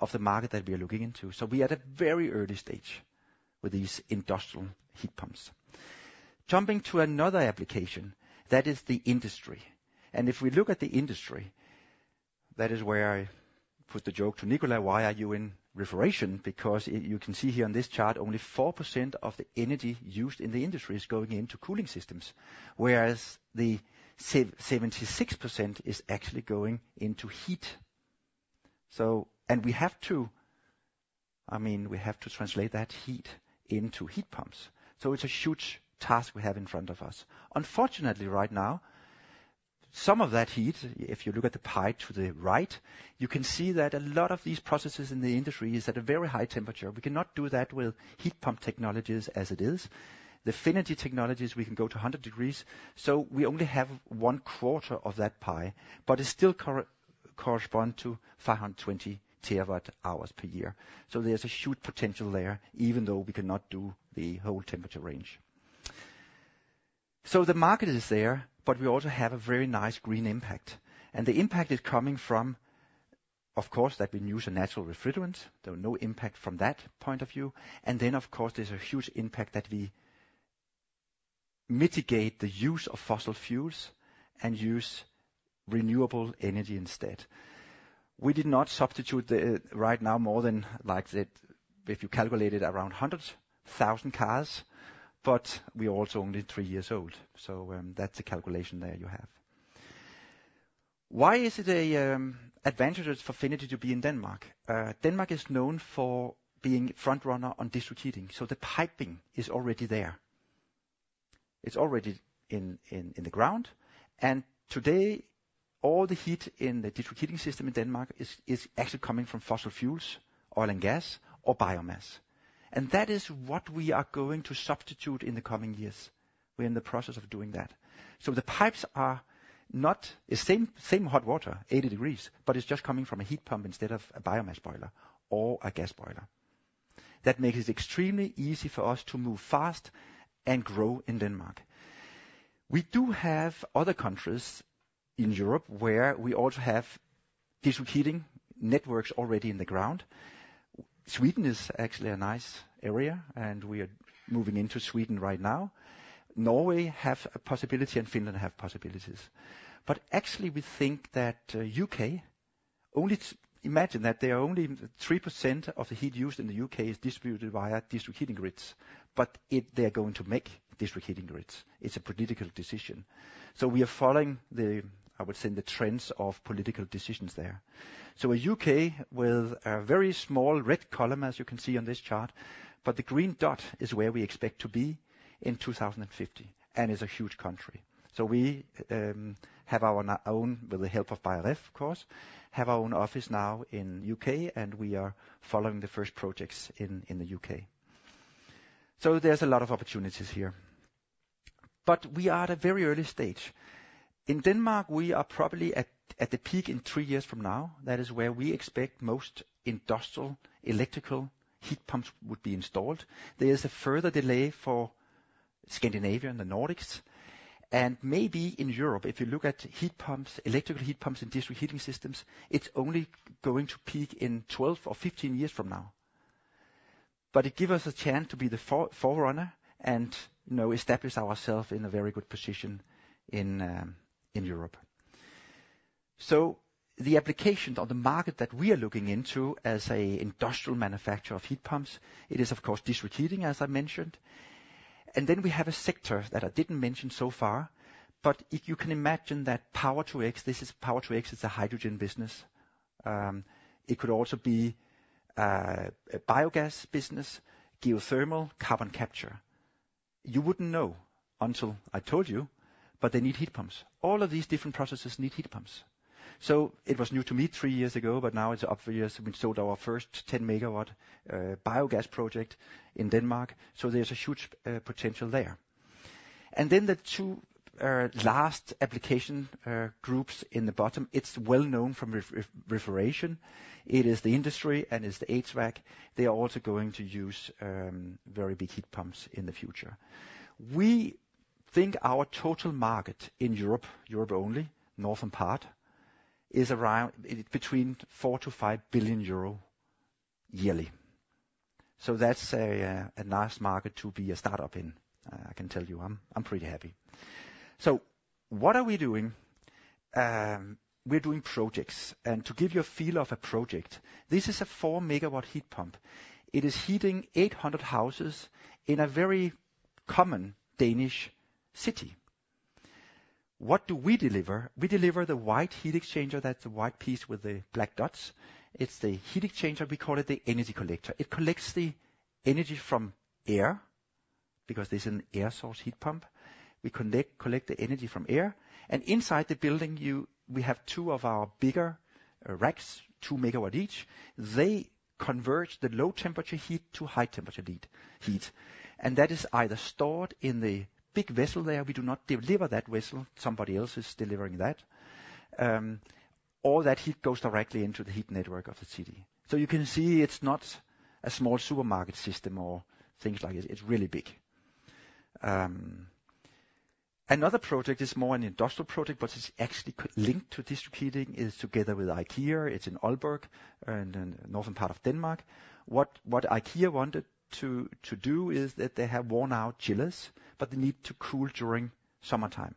of the market that we are looking into. So we are at a very early stage with these industrial heat pumps. Jumping to another application, that is the industry. If we look at the industry, that is where I put the joke to Nicola, "Why are you in refrigeration?" Because you can see here on this chart, only 4% of the energy used in the industry is going into cooling systems, whereas the 76% is actually going into heat. We have to, I mean, we have to translate that heat into heat pumps. It's a huge task we have in front of us. Unfortunately, right now, some of that heat, if you look at the pie to the right, you can see that a lot of these processes in the industry is at a very high temperature. We cannot do that with heat pump technologies as it is. The Fenagy technologies, we can go to 100 degrees, so we only have one quarter of that pie, but it still corresponds to 520 TWh per year. So there's a huge potential there, even though we cannot do the whole temperature range. So the market is there, but we also have a very nice green impact, and the impact is coming from, of course, that we use a natural refrigerant. There were no impact from that point of view. And then, of course, there's a huge impact that we mitigate the use of fossil fuels and use renewable energy instead. We did not substitute the right now more than, like, the, if you calculate it, around 100,000 cars, but we are also only three years old, so that's the calculation there you have. Why is it advantageous for Fenagy to be in Denmark? Denmark is known for being front-runner on district heating, so the piping is already there. It's already in the ground, and today, all the heat in the district heating system in Denmark is actually coming from fossil fuels, oil and gas, or biomass, and that is what we are going to substitute in the coming years. We're in the process of doing that. So the pipes are the same hot water, 80 degrees, but it's just coming from a heat pump instead of a biomass boiler or a gas boiler. That makes it extremely easy for us to move fast and grow in Denmark. We do have other countries in Europe where we also have district heating networks already in the ground. Sweden is actually a nice area, and we are moving into Sweden right now. Norway have a possibility, and Finland have possibilities, but actually, we think that U.K. only-- Imagine that there are only 3% of the heat used in the U.K. is distributed via district heating grids, but it, they're going to make district heating grids. It's a political decision. So we are following the, I would say, the trends of political decisions there. So a U.K. with a very small red column, as you can see on this chart, but the green dot is where we expect to be in 2050, and is a huge country. So we have our own, with the help of Beijer Ref, of course, have our own office now in U.K., and we are following the first projects in the U.K. There's a lot of opportunities here, but we are at a very early stage. In Denmark, we are probably at the peak in three years from now. That is where we expect most industrial electrical heat pumps would be installed. There is a further delay for Scandinavia and the Nordics, and maybe in Europe. If you look at heat pumps, electrical heat pumps and district heating systems, it's only going to peak in 12 or 15 years from now. But it give us a chance to be the forerunner and, you know, establish ourself in a very good position in, in Europe. So the application or the market that we are looking into, as an industrial manufacturer of heat pumps, it is, of course, district heating, as I mentioned, and then we have a sector that I didn't mention so far, but if you can imagine that Power-to-X, this is Power-to-X, it's a hydrogen business. It could also be a biogas business, geothermal, carbon capture. You wouldn't know until I told you, but they need heat pumps. All of these different processes need heat pumps. So it was new to me three years ago, but now it's up for years. We sold our first 10 MW biogas project in Denmark, so there's a huge potential there. And then the two last application groups in the bottom, it's well known from refrigeration. It is the industry, and it's the HVAC. They are also going to use very big heat pumps in the future. We think our total market in Europe, Europe only, northern part, is around between 4-5 billion euro yearly. So that's a nice market to be a startup in. I can tell you, I'm pretty happy. So what are we doing? We're doing projects, and to give you a feel of a project, this is a 4 MW heat pump. It is heating 800 houses in a very common Danish city. What do we deliver? We deliver the white heat exchanger. That's the white piece with the black dots. It's the heat exchanger, we call it the energy collector. It collects the energy from air, because there's an air source heat pump. We connect, collect the energy from air, and inside the building, you, we have two of our bigger racks, 2 MW each. They converge the low-temperature heat to high-temperature heat, and that is either stored in the big vessel there. We do not deliver that vessel. Somebody else is delivering that. All that heat goes directly into the heat network of the city. So you can see it's not a small supermarket system or things like this. It's really big. Another project is more an industrial project, but it's actually linked to district heating, is together with IKEA. It's in Aalborg, in the northern part of Denmark. What IKEA wanted to do is that they have worn-out chillers, but they need to cool during summertime.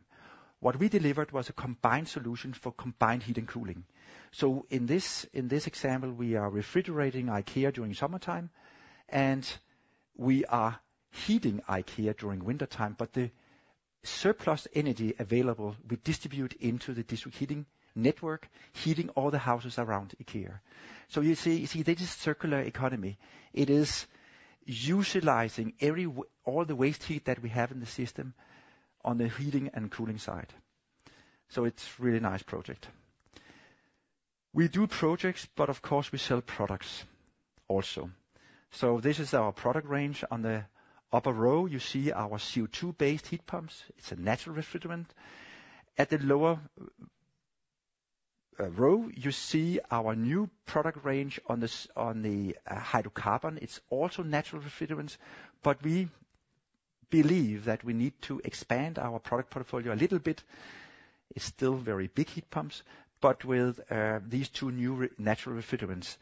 What we delivered was a combined solution for combined heat and cooling. So in this example, we are refrigerating IKEA during summertime, and we are heating IKEA during wintertime, but the surplus energy available, we distribute into the district heating network, heating all the houses around IKEA. So you see, you see, this is circular economy. It is utilizing all the waste heat that we have in the system on the heating and cooling side. So it's really nice project. We do projects, but of course, we sell products also. So this is our product range. On the upper row, you see our CO2-based heat pumps. It's a natural refrigerant. At the lower row, you see our new product range on the hydrocarbon. It's also natural refrigerants, but we believe that we need to expand our product portfolio a little bit. It's still very big heat pumps, but with these two new natural refrigerants.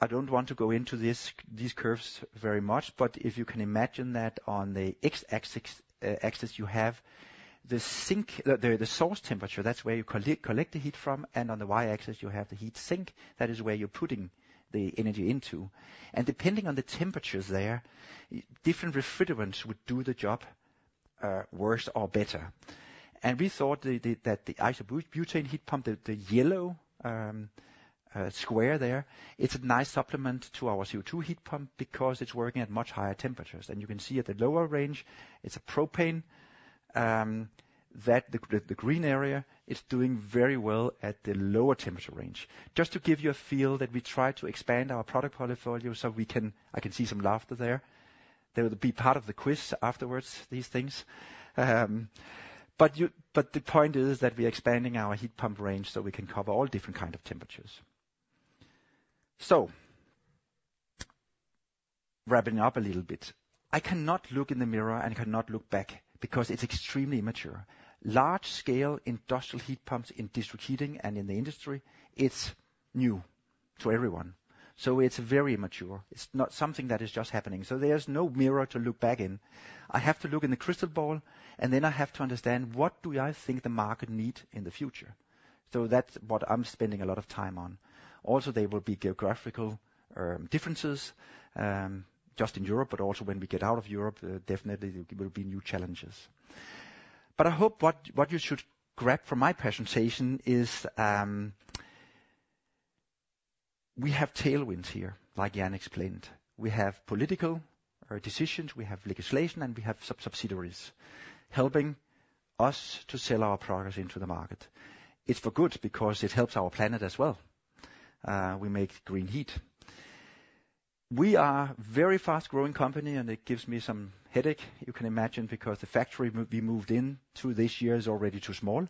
I don't want to go into these curves very much, but if you can imagine that on the X-axis, you have the source temperature, that's where you collect the heat from, and on the Y-axis, you have the heat sink. That is where you're putting the energy into, and depending on the temperatures there, different refrigerants would do the job worse or better. And we thought that the isobutane heat pump, the yellow square there, it's a nice supplement to our CO2 heat pump because it's working at much higher temperatures. And you can see at the lower range, it's a propane that the green area is doing very well at the lower temperature range. Just to give you a feel that we try to expand our product portfolio so we can. I can see some laughter there. They will be part of the quiz afterwards, these things. But you, but the point is that we are expanding our heat pump range so we can cover all different kind of temperatures. So wrapping it up a little bit, I cannot look in the mirror and cannot look back because it's extremely immature. Large-scale industrial heat pumps in district heating and in the industry, it's new to everyone, so it's very immature. It's not something that is just happening, so there's no mirror to look back in. I have to look in the crystal ball, and then I have to understand, what do I think the market need in the future? So that's what I'm spending a lot of time on. Also, there will be geographical differences just in Europe, but also when we get out of Europe, definitely there will be new challenges. But I hope what you should grab from my presentation is, we have tailwinds here, like Jan explained. We have political decisions, we have legislation, and we have some subsidiaries helping us to sell our products into the market. It's for good because it helps our planet as well. We make green heat. We are a very fast-growing company, and it gives me some headache, you can imagine, because the factory we moved into this year is already too small.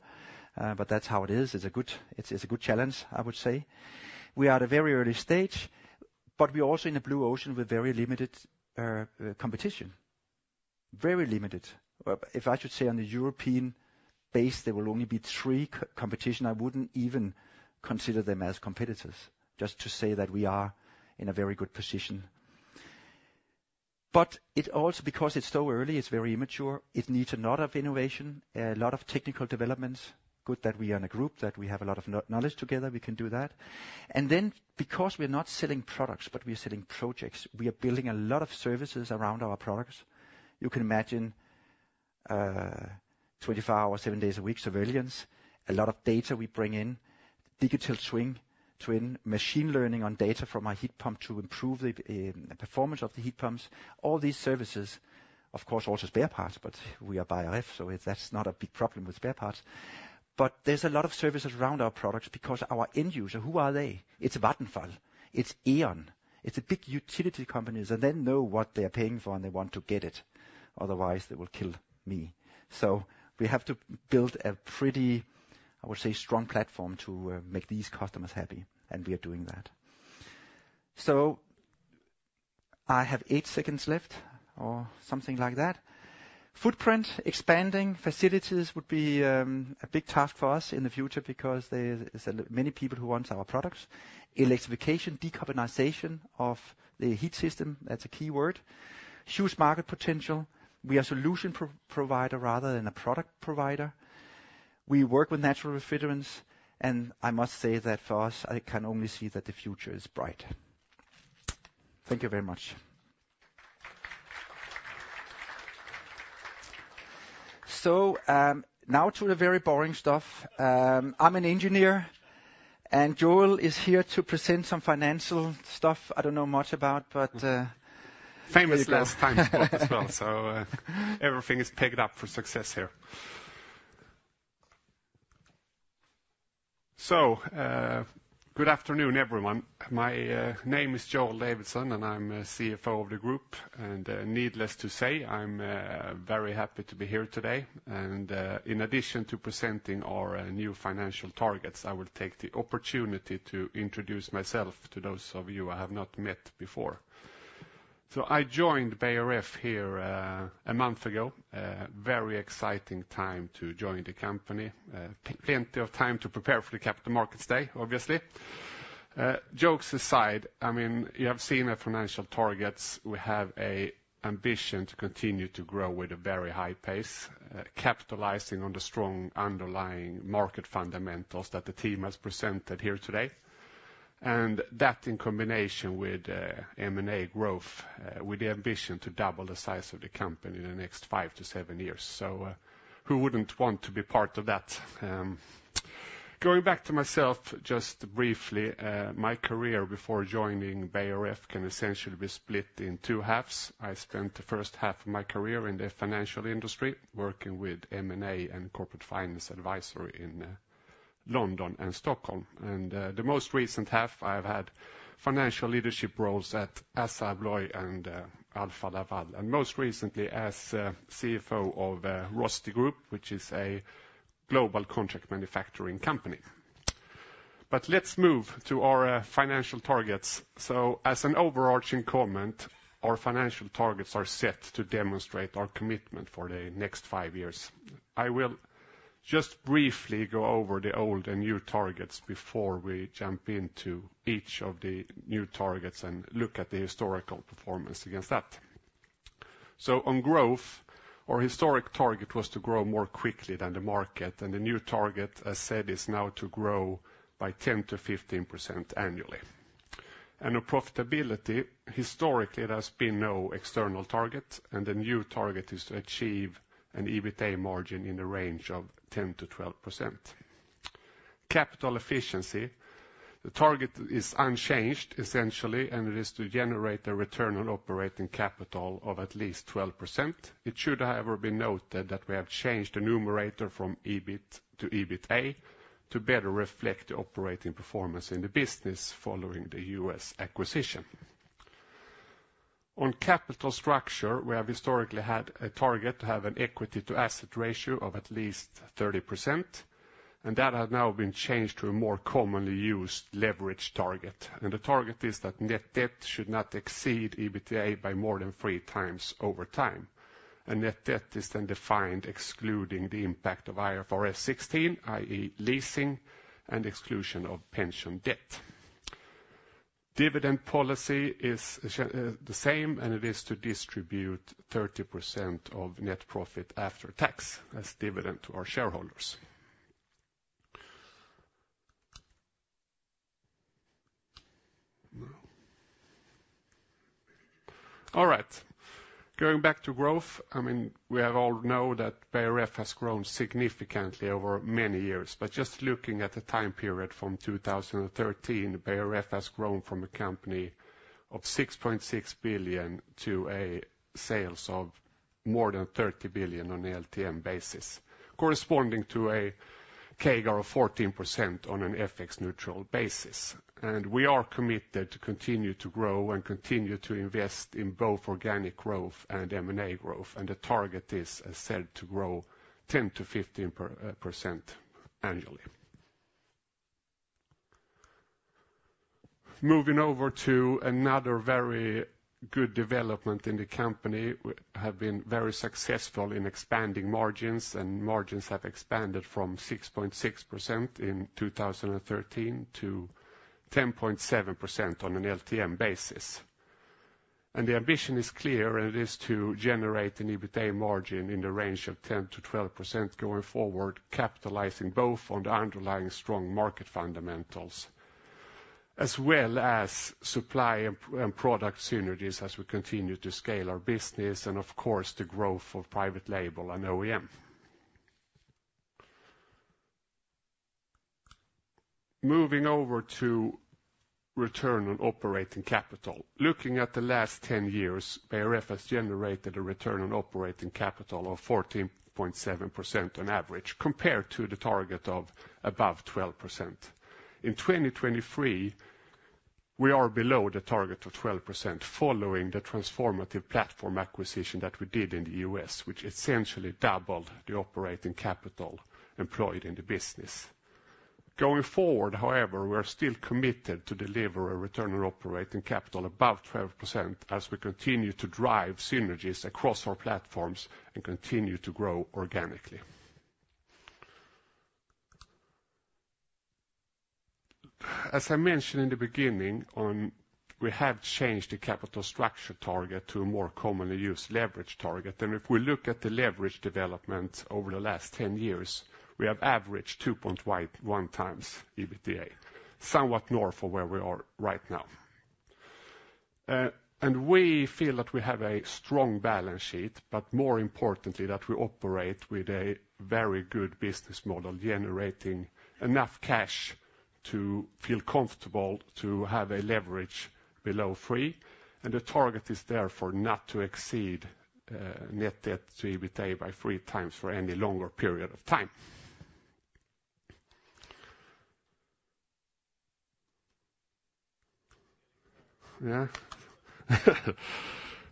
But that's how it is. It's a good challenge, I would say. We are at a very early stage, but we are also in a blue ocean with very limited competition. Very limited. If I should say on a European base, there will only be three competitors. I wouldn't even consider them as competitors, just to say that we are in a very good position. But it also because it's so early, it's very immature, it needs a lot of innovation, a lot of technical developments. Good that we are in a group, that we have a lot of knowledge together, we can do that. And then, because we're not selling products, but we're selling projects, we are building a lot of services around our products. You can imagine, 24 hours, seven days a week, surveillance, a lot of data we bring in, digital twin, machine learning on data from our heat pump to improve the performance of the heat pumps, all these services, of course, also spare parts, but we are Beijer Ref, so that's not a big problem with spare parts. But there's a lot of services around our products because our end user, who are they? It's Vattenfall, it's E.ON. It's the big utility companies, and they know what they are paying for, and they want to get it. Otherwise, they will kill me. So we have to build a pretty, I would say, strong platform to make these customers happy, and we are doing that. So I have eight seconds left or something like that. Footprint, expanding facilities would be a big task for us in the future because there is many people who want our products. Electrification, decarbonization of the heat system, that's a key word. Huge market potential. We are a solution pro-provider rather than a product provider. We work with natural refrigerants, and I must say that for us, I can only see that the future is bright. Thank you very much. So, now to the very boring stuff. I'm an engineer, and Joel is here to present some financial stuff I don't know much about, but Famously last time as well, so, everything is picked up for success here. Good afternoon, everyone. My name is Joel Davidsson, and I'm the CFO of the group, and needless to say, I'm very happy to be here today. In addition to presenting our new financial targets, I will take the opportunity to introduce myself to those of you I have not met before. I joined Beijer Ref here, a month ago. Very exciting time to join the company. Plenty of time to prepare for the Capital Markets Day, obviously. Jokes aside, I mean, you have seen the financial targets. We have an ambition to continue to grow with a very high pace, capitalizing on the strong underlying market fundamentals that the team has presented here today. And that, in combination with M&A growth, with the ambition to double the size of the company in the next five to seven years. So, who wouldn't want to be part of that? Going back to myself, just briefly, my career before joining Beijer Ref can essentially be split in two halves. I spent the first half of my career in the financial industry, working with M&A and corporate finance advisory in London and Stockholm. And the most recent half, I've had financial leadership roles at Assa Abloy and Alfa Laval, and most recently as CFO of Rosti Group, which is a global contract manufacturing company. But let's move to our financial targets. So as an overarching comment, our financial targets are set to demonstrate our commitment for the next five years. I will just briefly go over the old and new targets before we jump into each of the new targets and look at the historical performance against that. So on growth, our historic target was to grow more quickly than the market, and the new target, as said, is now to grow by 10%-15% annually.... and our profitability, historically, there has been no external target, and the new target is to achieve an EBITA margin in the range of 10%-12%. Capital efficiency, the target is unchanged essentially, and it is to generate a return on operating capital of at least 12%. It should, however, be noted that we have changed the numerator from EBIT to EBITA to better reflect the operating performance in the business following the U.S. acquisition. On capital structure, we have historically had a target to have an equity to asset ratio of at least 30%, and that has now been changed to a more commonly used leverage target. The target is that net debt should not exceed EBITA by more than 3x over time. Net debt is then defined excluding the impact of IFRS 16, i.e., leasing and exclusion of pension debt. Dividend policy is the same, and it is to distribute 30% of net profit after tax as dividend to our shareholders. All right, going back to growth, I mean, we have all know that Beijer Ref has grown significantly over many years. But just looking at the time period from 2013, Beijer Ref has grown from a company of 6.6 billion to sales of more than 30 billion on the LTM basis, corresponding to a CAGR of 14% on an FX neutral basis. We are committed to continue to grow and continue to invest in both organic growth and M&A growth. The target is, as said, to grow 10%-15% annually. Moving over to another very good development in the company, we have been very successful in expanding margins, and margins have expanded from 6.6% in 2013 to 10.7% on an LTM basis. The ambition is clear, and it is to generate an EBITA margin in the range of 10%-12% going forward, capitalizing both on the underlying strong market fundamentals as well as supply and product synergies as we continue to scale our business, and of course, the growth of private label and OEM. Moving over to return on operating capital. Looking at the last 10 years, Beijer Ref has generated a return on operating capital of 14.7% on average, compared to the target of above 12%. In 2023, we are below the target of 12%, following the transformative platform acquisition that we did in the U.S., which essentially doubled the operating capital employed in the business. Going forward, however, we are still committed to deliver a return on operating capital above 12% as we continue to drive synergies across our platforms and continue to grow organically. As I mentioned in the beginning, we have changed the capital structure target to a more commonly used leverage target. If we look at the leverage development over the last 10 years, we have averaged 2.1x EBITA, somewhat north of where we are right now. We feel that we have a strong balance sheet, but more importantly, that we operate with a very good business model, generating enough cash to feel comfortable to have a leverage below 3, and the target is therefore not to exceed net debt to EBITA by 3 times for any longer period of time.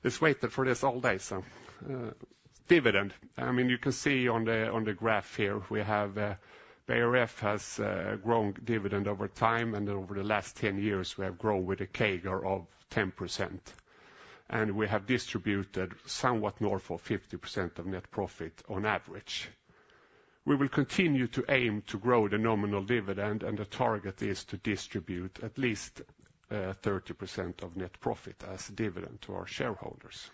Just waited for this all day, so, dividend. I mean, you can see on the, on the graph here, we have, Beijer Ref has grown dividend over time, and over the last 10 years, we have grown with a CAGR of 10%, and we have distributed somewhat north of 50% of net profit on average. We will continue to aim to grow the nominal dividend, and the target is to distribute at least, 30% of net profit as dividend to our shareholders.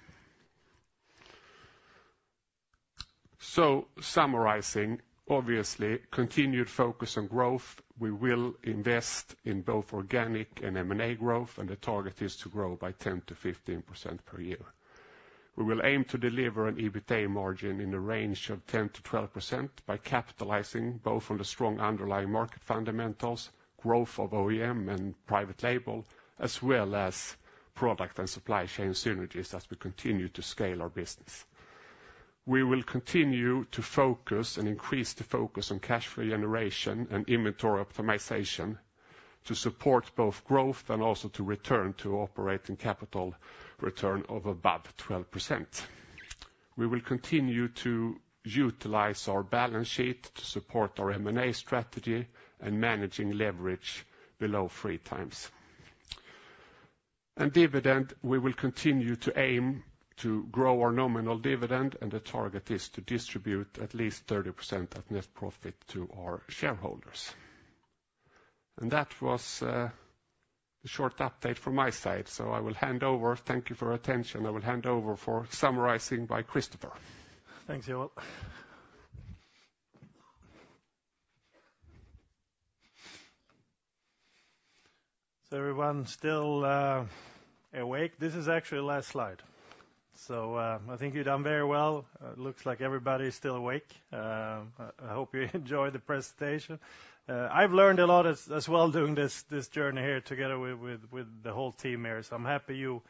So summarizing, obviously, continued focus on growth, we will invest in both organic and M&A growth, and the target is to grow by 10%-15% per year. We will aim to deliver an EBITA margin in the range of 10%-12% by capitalizing both on the strong underlying market fundamentals, growth of OEM and private label, as well as product and supply chain synergies as we continue to scale our business. We will continue to focus and increase the focus on cash free generation and inventory optimization to support both growth and also to return to operating capital return of above 12%. We will continue to utilize our balance sheet to support our M&A strategy and managing leverage below 3x. And dividend, we will continue to aim to grow our nominal dividend, and the target is to distribute at least 30% of net profit to our shareholders. That was a short update from my side, so I will hand over. Thank you for your attention. I will hand over for summarizing by Christopher. Thanks, Joel. So everyone still awake? This is actually the last slide. So, I think you've done very well. It looks like everybody is still awake. I hope you enjoyed the presentation. I've learned a lot as well during this journey here together with the whole team here. So I'm happy you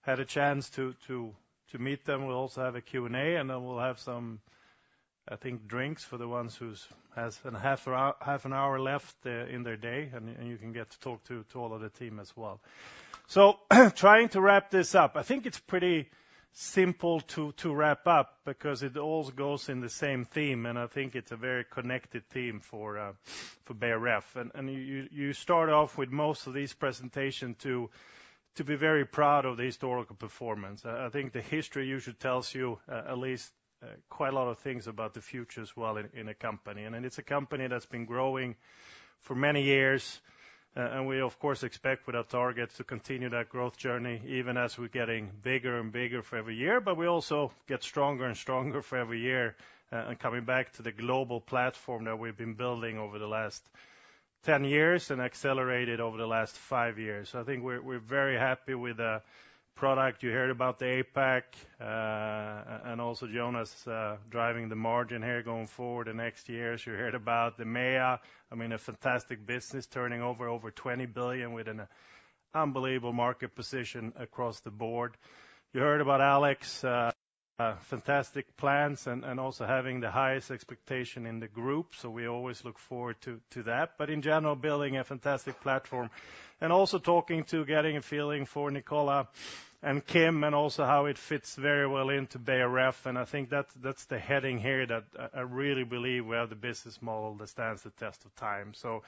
had a chance to meet them. We'll also have a Q&A, and then we'll have some, I think, drinks for the ones who have a half hour left in their day, and you can get to talk to all of the team as well. So trying to wrap this up, I think it's pretty simple to wrap up because it all goes in the same theme, and I think it's a very connected theme for Beijer Ref. And you start off with most of these presentations to be very proud of the historical performance. I think the history usually tells you at least quite a lot of things about the future as well in a company. And it's a company that's been growing for many years, and we, of course, expect with our targets to continue that growth journey, even as we're getting bigger and bigger for every year. But we also get stronger and stronger for every year. And coming back to the global platform that we've been building over the last 10 years and accelerated over the last five years. So I think we're very happy with the product. You heard about the APAC, and also Jonas driving the margin here going forward the next years. You heard about the EMEA, I mean, a fantastic business, turning over 20 billion with an unbelievable market position across the board. You heard about Alex, fantastic plans and, and also having the highest expectation in the group, so we always look forward to, to that. But in general, building a fantastic platform. And also talking to getting a feeling for Nicola and Kim, and also how it fits very well into Beijer Ref, and I think that's, that's the heading here that I, I really believe we have the business model that stands the test of time. So,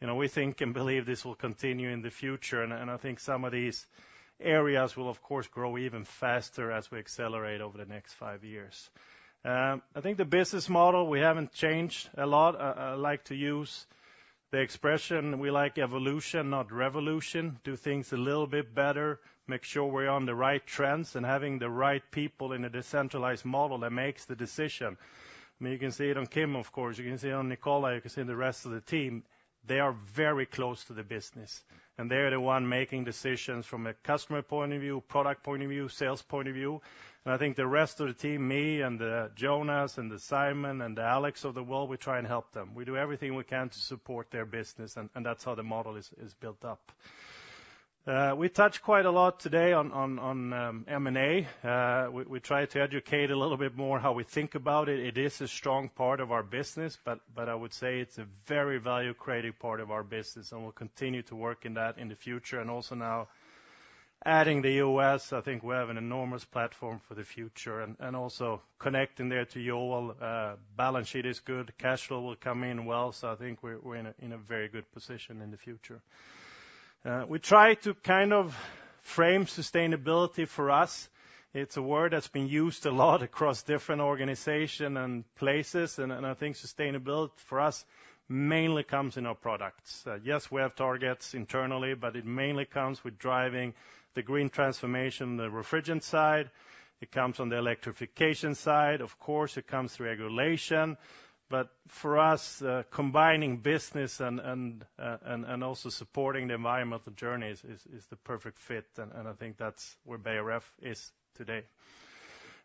you know, we think and believe this will continue in the future, and, and I think some of these areas will, of course, grow even faster as we accelerate over the next five years. I think the business model, we haven't changed a lot. I like to use the expression, we like evolution, not revolution. Do things a little bit better, make sure we're on the right trends, and having the right people in a decentralized model that makes the decision. I mean, you can see it on Kim, of course, you can see it on Nicola, you can see in the rest of the team, they are very close to the business, and they're the one making decisions from a customer point of view, product point of view, sales point of view. And I think the rest of the team, me and, Jonas, and Simon, and Alex of the world, we try and help them. We do everything we can to support their business, and, and that's how the model is built up. We touched quite a lot today on M&A. We, we tried to educate a little bit more how we think about it. It is a strong part of our business, but, but I would say it's a very value-creating part of our business, and we'll continue to work in that in the future. And also now, adding the U.S., I think we have an enormous platform for the future. And, and also connecting there to Joel, balance sheet is good, cash flow will come in well, so I think we're, we're in a, in a very good position in the future. We try to kind of frame sustainability for us. It's a word that's been used a lot across different organization and places, and, and I think sustainability for us mainly comes in our products. Yes, we have targets internally, but it mainly comes with driving the green transformation, the refrigerant side. It comes on the electrification side, of course. It comes through regulation. But for us, combining business and also supporting the environmental journey is the perfect fit. And I think that's where Beijer Ref is today.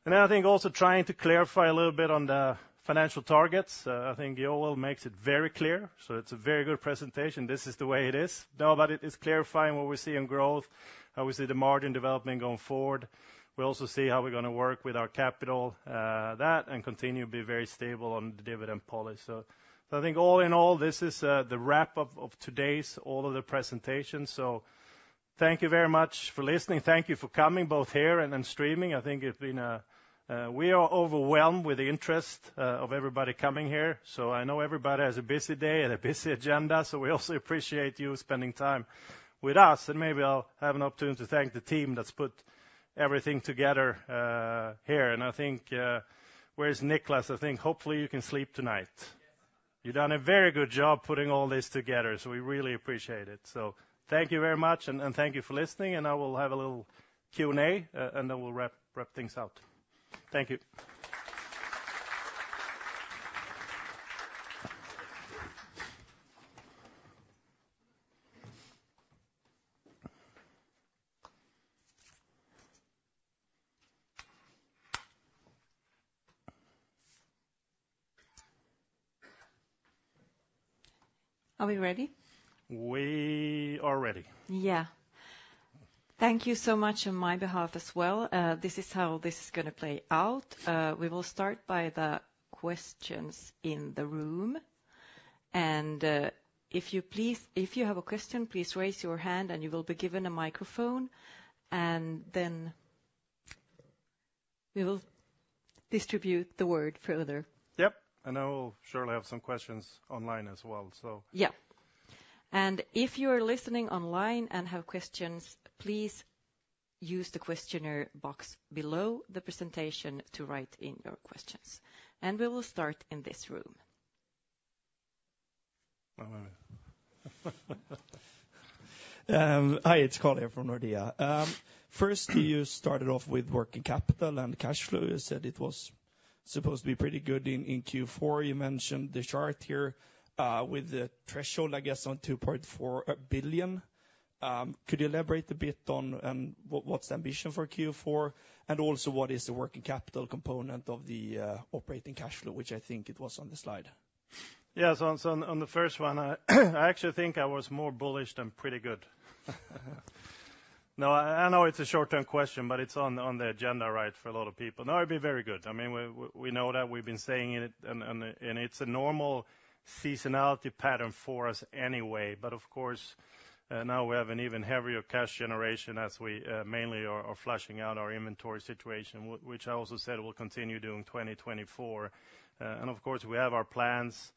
And then I think also trying to clarify a little bit on the financial targets. I think Joel makes it very clear, so it's a very good presentation. This is the way it is. No, but it is clarifying what we see in growth, how we see the margin development going forward. We also see how we're gonna work with our capital, and continue to be very stable on the dividend policy. So I think all in all, this is the wrap up of today's all of the presentations. So thank you very much for listening. Thank you for coming, both here and in streaming. I think it's been a... We are overwhelmed with the interest of everybody coming here. So I know everybody has a busy day and a busy agenda, so we also appreciate you spending time with us. And maybe I'll have an opportunity to thank the team that's put everything together here. And I think, where's Niklas? I think hopefully you can sleep tonight. You've done a very good job putting all this together, so we really appreciate it. So thank you very much, and thank you for listening, and I will have a little Q&A, and then we'll wrap things out. Thank you. Are we ready? We are ready. Yeah. Thank you so much on my behalf as well. This is how this is gonna play out. We will start by the questions in the room, and, if you please, if you have a question, please raise your hand and you will be given a microphone, and then we will distribute the word further. Yep, and I will surely have some questions online as well, so. Yeah. If you are listening online and have questions, please use the question box below the presentation to write in your questions. We will start in this room. Oh, wait, wait. Hi, it's Carl here from Nordea. First, you started off with working capital and cash flow. You said it was supposed to be pretty good in Q4. You mentioned the chart here with the threshold, I guess, on 2.4 billion. Could you elaborate a bit on what's the ambition for Q4? And also, what is the working capital component of the operating cash flow, which I think it was on the slide. Yeah. So on the first one, I actually think I was more bullish than pretty good. No, I know it's a short-term question, but it's on the agenda, right, for a lot of people. No, it'd be very good. I mean, we know that. We've been saying it, and it's a normal seasonality pattern for us anyway. But of course, now we have an even heavier cash generation as we mainly are flushing out our inventory situation, which I also said we'll continue doing 2024. And of course, we have our plans.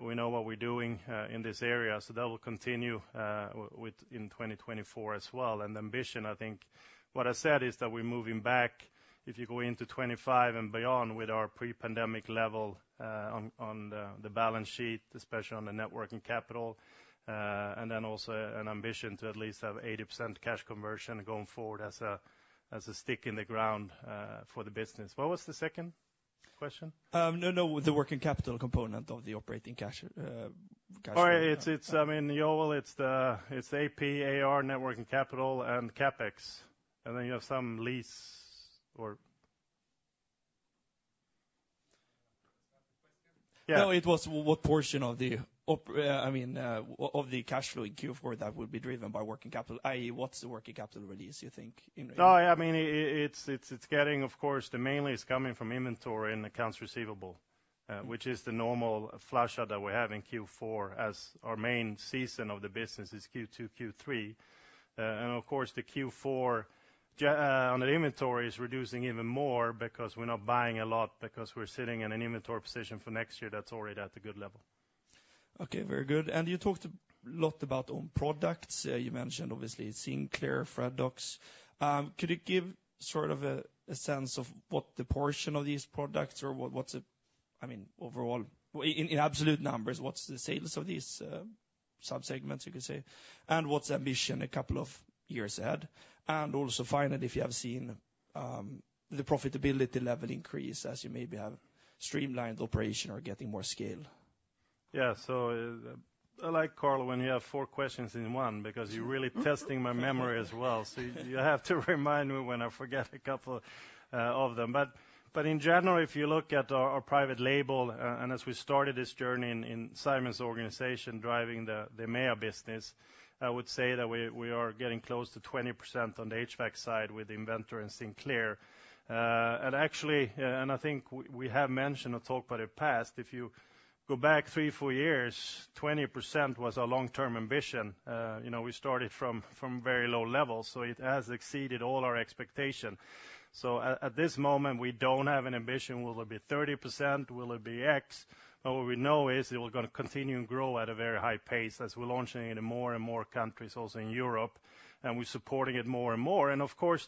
We know what we're doing in this area, so that will continue in 2024 as well. Ambition, I think what I said is that we're moving back, if you go into 2025 and beyond, with our pre-pandemic level, on the balance sheet, especially on the net working capital, and then also an ambition to at least have 80% cash conversion going forward as a stick in the ground, for the business. What was the second question? No, no, the working capital component of the operating cash, cash flow. Oh, yeah, it's... I mean, yeah, well, it's the AP, AR, net working capital, and CapEx, and then you have some lease or- Repeat the question? Yeah. No, it was what portion of the, I mean, of the cash flow in Q4 that would be driven by working capital, i.e., what's the working capital release, you think, in. Oh, yeah, I mean, it's getting, of course, the mainly is coming from inventory and accounts receivable, which is the normal flush-out that we have in Q4 as our main season of the business is Q2, Q3. And of course, the Q4 on the inventory is reducing even more because we're not buying a lot, because we're sitting in an inventory position for next year that's already at a good level. Okay, very good. And you talked a lot about own products. You mentioned obviously Sinclair, Freddox. Could you give sort of a, a sense of what the portion of these products or what, what's the, I mean, overall, in absolute numbers, what's the sales of these, sub-segments, you could say? And what's the ambition a couple of years ahead? And also, finally, if you have seen, the profitability level increase as you maybe have streamlined the operation or getting more scale. Yeah. So I like, Carl, when you have four questions in one, because you're really testing my memory as well. So you have to remind me when I forget a couple of them. But in general, if you look at our private label, and as we started this journey in Simon's organization, driving the MEA business, I would say that we are getting close to 20% on the HVAC side with Inventor and Sinclair. And actually, and I think we have mentioned or talked about it in the past, if you go back three to four years, 20% was our long-term ambition. You know, we started from very low levels, so it has exceeded all our expectation. So at this moment, we don't have an ambition. Will it be 30%? Will it be X? But what we know is that we're gonna continue and grow at a very high pace as we're launching it in more and more countries, also in Europe, and we're supporting it more and more. And of course,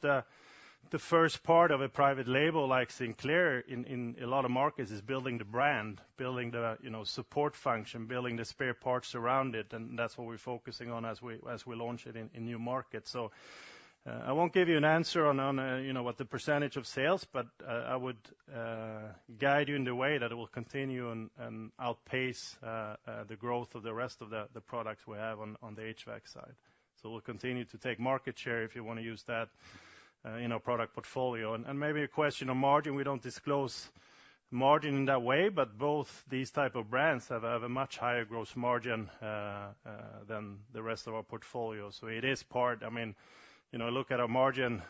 the first part of a private label like Sinclair in a lot of markets is building the brand, building the, you know, support function, building the spare parts around it, and that's what we're focusing on as we launch it in new markets. So, I won't give you an answer on, you know, what the percentage of sales, but I would guide you in the way that it will continue and outpace the growth of the rest of the products we have on the HVAC side. So we'll continue to take market share, if you want to use that, in our product portfolio. And maybe a question on margin. We don't disclose margin in that way, but both these type of brands have a much higher gross margin than the rest of our portfolio. So it is part. I mean, you know, look at our margin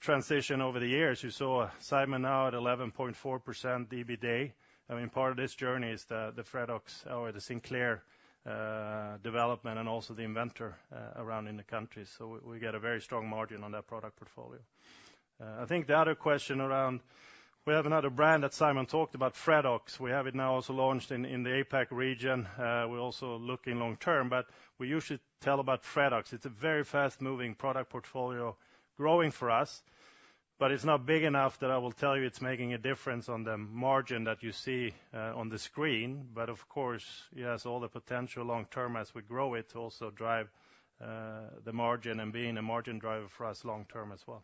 transition over the years. You saw Simon now at 11.4% EBITA. I mean, part of this journey is the Freddox or the Sinclair development and also the Inventor around in the country. So we get a very strong margin on that product portfolio. I think the other question around, we have another brand that Simon talked about, Freddox. We have it now also launched in the APAC region. We're also looking long term, but we usually tell about Freddox. It's a very fast-moving product portfolio growing for us, but it's not big enough that I will tell you it's making a difference on the margin that you see on the screen. But of course, it has all the potential long term as we grow it to also drive the margin and being a margin driver for us long term as well.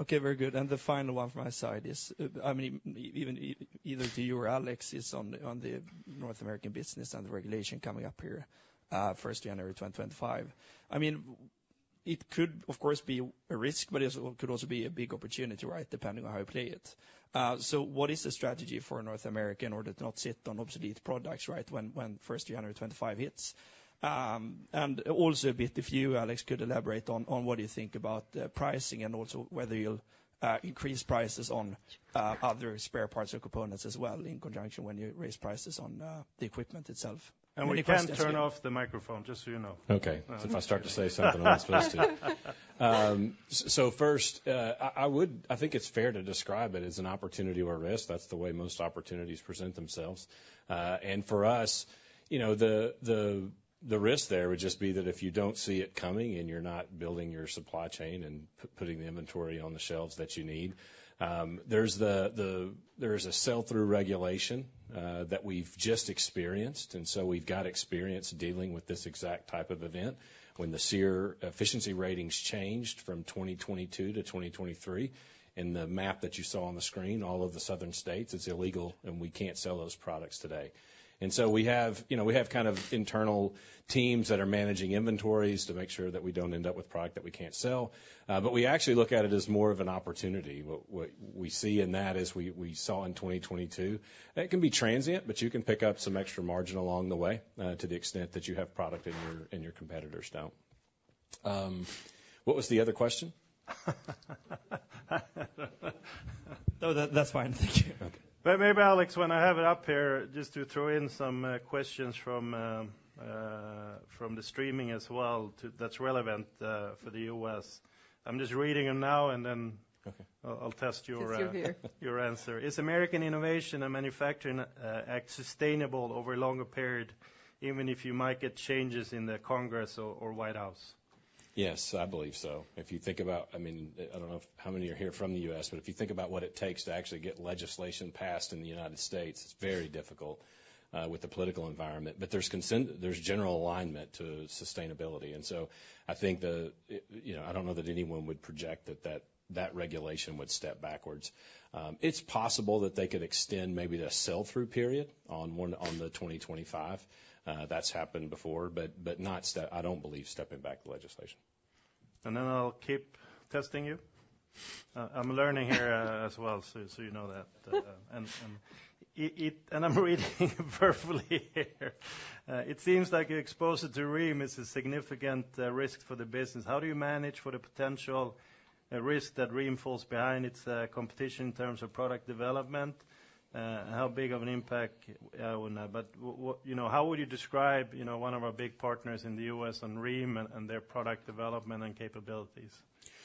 Okay, very good. And the final one from my side is, I mean, either to you or Alex, is on the North American business and the regulation coming up here, first January 2025. I mean, it could, of course, be a risk, but it could also be a big opportunity, right? Depending on how you play it. So what is the strategy for North America in order to not sit on obsolete products, right, when first January 2025 hits? And also a bit, if you, Alex, could elaborate on what you think about pricing and also whether you'll increase prices on other spare parts or components as well in conjunction when you raise prices on the equipment itself. You can turn off the microphone, just so you know. Okay. So if I start to say something I'm not supposed to. So first, I think it's fair to describe it as an opportunity or risk. That's the way most opportunities present themselves. And for us, you know, the risk there would just be that if you don't see it coming, and you're not building your supply chain and putting the inventory on the shelves that you need, there's a sell-through regulation that we've just experienced, and so we've got experience dealing with this exact type of event. When the SEER efficiency ratings changed from 2022 to 2023, in the map that you saw on the screen, all of the southern states, it's illegal, and we can't sell those products today. We have, you know, we have kind of internal teams that are managing inventories to make sure that we don't end up with product that we can't sell. But we actually look at it as more of an opportunity. What we see in that is, we saw in 2022, it can be transient, but you can pick up some extra margin along the way, to the extent that you have product and your competitors don't. What was the other question? No, that, that's fine. Thank you. Okay. But maybe, Alex, when I have it up here, just to throw in some questions from the streaming as well, that's relevant for the U.S. I'm just reading them now, and then- Okay. I'll test your. Test you here. Your answer. Is American innovation and manufacturing sustainable over a longer period, even if you might get changes in the Congress or White House? Yes, I believe so. If you think about... I mean, I don't know if how many are here from the U.S., but if you think about what it takes to actually get legislation passed in the United States, it's very difficult with the political environment. But there's consent, there's general alignment to sustainability, and so I think the, you know, I don't know that anyone would project that, that, that regulation would step backwards. It's possible that they could extend maybe the sell-through period on when, on the 2025. That's happened before, but, but not, I don't believe stepping back the legislation. And then I'll keep testing you. I'm learning here, as well, so you know that. And I'm reading verbally here. It seems like your exposure to Rheem is a significant risk for the business. How do you manage for the potential risk that Rheem falls behind its competition in terms of product development? How big of an impact would that... But what, you know, how would you describe, you know, one of our big partners in the U.S. on Rheem and their product development and capabilities?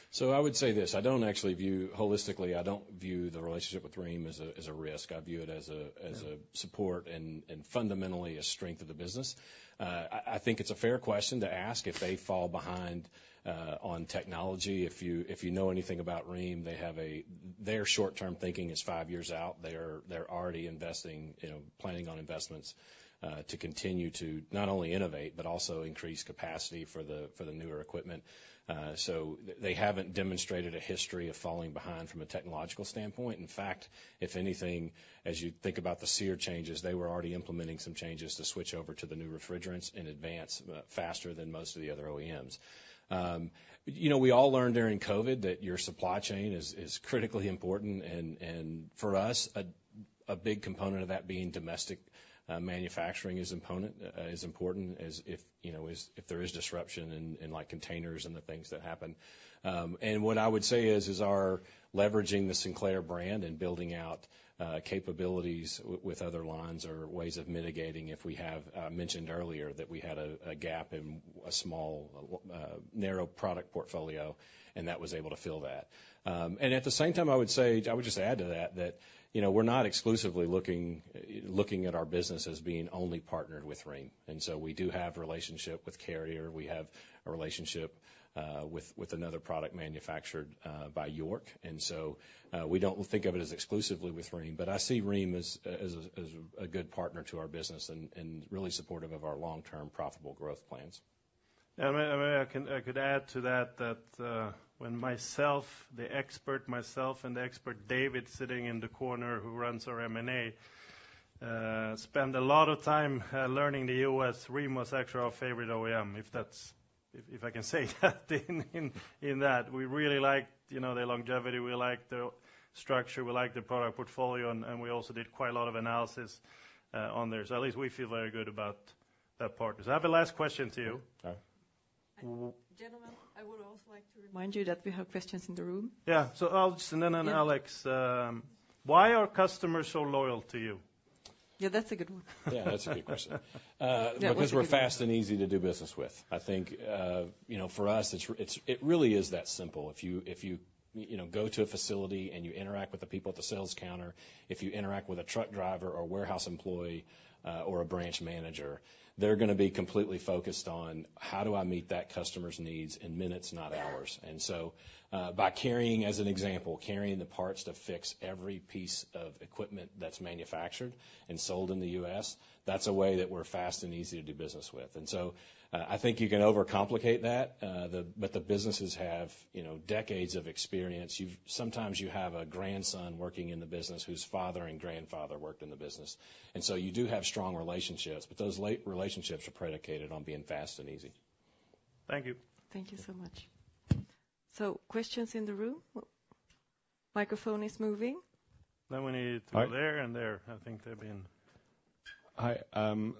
So I would say this: I don't actually view... Holistically, I don't view the relationship with Rheem as a, as a. Mm-hmm. Support and fundamentally, a strength of the business. I think it's a fair question to ask if they fall behind on technology. If you know anything about Rheem, they have a their short-term thinking is five years out. They're already investing, you know, planning on investments to continue to not only innovate, but also increase capacity for the newer equipment. So they haven't demonstrated a history of falling behind from a technological standpoint. In fact, if anything, as you think about the SEER changes, they were already implementing some changes to switch over to the new refrigerants in advance faster than most of the other OEMs. You know, we all learned during COVID that your supply chain is critically important, and for us, a big component of that being domestic manufacturing is important, as if there is disruption in like containers and the things that happen. And what I would say is our leveraging the Sinclair brand and building out capabilities with other lines are ways of mitigating if we have mentioned earlier that we had a gap in a small narrow product portfolio, and that was able to fill that. And at the same time, I would say, I would just add to that, that you know, we're not exclusively looking at our business as being only partnered with Rheem, and so we do have relationship with Carrier. We have a relationship with another product manufactured by York. And so, we don't think of it as exclusively with Rheem, but I see Rheem as a good partner to our business and really supportive of our long-term profitable growth plans. I can add to that, when myself and the expert David, sitting in the corner, who runs our M&A, spend a lot of time learning the US, Rheem was actually our favorite OEM, if that's – if I can say that in that. We really liked, you know, the longevity, we liked the structure, we liked the product portfolio, and we also did quite a lot of analysis on there. I have a last question to you. Okay. Gentlemen, I would also like to remind you that we have questions in the room. Yeah. So then, Alex, why are customers so loyal to you? Yeah, that's a good one. Yeah, that's a good question. Yeah. Because we're fast and easy to do business with. I think, you know, for us, it's really that simple. If you know, go to a facility, and you interact with the people at the sales counter, if you interact with a truck driver or warehouse employee or a branch manager, they're gonna be completely focused on: How do I meet that customer's needs in minutes, not hours? And so, by carrying, as an example, carrying the parts to fix every piece of equipment that's manufactured and sold in the U.S., that's a way that we're fast and easy to do business with. And so, I think you can overcomplicate that, but the businesses have, you know, decades of experience. You sometimes have a grandson working in the business whose father and grandfather worked in the business, and so you do have strong relationships, but those long relationships are predicated on being fast and easy. Thank you. Thank you so much. Questions in the room? Microphone is moving. Then we need to go there. Hi. And there. I think they've been. Hi.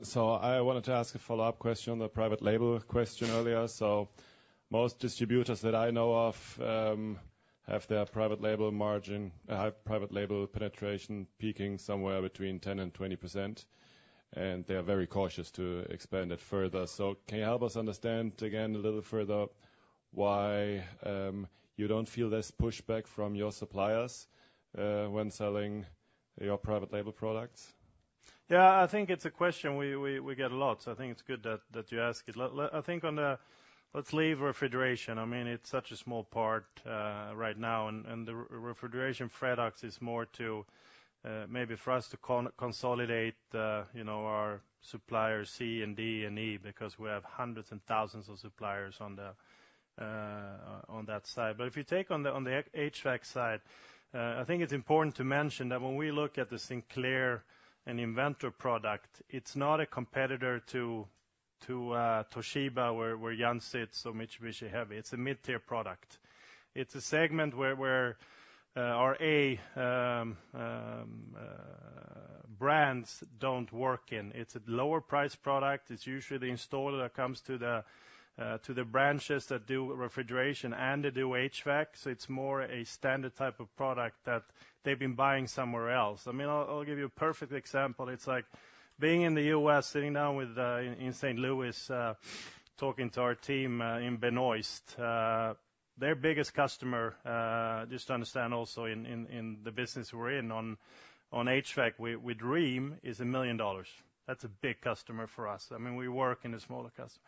So I wanted to ask a follow-up question on the private label question earlier. So most distributors that I know of have their private label margin have private label penetration peaking somewhere between 10%-20%, and they are very cautious to expand it further. So can you help us understand again, a little further, why you don't feel this pushback from your suppliers when selling your private label products? Yeah, I think it's a question we get a lot, so I think it's good that you ask it. I think on the... Let's leave refrigeration. I mean, it's such a small part right now, and the refrigeration Freddox is more to maybe for us to consolidate, you know, our suppliers C and D and E, because we have hundreds and thousands of suppliers on the on that side. But if you take on the on the HVAC side, I think it's important to mention that when we look at the Sinclair and Inventor product, it's not a competitor to to Toshiba, where Yann sits, so Mitsubishi Heavy. It's a mid-tier product. It's a segment where our A brands don't work in. It's a lower-priced product. It's usually the installer that comes to the branches that do refrigeration and they do HVAC. So it's more a standard type of product that they've been buying somewhere else. I mean, I'll give you a perfect example. It's like being in the U.S., sitting down with in St. Louis, talking to our team in Benoist. Their biggest customer, just to understand also in the business we're in on HVAC, we with Rheem, is $1 million. That's a big customer for us. I mean, we work in the smaller customer.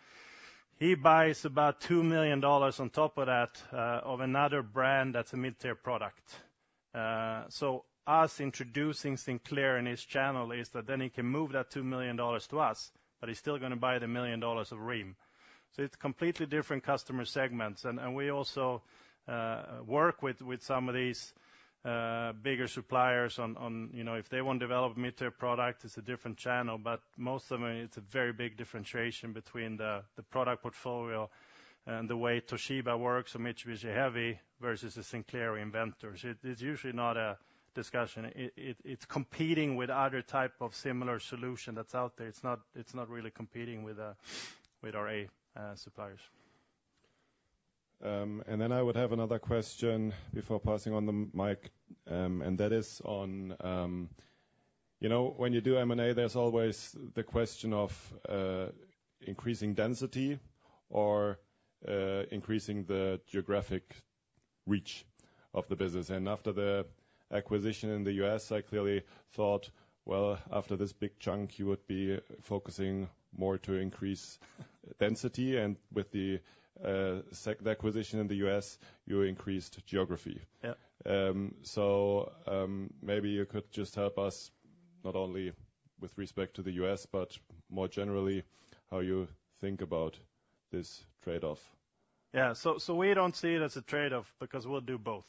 He buys about $2 million on top of that of another brand that's a mid-tier product. So us introducing Sinclair in his channel is that then he can move that $2 million to us, but he's still gonna buy the $1 million of Rheem. So it's completely different customer segments, and we also work with some of these bigger suppliers on, you know, if they want to develop mid-tier product, it's a different channel, but most of them, it's a very big differentiation between the product portfolio and the way Toshiba works or Mitsubishi Heavy versus the Sinclair Inventor. It's usually not a discussion. It's competing with other type of similar solution that's out there. It's not really competing with our A suppliers. And then I would have another question before passing on the mic, and that is on... You know, when you do M&A, there's always the question of, increasing density or, increasing the geographic reach of the business. And after the acquisition in the U.S., I clearly thought, well, after this big chunk, you would be focusing more to increase density, and with the, the acquisition in the U.S., you increased geography. Yeah. So, maybe you could just help us, not only with respect to the U.S., but more generally, how you think about this trade-off? Yeah. So, so we don't see it as a trade-off because we'll do both.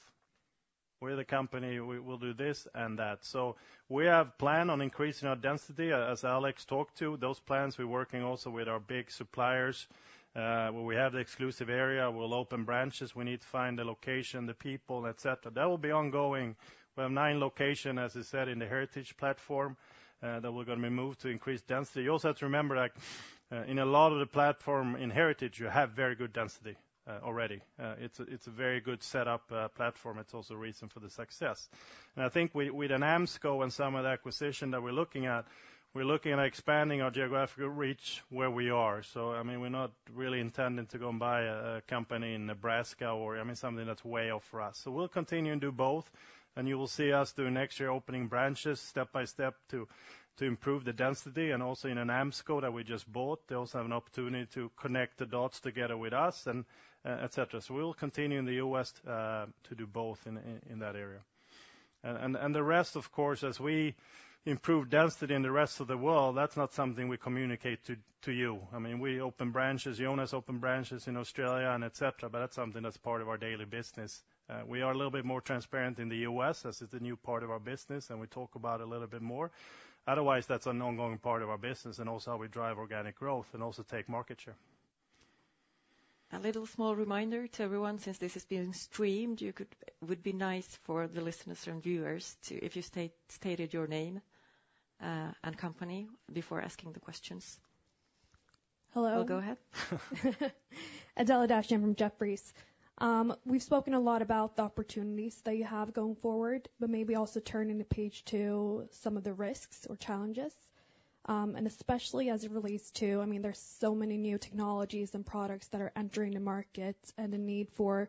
We're the company, we will do this and that. So we have plan on increasing our density, as Alex talked to. Those plans, we're working also with our big suppliers, where we have the exclusive area, we'll open branches. We need to find the location, the people, et cetera. That will be ongoing. We have nine location, as I said, in the Heritage platform, that we're gonna be moved to increase density. You also have to remember that, in a lot of the platform in Heritage, you have very good density, already. It's a, it's a very good setup, platform. It's also reason for the success. I think with the AMSCO and some of the acquisition that we're looking at, we're looking at expanding our geographical reach where we are. So, I mean, we're not really intending to go and buy a company in Nebraska or, I mean, something that's way off for us. So we'll continue and do both, and you will see us doing next year opening branches step by step to improve the density and also in the AMSCO that we just bought. They also have an opportunity to connect the dots together with us and et cetera. So we'll continue in the U.S. to do both in that area. And the rest, of course, as we improve density in the rest of the world, that's not something we communicate to you. I mean, we open branches, Jonas open branches in Australia and et cetera, but that's something that's part of our daily business. We are a little bit more transparent in the US, as it's a new part of our business, and we talk about it a little bit more. Otherwise, that's an ongoing part of our business and also how we drive organic growth and also take market share. A little small reminder to everyone, since this is being streamed, would be nice for the listeners and viewers if you stated your name and company before asking the questions. Hello. Well, go ahead. Adela Dashian from Jefferies. We've spoken a lot about the opportunities that you have going forward, but maybe also turning the page to some of the risks or challenges, and especially as it relates to, I mean, there's so many new technologies and products that are entering the market and the need for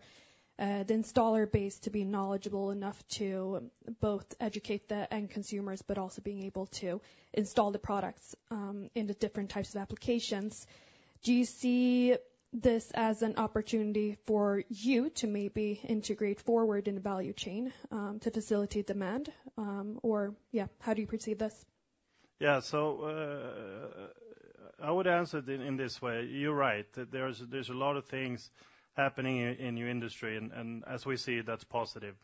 the installer base to be knowledgeable enough to both educate the end consumers, but also being able to install the products into different types of applications. Do you see this as an opportunity for you to maybe integrate forward in the value chain to facilitate demand? Or, yeah, how do you perceive this? Yeah. So, I would answer it in, in this way: You're right, that there's, there's a lot of things happening in, in your industry, and, and as we see, that's positive.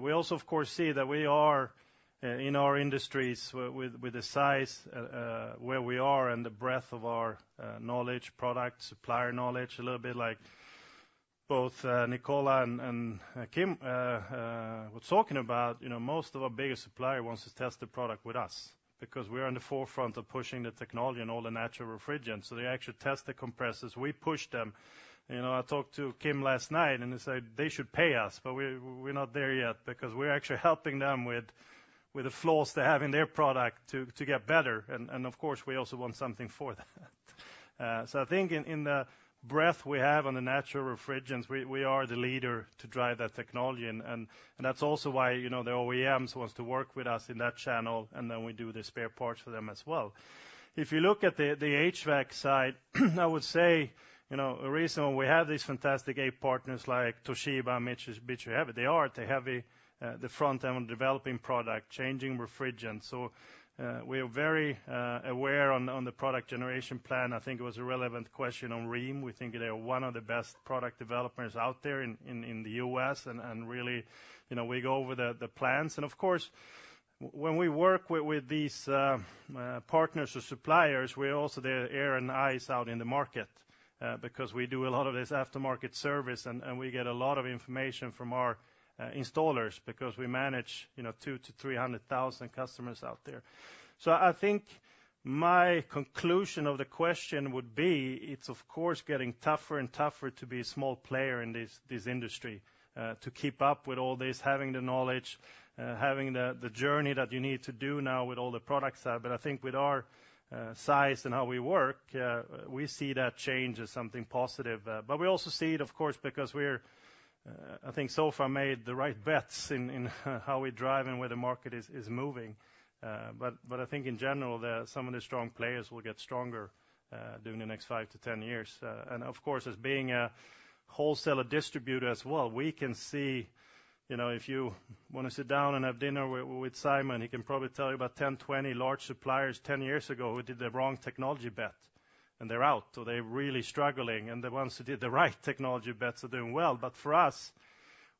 We also, of course, see that we are in our industries with, with the size, where we are and the breadth of our knowledge, product, supplier knowledge, a little bit like both Nicola and Kim were talking about, you know, most of our biggest supplier wants to test the product with us because we're on the forefront of pushing the technology and all the natural refrigerants, so they actually test the compressors. We push them. You know, I talked to Kim last night, and he said, "They should pay us," but we're, we're not there yet because we're actually helping them with, with the flaws they have in their product to, to get better. And, and, of course, we also want something for that. So I think in, in the breadth we have on the natural refrigerants, we, we are the leader to drive that technology, and, and, and that's also why, you know, the OEMs wants to work with us in that channel, and then we do the spare parts for them as well. If you look at the, the HVAC side, I would say, you know, the reason we have these fantastic eight partners like Toshiba, Mitsubishi Heavy, they are, they have a, the front end on developing product, changing refrigerants. So, we are very aware on the product generation plan. I think it was a relevant question on Rheem. We think they are one of the best product developers out there in the U.S., and really, you know, we go over the plans. And of course, when we work with these partners or suppliers, we're also the ear and eyes out in the market, because we do a lot of this aftermarket service, and we get a lot of information from our installers because we manage, you know, 200,000-300,000 customers out there. So I think my conclusion of the question would be, it's of course getting tougher and tougher to be a small player in this industry to keep up with all this, having the knowledge, having the journey that you need to do now with all the products out. But I think with our size and how we work, we see that change as something positive. But we also see it, of course, because we're, I think so far made the right bets in how we drive and where the market is moving. But I think in general, some of the strong players will get stronger during the next five-10 years. And of course, as being a wholesaler distributor as well, we can see, you know, if you want to sit down and have dinner with, with Simon, he can probably tell you about 10, 20 large suppliers 10 years ago who did the wrong technology bet, and they're out, or they're really struggling. And the ones who did the right technology bets are doing well. But for us,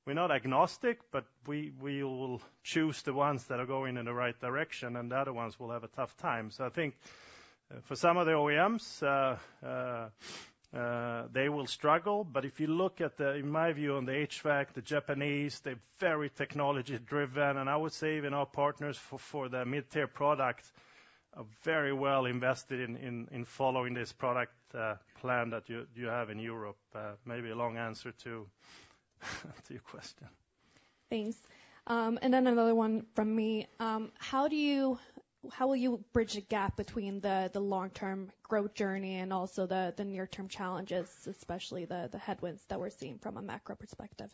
we're not agnostic, but we, we will choose the ones that are going in the right direction, and the other ones will have a tough time. So I think, for some of the OEMs, they will struggle. But if you look at the... In my view, on the HVAC, the Japanese, they're very technology-driven, and I would say even our partners for their mid-tier products are very well invested in following this product plan that you have in Europe. Maybe a long answer to your question. Thanks. And then another one from me. How will you bridge the gap between the long-term growth journey and also the near-term challenges, especially the headwinds that we're seeing from a macro perspective?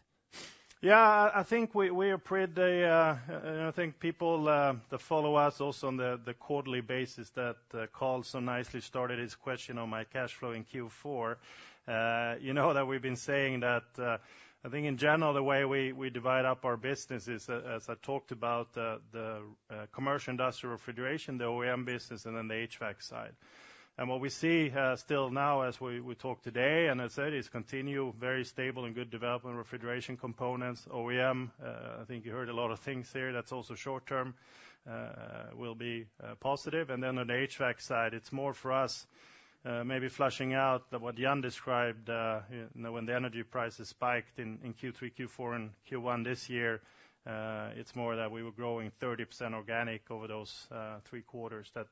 Yeah, I think we are pretty. And I think people that follow us also on the quarterly basis, that Carl so nicely started his question on my cash flow in Q4. You know that we've been saying that. I think in general, the way we divide up our business is, as I talked about, the commercial industrial refrigeration, the OEM business, and then the HVAC side. And what we see still now as we talk today, and I said, is continue very stable and good development, refrigeration components. OEM, I think you heard a lot of things there that's also short term will be positive. Then on the HVAC side, it's more for us, maybe flushing out what Jan described, you know, when the energy prices spiked in Q3, Q4 and Q1 this year, it's more that we were growing 30% organic over those three quarters, that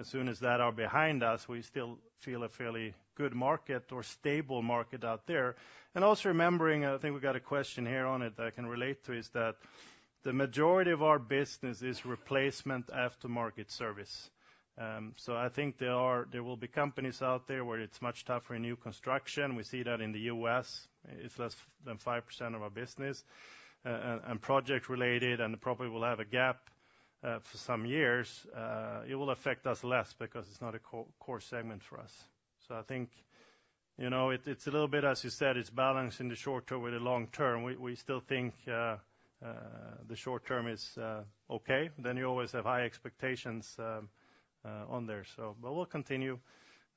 as soon as that are behind us, we still feel a fairly good market or stable market out there. And also remembering, I think we've got a question here on it that I can relate to, is that the majority of our business is replacement aftermarket service. So I think there will be companies out there where it's much tougher in new construction. We see that in the U.S., it's less than 5% of our business, and project-related, and probably will have a gap for some years. It will affect us less because it's not a core, core segment for us. So I think, you know, it, it's a little bit, as you said, it's balanced in the short term with the long term. We, we still think the short term is okay, then you always have high expectations on there. So but we'll continue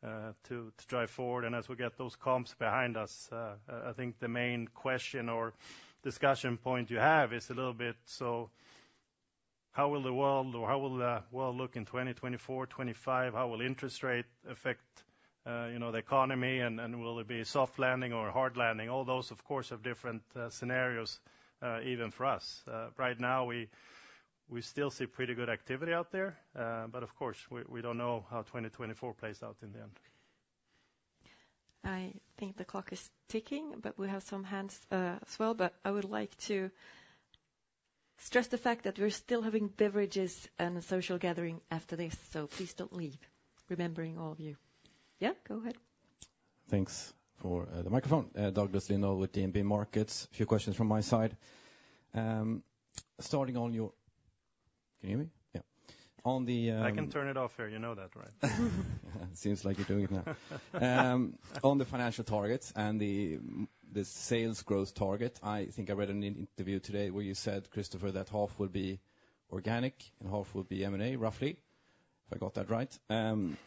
to, to drive forward, and as we get those comps behind us, I, I think the main question or discussion point you have is a little bit, so how will the world or how will the world look in 2024, 2025? How will interest rate affect, you know, the economy? And, and will it be soft landing or hard landing? All those, of course, have different scenarios even for us. Right now, we still see pretty good activity out there, but of course, we don't know how 2024 plays out in the end. I think the clock is ticking, but we have some hands as well. But I would like to stress the fact that we're still having beverages and a social gathering after this, so please don't leave. Remembering all of you. Yeah, go ahead. Thanks for the microphone. Douglas Lindahl with DNB Markets. A few questions from my side. Starting on your... Can you hear me? Yeah. On the, I can turn it off here, you know that, right? Seems like you're doing it now. On the financial targets and the sales growth target, I think I read an interview today where you said, Christopher, that half would be organic and half would be M&A, roughly, if I got that right.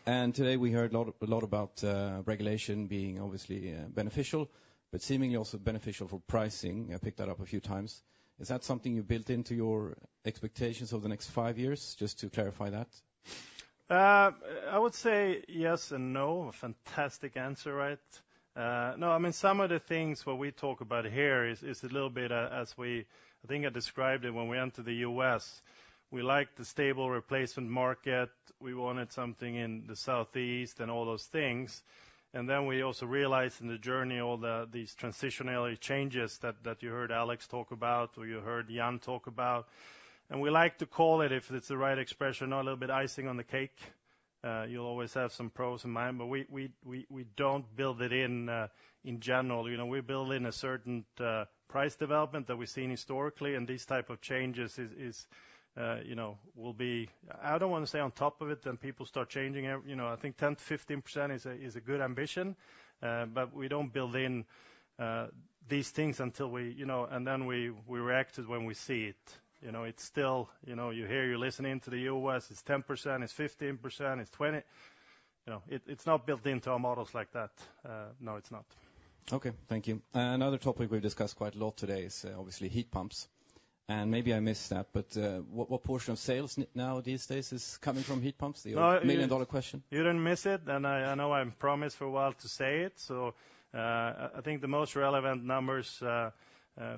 Today we heard a lot, a lot about regulation being obviously beneficial, but seemingly also beneficial for pricing. I picked that up a few times. Is that something you built into your expectations over the next five years? Just to clarify that. I would say yes and no. A fantastic answer, right? No, I mean, some of the things what we talk about here is a little bit, as we... I think I described it when we went to the U.S., we liked the stable replacement market. We wanted something in the Southeast and all those things. And then we also realized in the journey, all the, these transitional changes that you heard Alex talk about, or you heard Jan talk about. And we like to call it, if it's the right expression, or a little bit icing on the cake, you'll always have some pros in mind, but we don't build it in, in general. You know, we build in a certain price development that we've seen historically, and these type of changes is, you know, will be—I don't want to say on top of it, then people start changing. You know, I think 10%-15% is a good ambition. But we don't build in these things until we, you know, and then we reacted when we see it. You know, it's still... You know, you hear, you're listening to the U.S., it's 10%, it's 15%, it's 20%. You know, it, it's not built into our models like that. No, it's not. Okay, thank you. Another topic we've discussed quite a lot today is, obviously, heat pumps. Maybe I missed that, but what, what portion of sales now, these days, is coming from heat pumps? The million-dollar question. You didn't miss it, and I, I know I promised for a while to say it, so, I think the most relevant numbers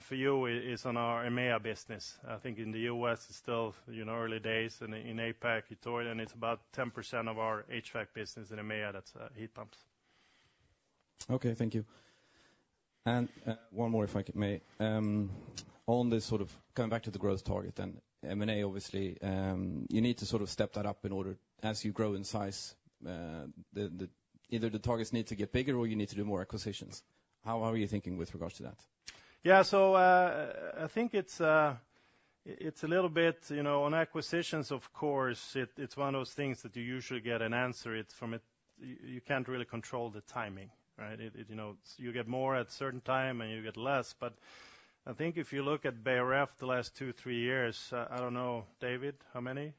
for you is on our EMEA business. I think in the US, it's still, you know, early days, and in APAC, it's early, and it's about 10% of our HVAC business in EMEA, that's heat pumps. Okay, thank you. And, one more, if I may. On this sort of going back to the growth target, then, M&A, obviously, you need to sort of step that up in order... As you grow in size, the either the targets need to get bigger or you need to do more acquisitions. How are you thinking with regards to that? Yeah, so, I think it's a little bit, you know, on acquisitions, of course, it's one of those things that you usually get an answer. It's from a- You can't really control the timing, right? You know, you get more at a certain time, and you get less. But I think if you look at Beijer Ref the last two, three years, I don't know, David, how many?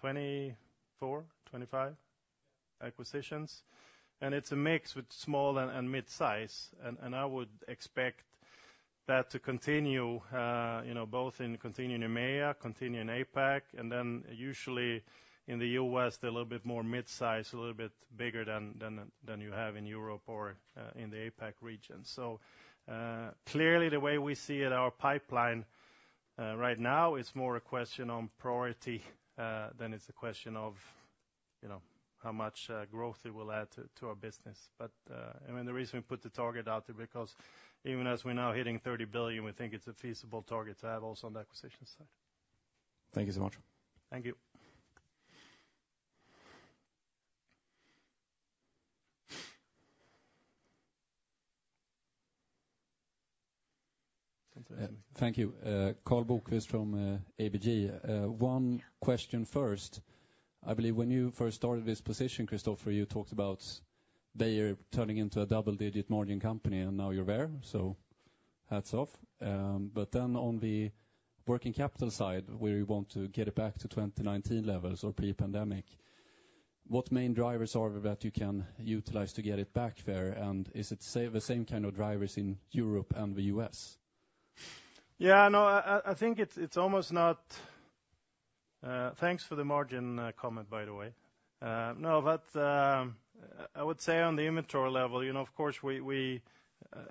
24, 25 acquisitions? And it's a mix with small and mid-size. And I would expect that to continue, you know, both in continuing EMEA, continuing in APAC, and then usually in the U.S., they're a little bit more mid-size, a little bit bigger than you have in Europe or in the APAC region. So, clearly, the way we see it, our pipeline, right now is more a question on priority, than it's a question of, you know, how much growth it will add to our business. But, I mean, the reason we put the target out there, because even as we're now hitting 30 billion, we think it's a feasible target to have also on the acquisition side. Thank you so much. Thank you. Thank you. Karl Bokvist from ABG. One question first. I believe when you first started this position, Christopher, you talked about Beijer turning into a double-digit margin company, and now you're there, so hats off. But then on the working capital side, where you want to get it back to 2019 levels or pre-pandemic, what main drivers are there that you can utilize to get it back there? And is it the same kind of drivers in Europe and the US? Yeah, no, I think it's almost not... Thanks for the margin comment, by the way. No, but I would say on the inventory level, you know, of course, we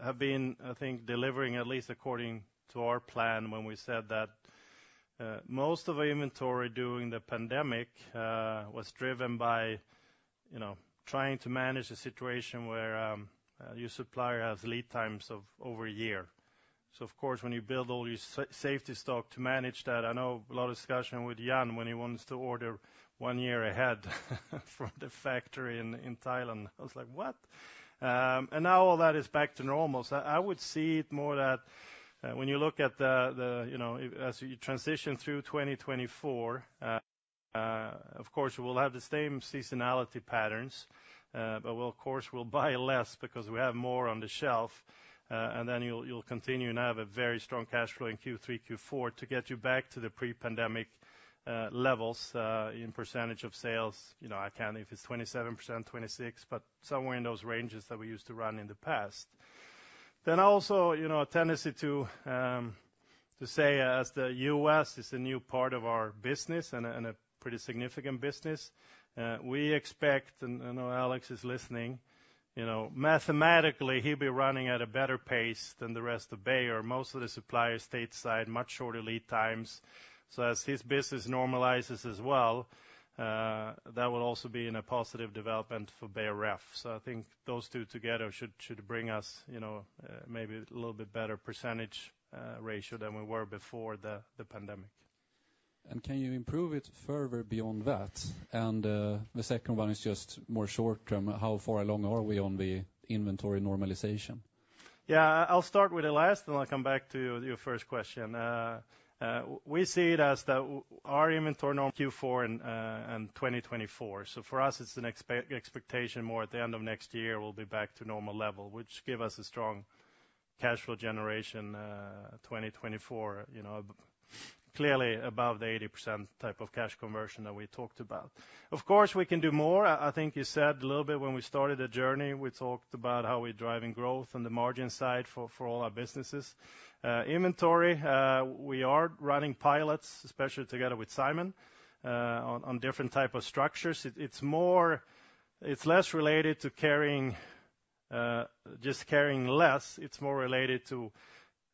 have been, I think, delivering, at least according to our plan, when we said that most of our inventory during the pandemic was driven by, you know, trying to manage a situation where your supplier has lead times of over a year. So of course, when you build all your safety stock to manage that, I know a lot of discussion with Jan when he wants to order one year ahead, from the factory in Thailand. I was like, "What?" And now all that is back to normal. So I would see it more that, when you look at the, the, you know, as you transition through 2024, of course, we'll have the same seasonality patterns, but we'll, of course, we'll buy less because we have more on the shelf. And then you'll, you'll continue to have a very strong cash flow in Q3, Q4 to get you back to the pre-pandemic, levels, in percentage of sales. You know, I can't... If it's 27%, 26%, but somewhere in those ranges that we used to run in the past. Then also, you know, a tendency to, to say as the US is a new part of our business and a, and a pretty significant business, we expect, and I know Alex is listening, you know, mathematically, he'll be running at a better pace than the rest of Beijer. Most of the suppliers stateside, much shorter lead times. So as his business normalizes as well, that will also be in a positive development for Beijer Ref. So I think those two together should bring us, you know, maybe a little bit better percentage ratio than we were before the pandemic. Can you improve it further beyond that? The second one is just more short term. How far along are we on the inventory normalization? Yeah, I'll start with the last, and I'll come back to your first question. We see it as the, our inventory norm Q4 in, in 2024. So for us, it's an expectation more at the end of next year, we'll be back to normal level, which give us a strong cash flow generation, 2024. You know, clearly above the 80% type of cash conversion that we talked about. Of course, we can do more. I, I think you said a little bit when we started the journey, we talked about how we're driving growth on the margin side for, for all our businesses. Inventory, we are running pilots, especially together with Simon, on, on different type of structures. It, it's more-- It's less related to carrying-... Just carrying less, it's more related to,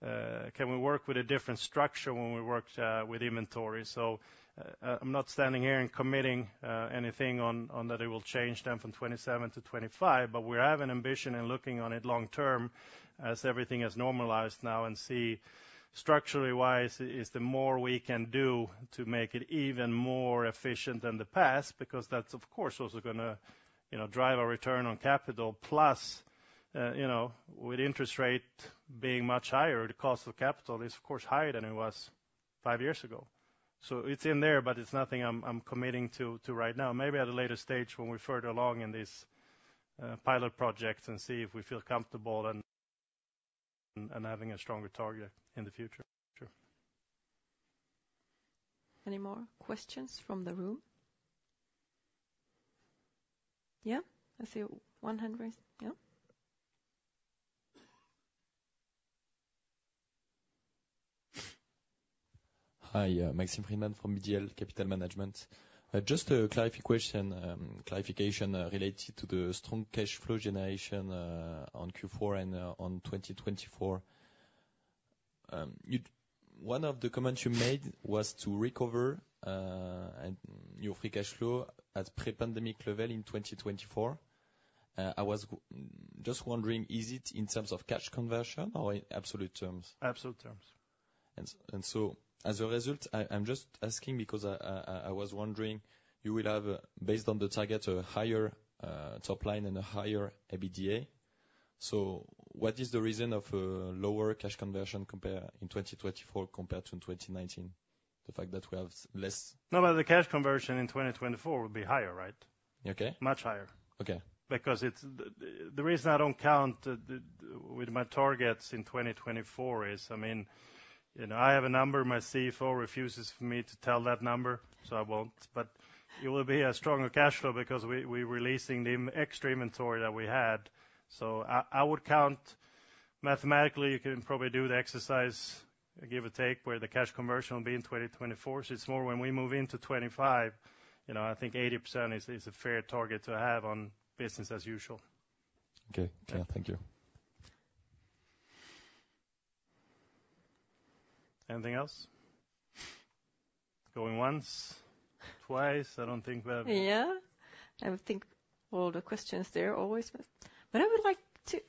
can we work with a different structure when we worked with inventory? So, I'm not standing here and committing anything on that it will change then from 27 to 25, but we have an ambition in looking on it long term as everything is normalized now, and see structurally wise, is there more we can do to make it even more efficient than the past? Because that's of course, also gonna, you know, drive our return on capital. Plus, you know, with interest rate being much higher, the cost of capital is of course higher than it was five years ago. So it's in there, but it's nothing I'm committing to right now. Maybe at a later stage when we're further along in this pilot project and see if we feel comfortable and having a stronger target in the future. Any more questions from the room? Yeah, I see one hand raised. Yeah. Hi, Maxime Frydman from BDL Capital Management. Just a clarification related to the strong cash flow generation on Q4 and on 2024. One of the comments you made was to recover and your free cash flow at pre-pandemic level in 2024. I was just wondering, is it in terms of cash conversion or in absolute terms? Absolute terms. As a result, I'm just asking because I was wondering, you will have, based on the target, a higher top line and a higher EBITDA. So what is the reason of lower cash conversion compared in 2024 compared to in 2019? The fact that we have less. No, but the cash conversion in 2024 will be higher, right? Okay. Much higher. Okay. Because it's the reason I don't count the with my targets in 2024 is, I mean, you know, I have a number, my CFO refuses for me to tell that number, so I won't. But it will be a stronger cash flow because we're releasing the excess inventory that we had. So I would count mathematically, you can probably do the exercise, give or take, where the cash conversion will be in 2024. It's more when we move into 2025, you know, I think 80% is a fair target to have on business as usual. Okay. Yeah. Thank you. Anything else? Going once, twice? I don't think we have. Yeah. I would think all the questions there always, but I would like to.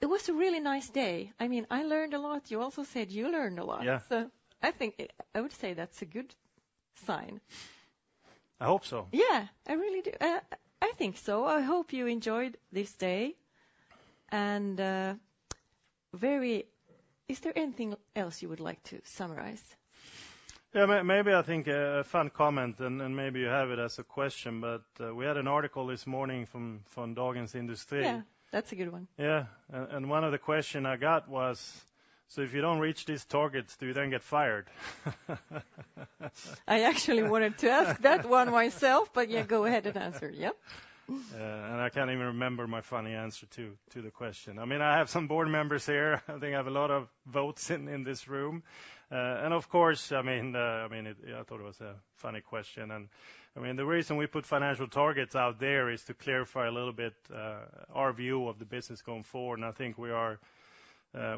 It was a really nice day. I mean, I learned a lot. You also said you learned a lot. Yeah. I think, I would say that's a good sign. I hope so. Yeah, I really do. I think so. I hope you enjoyed this day, and, Is there anything else you would like to summarize? Yeah, maybe I think a fun comment and maybe you have it as a question, but we had an article this morning from Dagens Industri. Yeah, that's a good one. Yeah, and, and one of the question I got was: "So if you don't reach these targets, do you then get fired? I actually wanted to ask that one myself, but yeah, go ahead and answer. Yep. And I can't even remember my funny answer to the question. I mean, I have some board members here. I think I have a lot of votes in this room. And of course, I mean, I thought it was a funny question. And I mean, the reason we put financial targets out there is to clarify a little bit our view of the business going forward. And I think we are,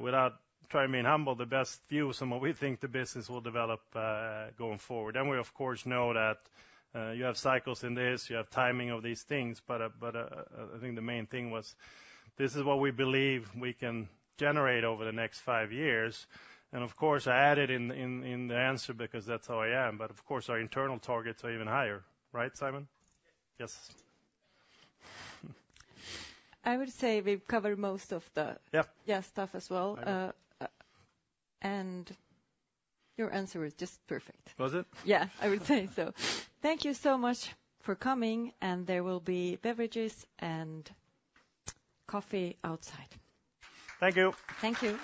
without trying to be humble, the best view from what we think the business will develop going forward. Then we, of course, know that you have cycles in this, you have timing of these things, but I think the main thing was this is what we believe we can generate over the next five years. Of course, I added in the answer because that's how I am, but of course, our internal targets are even higher. Right, Simon? Yes. Yes. I would say we've covered most of the. Yeah Yeah, stuff as well. And your answer is just perfect. Was it? Yeah, I would say so. Thank you so much for coming, and there will be beverages and coffee outside. Thank you. Thank you.